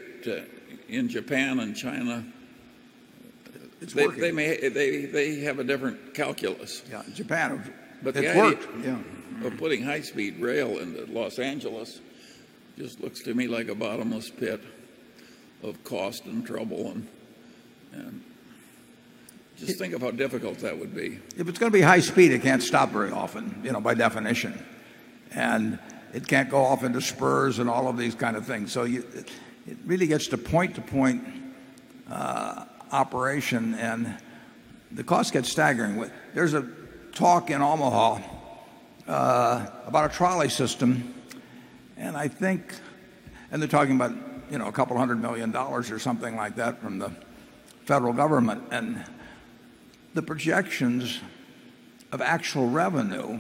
In Japan and China It's working. They may have a different calculus. Yeah. Japan. But they worked. Yeah. But putting high speed rail into Los Angeles just looks to me like a bottomless pit of cost and trouble. And and think of how difficult that would be. If it's going to be high speed, it can't stop very often, you know, by definition. And it can't go off into spurs and all of these kind of things. So it really gets to point to point operation and the cost gets staggering. There's a talk in Omaha about a trolley system. And I think and they're talking about a couple of $100,000,000 or something like that from the federal government. And the projections of actual revenue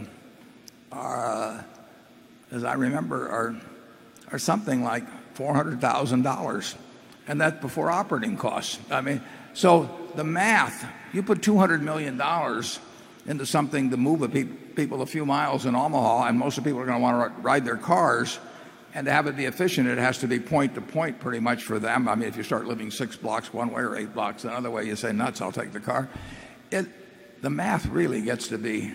are, are, as I remember, are something like $400,000 and that's before operating costs. I mean, so the math, you put $200,000,000 into something to move people a few miles in Omaha and most of the people are going to want to ride their cars And to have it be efficient, it has to be point to point pretty much for them. I mean, if you start living 6 blocks one way or 8 blocks another way, you say, nuts, I'll take the car. It the math really gets to be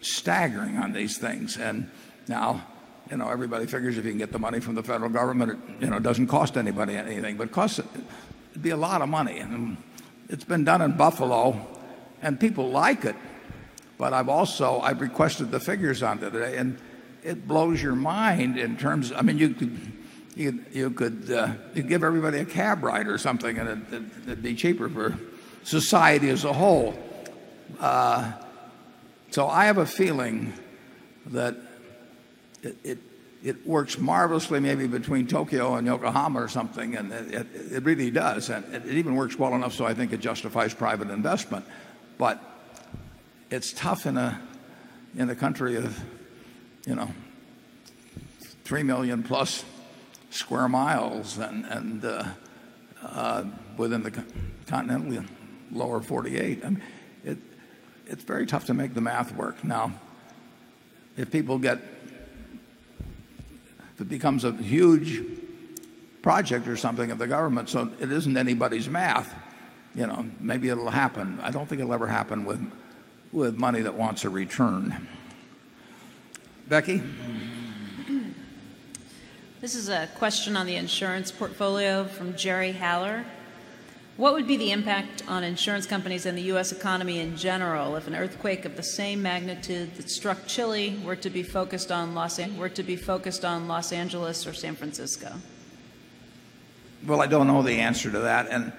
staggering on these things. And now, you know, everybody figures if you can get the money from the federal government, it doesn't cost anybody anything. But it costs be a lot of money. And it's been done in Buffalo and people like it. But I've also I've requested the figures on today. And it blows your mind in terms I mean, you could you could, you'd give everybody a cab ride or something and it would be cheaper for society as a whole. So, I have a feeling that it it works marvelously maybe between Tokyo and Yokohama or something and it it really does. And it even works well enough so I think it justifies private investment. But it's tough in a in a country of, you know, 3,000,000 plus square miles and and, within the continent, we have lower 48. I mean, it it's very tough to make the math work. Now, if people get it becomes a huge project or something of the government. So it isn't anybody's math. You know, maybe it'll happen. I don't think it'll ever happen with with money that wants a return. Becky? This is a question on the insurance portfolio from Jerry Haller. What would be the impact on insurance companies and the U. S. Economy in general if an earthquake of the same magnitude that struck Chile were to be focused on were to be focused on Los Angeles or San Francisco? Well, I don't know the answer to that. And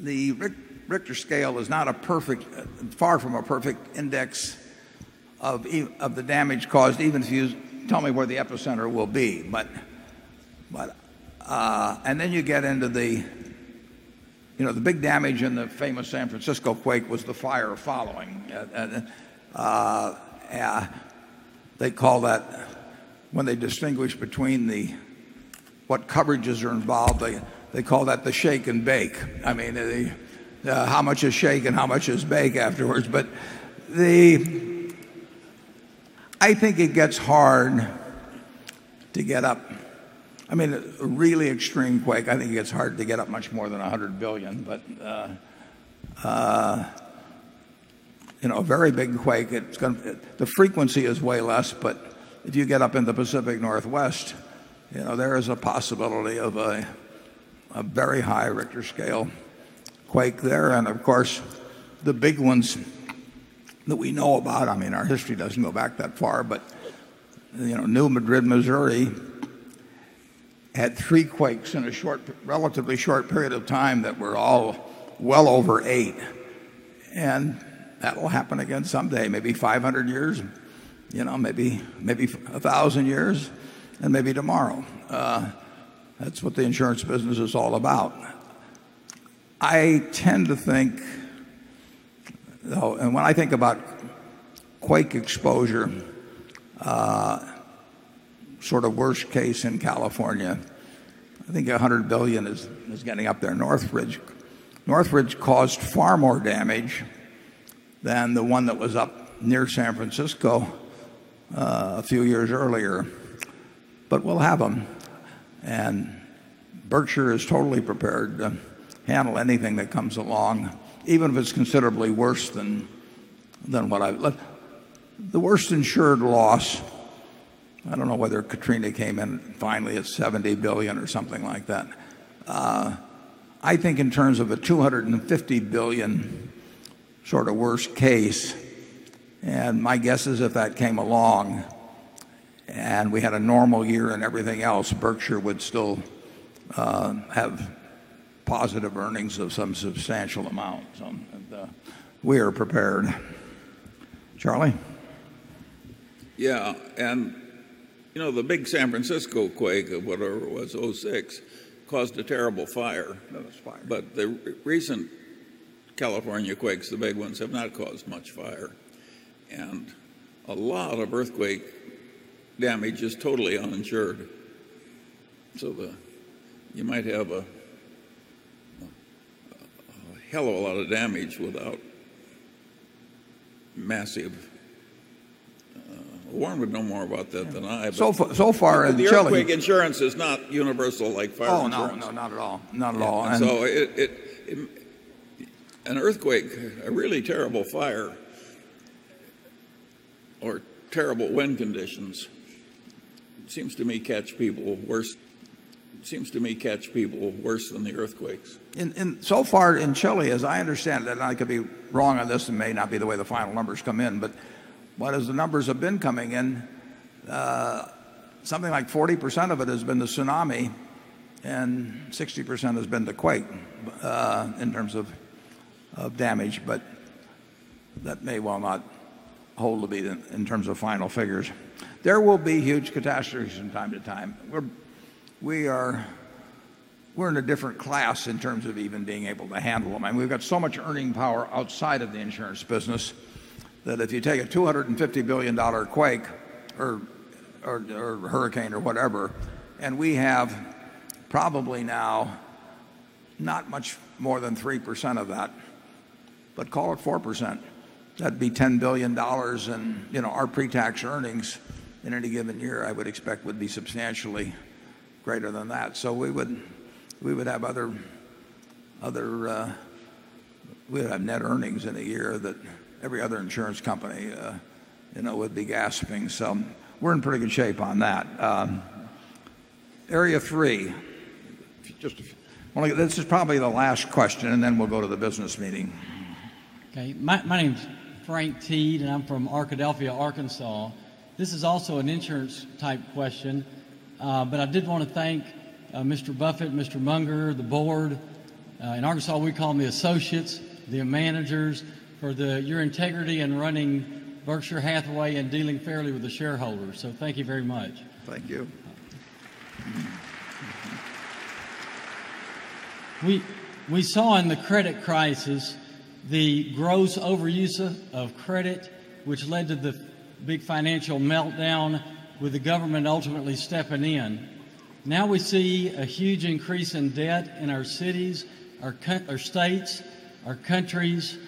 the Richter scale is not a perfect far from a perfect index of the damage caused even if you tell me where the epicenter will be. But, and then you get into the big damage in the famous San Francisco quake was the fire following. They call that when they distinguish between the what coverages are involved, they call that the shake and bake. I mean, how much is shake and how much is bake afterwards. But the I think it gets hard to get up. I mean, really extreme quake. I think it's hard to get up much more than 100,000,000,000 but, a very big quake. It's going to the frequency is way less. But if you get up in the Pacific Northwest, there is a possibility of a very high Richter scale quake there. And of course, the big ones that we know about, I mean, our history doesn't go back that far. But you know, New Madrid, Missouri had 3 quakes in a short relatively short period of time that were all well over 8. And that will happen again someday, maybe 500 years, maybe 1000 years and maybe tomorrow. That's what the insurance business is all about. I tend to think and when I think about quake exposure, sort of worst case in California, I think $100,000,000,000 is getting up there in Northridge. Northridge caused far more damage than the one that was up near San Francisco a few years earlier. But we'll have them. And Berkshire is totally prepared to handle anything that comes along, even if it's considerably worse than what I let the worst insured loss, I don't know whether Katrina came in finally at $70,000,000,000 or something like that. I think in terms of the $250,000,000,000 sort of worst case. And my guess is if that came along and we had a normal year and everything else, Berkshire would still have positive earnings of some substantial amount. So we are prepared. Charlie? Yeah. And you know, the big San Francisco quake or whatever it was, 'six caused a terrible fire. That was fire. But the recent California quakes, the big ones, have not caused much fire. And a lot of earthquake damage is totally uninsured. So you might have a hell of a lot of damage without massive, Warren would know more about that than I. But so far, the challenge the insurance is not universal like fire insurance. Not at all. Not at all. So, it it an earthquake, a really terrible fire or terrible wind conditions, it seems to me, catch people worse. It seems to me catch people worse than the earthquakes. And and so far in Chile, as I understand that, and I could be wrong on this and may not be the way the final numbers come in, but but as the numbers have been coming in, Something like 40% of it has been the tsunami and 60% has been the quake, in terms of damage. But that may well not hold to be in terms of final figures. There will be huge catastrophes from time to time. We are in a different class in terms of even being able to handle them. And we've got so much earning power outside of the insurance business that if you take a $250,000,000,000 quake or hurricane or whatever, and we have probably now not much more than 3% of that, but call it 4%. That'd be $10,000,000,000 and our pretax earnings in any given year, I would expect would be substantially greater than that. So we would have other we would have net earnings in a year that every other insurance company would be gasping. So we're in pretty good shape on that. Area 3. This is probably the last question and then we'll go to the business meeting. Okay. My name is Frank Teed and I'm from Arkadelphia, Arkansas. This is also an insurance type question. But I did want to thank Mr. Buffet, Mr. Munger, the board. In Arkansas, we call them the associates, the managers for your integrity in running Berkshire Hathaway and dealing fairly with the shareholders. So thank you very much. Thank you. We saw in the credit crisis the gross overuse of credit, which led to the big financial meltdown with the government ultimately stepping in. Now we see a huge increase in debt in our cities, our states, our countries.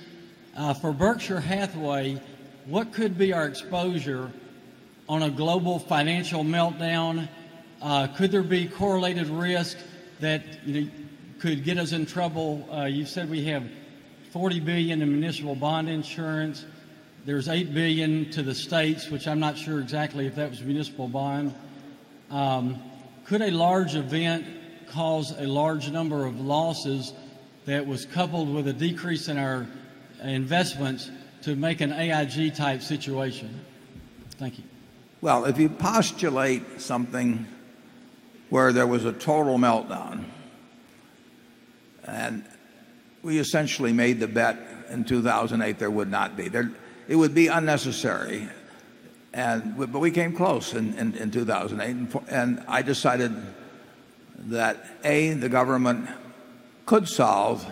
For Berkshire Hathaway, what could be our exposure on a global financial meltdown? Could there be correlated risk that could get us in trouble? You said we have $40,000,000,000 in municipal bond insurance. There's $8,000,000,000 to the states, which I'm not sure exactly if that was municipal bond. Could a large event cause a large number of losses that was coupled with a decrease in our investments to make an AIG type situation? Thank you. Well, if you postulate something where there was a total meltdown and we essentially made the bet in 2,008 there would not be. It would be unnecessary. And but we came close in in in 2,008. And I decided that a, the government could solve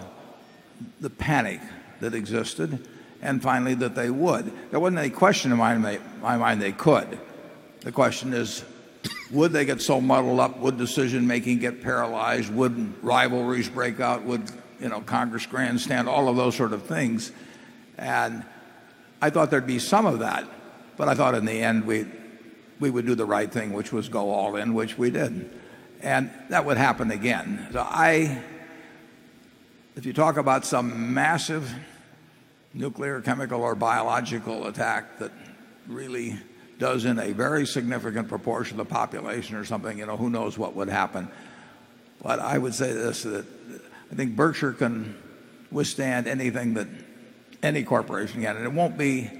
the panic that existed and finally that they would. There wasn't any question in my my mind they could. The question is, would they get so muddled up? Would decision making get paralyzed? Would rivalries break out? Would Congress grandstand? All of those sort of things. And I thought there'd be some of that. But I thought in the end, we would do the right thing, which was go all in, which we did. And that would happen again. So I if you talk about some massive nuclear, chemical or biological attack that really does in a very significant proportion of the population or something, you know, who knows what would happen. But I would say this that I think Berkshire can withstand anything that any corporation get. And it won't be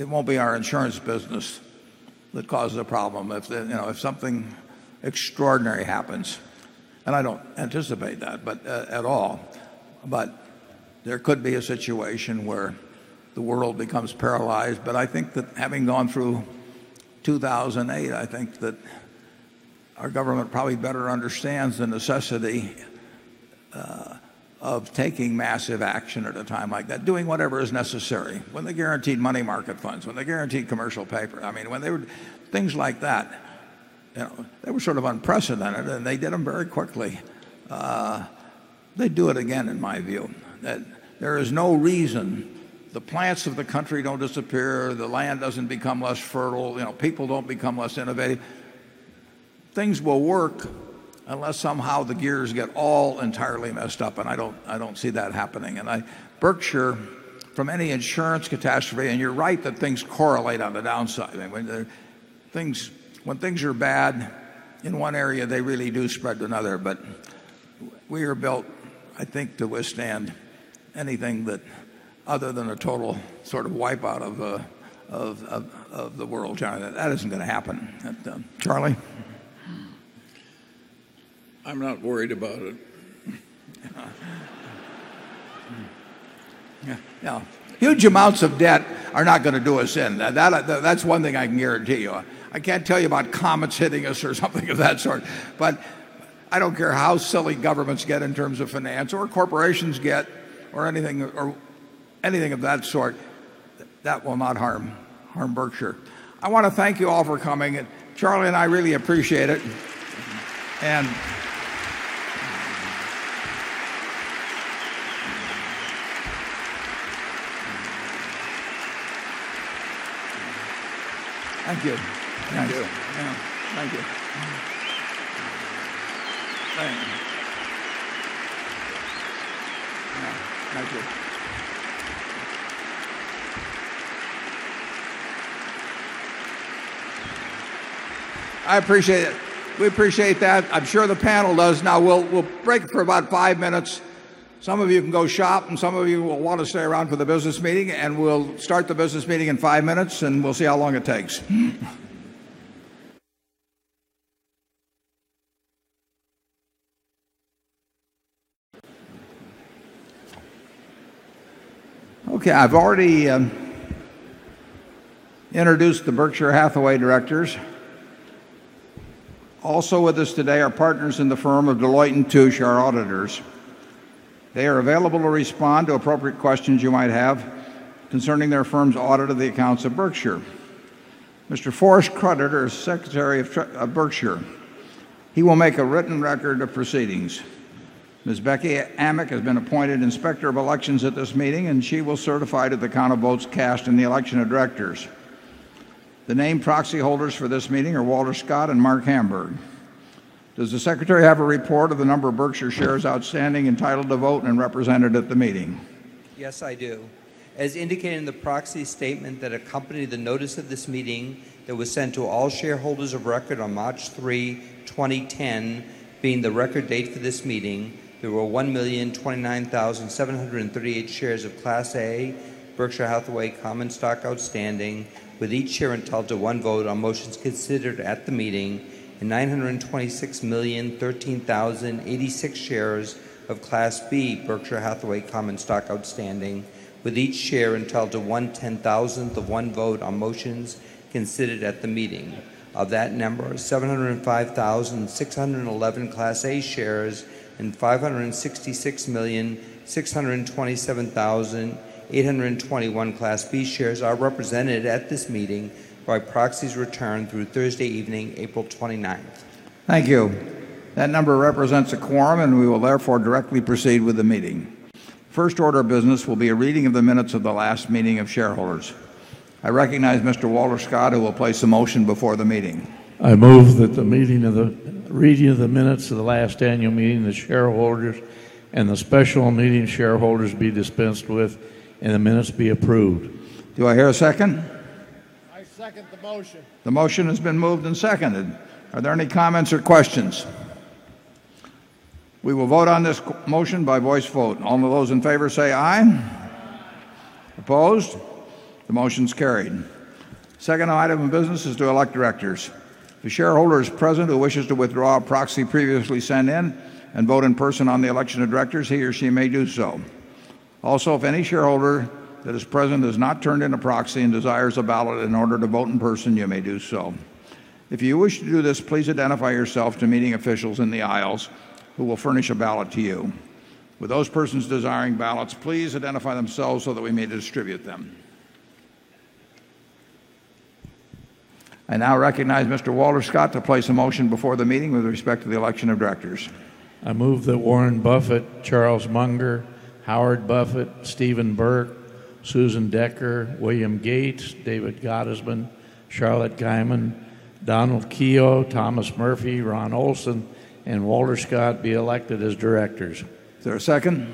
it won't be our insurance business that causes a problem. If something extraordinary happens, and I don't anticipate that, but at all. But there could be a situation where the world becomes paralyzed. But I think that having gone through 2,008, I think that our government probably better understands the necessity of taking massive action at a time like that, doing whatever is necessary. When they guaranteed money market funds, when they guaranteed commercial paper, I mean, when they would things like that, they were sort of unprecedented and they did them very quickly. They'd do it again in my view. There is no reason the plants of the country don't disappear. The land doesn't become less fertile. You know, people don't become less innovative. Things will work unless somehow the gears get all entirely messed up. And I don't I don't see that happening. And I Berkshire, from any insurance catastrophe and you're right that things correlate on the down side. When things are bad in one area, they really do spread to another. But we are built, I think, to withstand anything that other than a total sort of wipe out of the world, John. That isn't going to happen. Charlie? I'm not worried about it. Yes. Huge amounts of debt are not going to do us in. That's one thing I can guarantee you. I can't tell you about comments hitting us or something of that sort. But I don't care how silly governments get in terms of finance or corporations get or anything or anything of that sort. That will not harm harm Berkshire. I want to thank you all for coming. Charlie and I really appreciate it. And Thank you. I appreciate it. We appreciate that. I'm sure the panel does. Now, we'll we'll break for about 5 minutes. Some of you can go shop and some of you will want to stay around for the business meeting and we'll start the business meeting in 5 minutes and we'll see how long it takes. Okay. I've already introduced the Berkshire Hathaway directors. Also with us today are partners in the firm of Deloitte and Touche, our auditors. They are available to respond to appropriate questions you might have concerning their firm's audit of the accounts of Berkshire. Mr. Forrest Creditor is secretary of Berkshire. He will make a written record of proceedings. Miss Becky Amick has been appointed inspector of elections at this meeting and she will certify to the count of votes cast in the election of outstanding entitled to vote and represented at the meeting? Yes, I do. As indicated in the proxy statement that accompany the notice of this meeting that was sent to all shareholders of record on March 3, 2010 being the record date for this meeting, there were 1,029,730 shares of Class A Berkshire Hathaway common stock outstanding with each share entitled to one vote on motions considered at the meeting 926,013,086 shares of Class B Berkshire Hathaway common stock outstanding with each share entitled to 110,000 the one vote on motions considered at the meeting. Of that number, 705,611 Class A shares and 566,627,821 Class B shares are represented at this meeting by proxies returned through Thursday evening, April 29. Thank you. That number represents a quorum and we will therefore directly proceed with the meeting. First order of business will be a reading of the minutes of the last meeting of shareholders. I recognize Mr. Walter Scott, who will place a motion before the meeting. I move that the meeting of the reading of the minutes of the last annual meeting, the shareholders and the special meeting shareholders be dispensed with and the minutes be approved. Do I hear a second? I second the motion. The motion has been moved and seconded. Are there any comments or questions? We will vote on this motion by voice vote. All of those in favor say aye. Opposed? The motion is carried. 2nd item of business is to elect directors. The shareholders present who wishes to withdraw a proxy previously sent in and vote in person on the election of directors, he or she may do so. Also, if any shareholder that is present is not turned into proxy and desires a ballot in order to vote in person, you may do so. If you wish to do this, please identify yourself to meeting officials in the aisles who will furnish a ballot to you. With those persons desiring ballots, please identify themselves so that we may distribute them. I now recognize Mr. Walter Scott to place a motion before the meeting with respect to the election of directors. I move that Warren Buffet, Charles Munger, Howard Buffet, Stephen Burke, Susan Decker, William Gates, David Gottesman, Charlotte Guyman, Donald Keogh, Thomas Murphy, Ron Olson, and Walter Scott be elected as directors. Is there a second?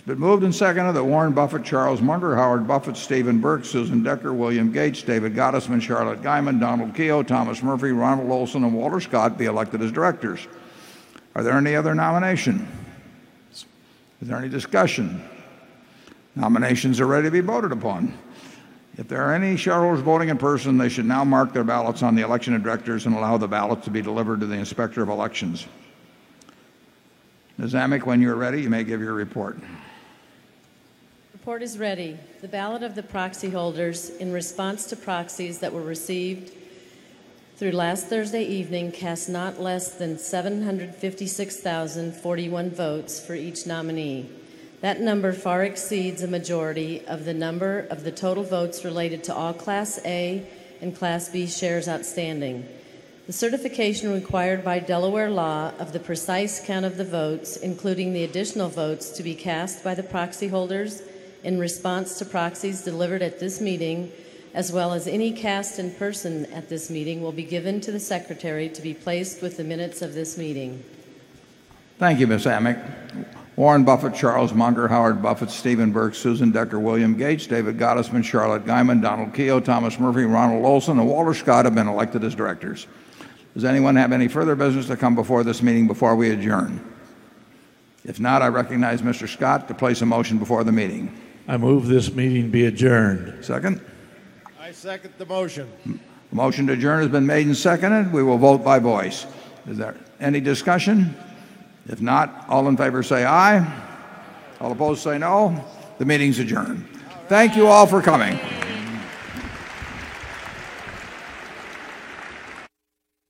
I I second the motion. It's been moved and seconded that Warren Buffet, Charles Munger, Howard Buffet, Steven Burke, Susan Decker, William Gates, David Gottesman, Charlotte Guyman, Donald Keogh, Thomas Murphy, Ronald Olson and Walter Scott be elected as directors. Are there any other nominations? Is there any discussion? Nominations are ready to be voted upon. If there are any shareholders voting in person, they should now mark their ballots on the election directors and allow the ballot to be delivered to the inspector of elections. Ms. Amick, when you're ready, you may give your report. Report is ready. The ballot of the proxy holders in response to proxies that were received through last Thursday evening cast not less than 756,041 votes for each nominee. That number far exceeds a majority of the number of the total votes related to all Class A and Class B shares outstanding. The certification required by Delaware law of the precise count of the votes, including the additional votes to be cast by the proxy holders in response to proxies delivered at this meeting as well as any cast in person at this meeting will be given to the secretary to be placed with the minutes of this meeting. Thank you, Ms. Amick. Warren Buffett, Charles Munger, Howard Buffett, Stephen Birx, Susan Decker, William Gage, David Gottesman, Charlotte Guyman, Donald Keogh, Thomas Murphy, Ronald Olson and Walter Scott have been elected as directors. Does anyone have any further business to come before this meeting before we adjourn? If not, I recognize Mr. Scott to place a motion before the meeting. I move this meeting be adjourned. Second? I second the motion. Motion to adjourn has been made and seconded. We will vote by voice. Is there any discussion? If not, all in favor say aye. All opposed say no. The meeting is adjourned. Thank you all for coming.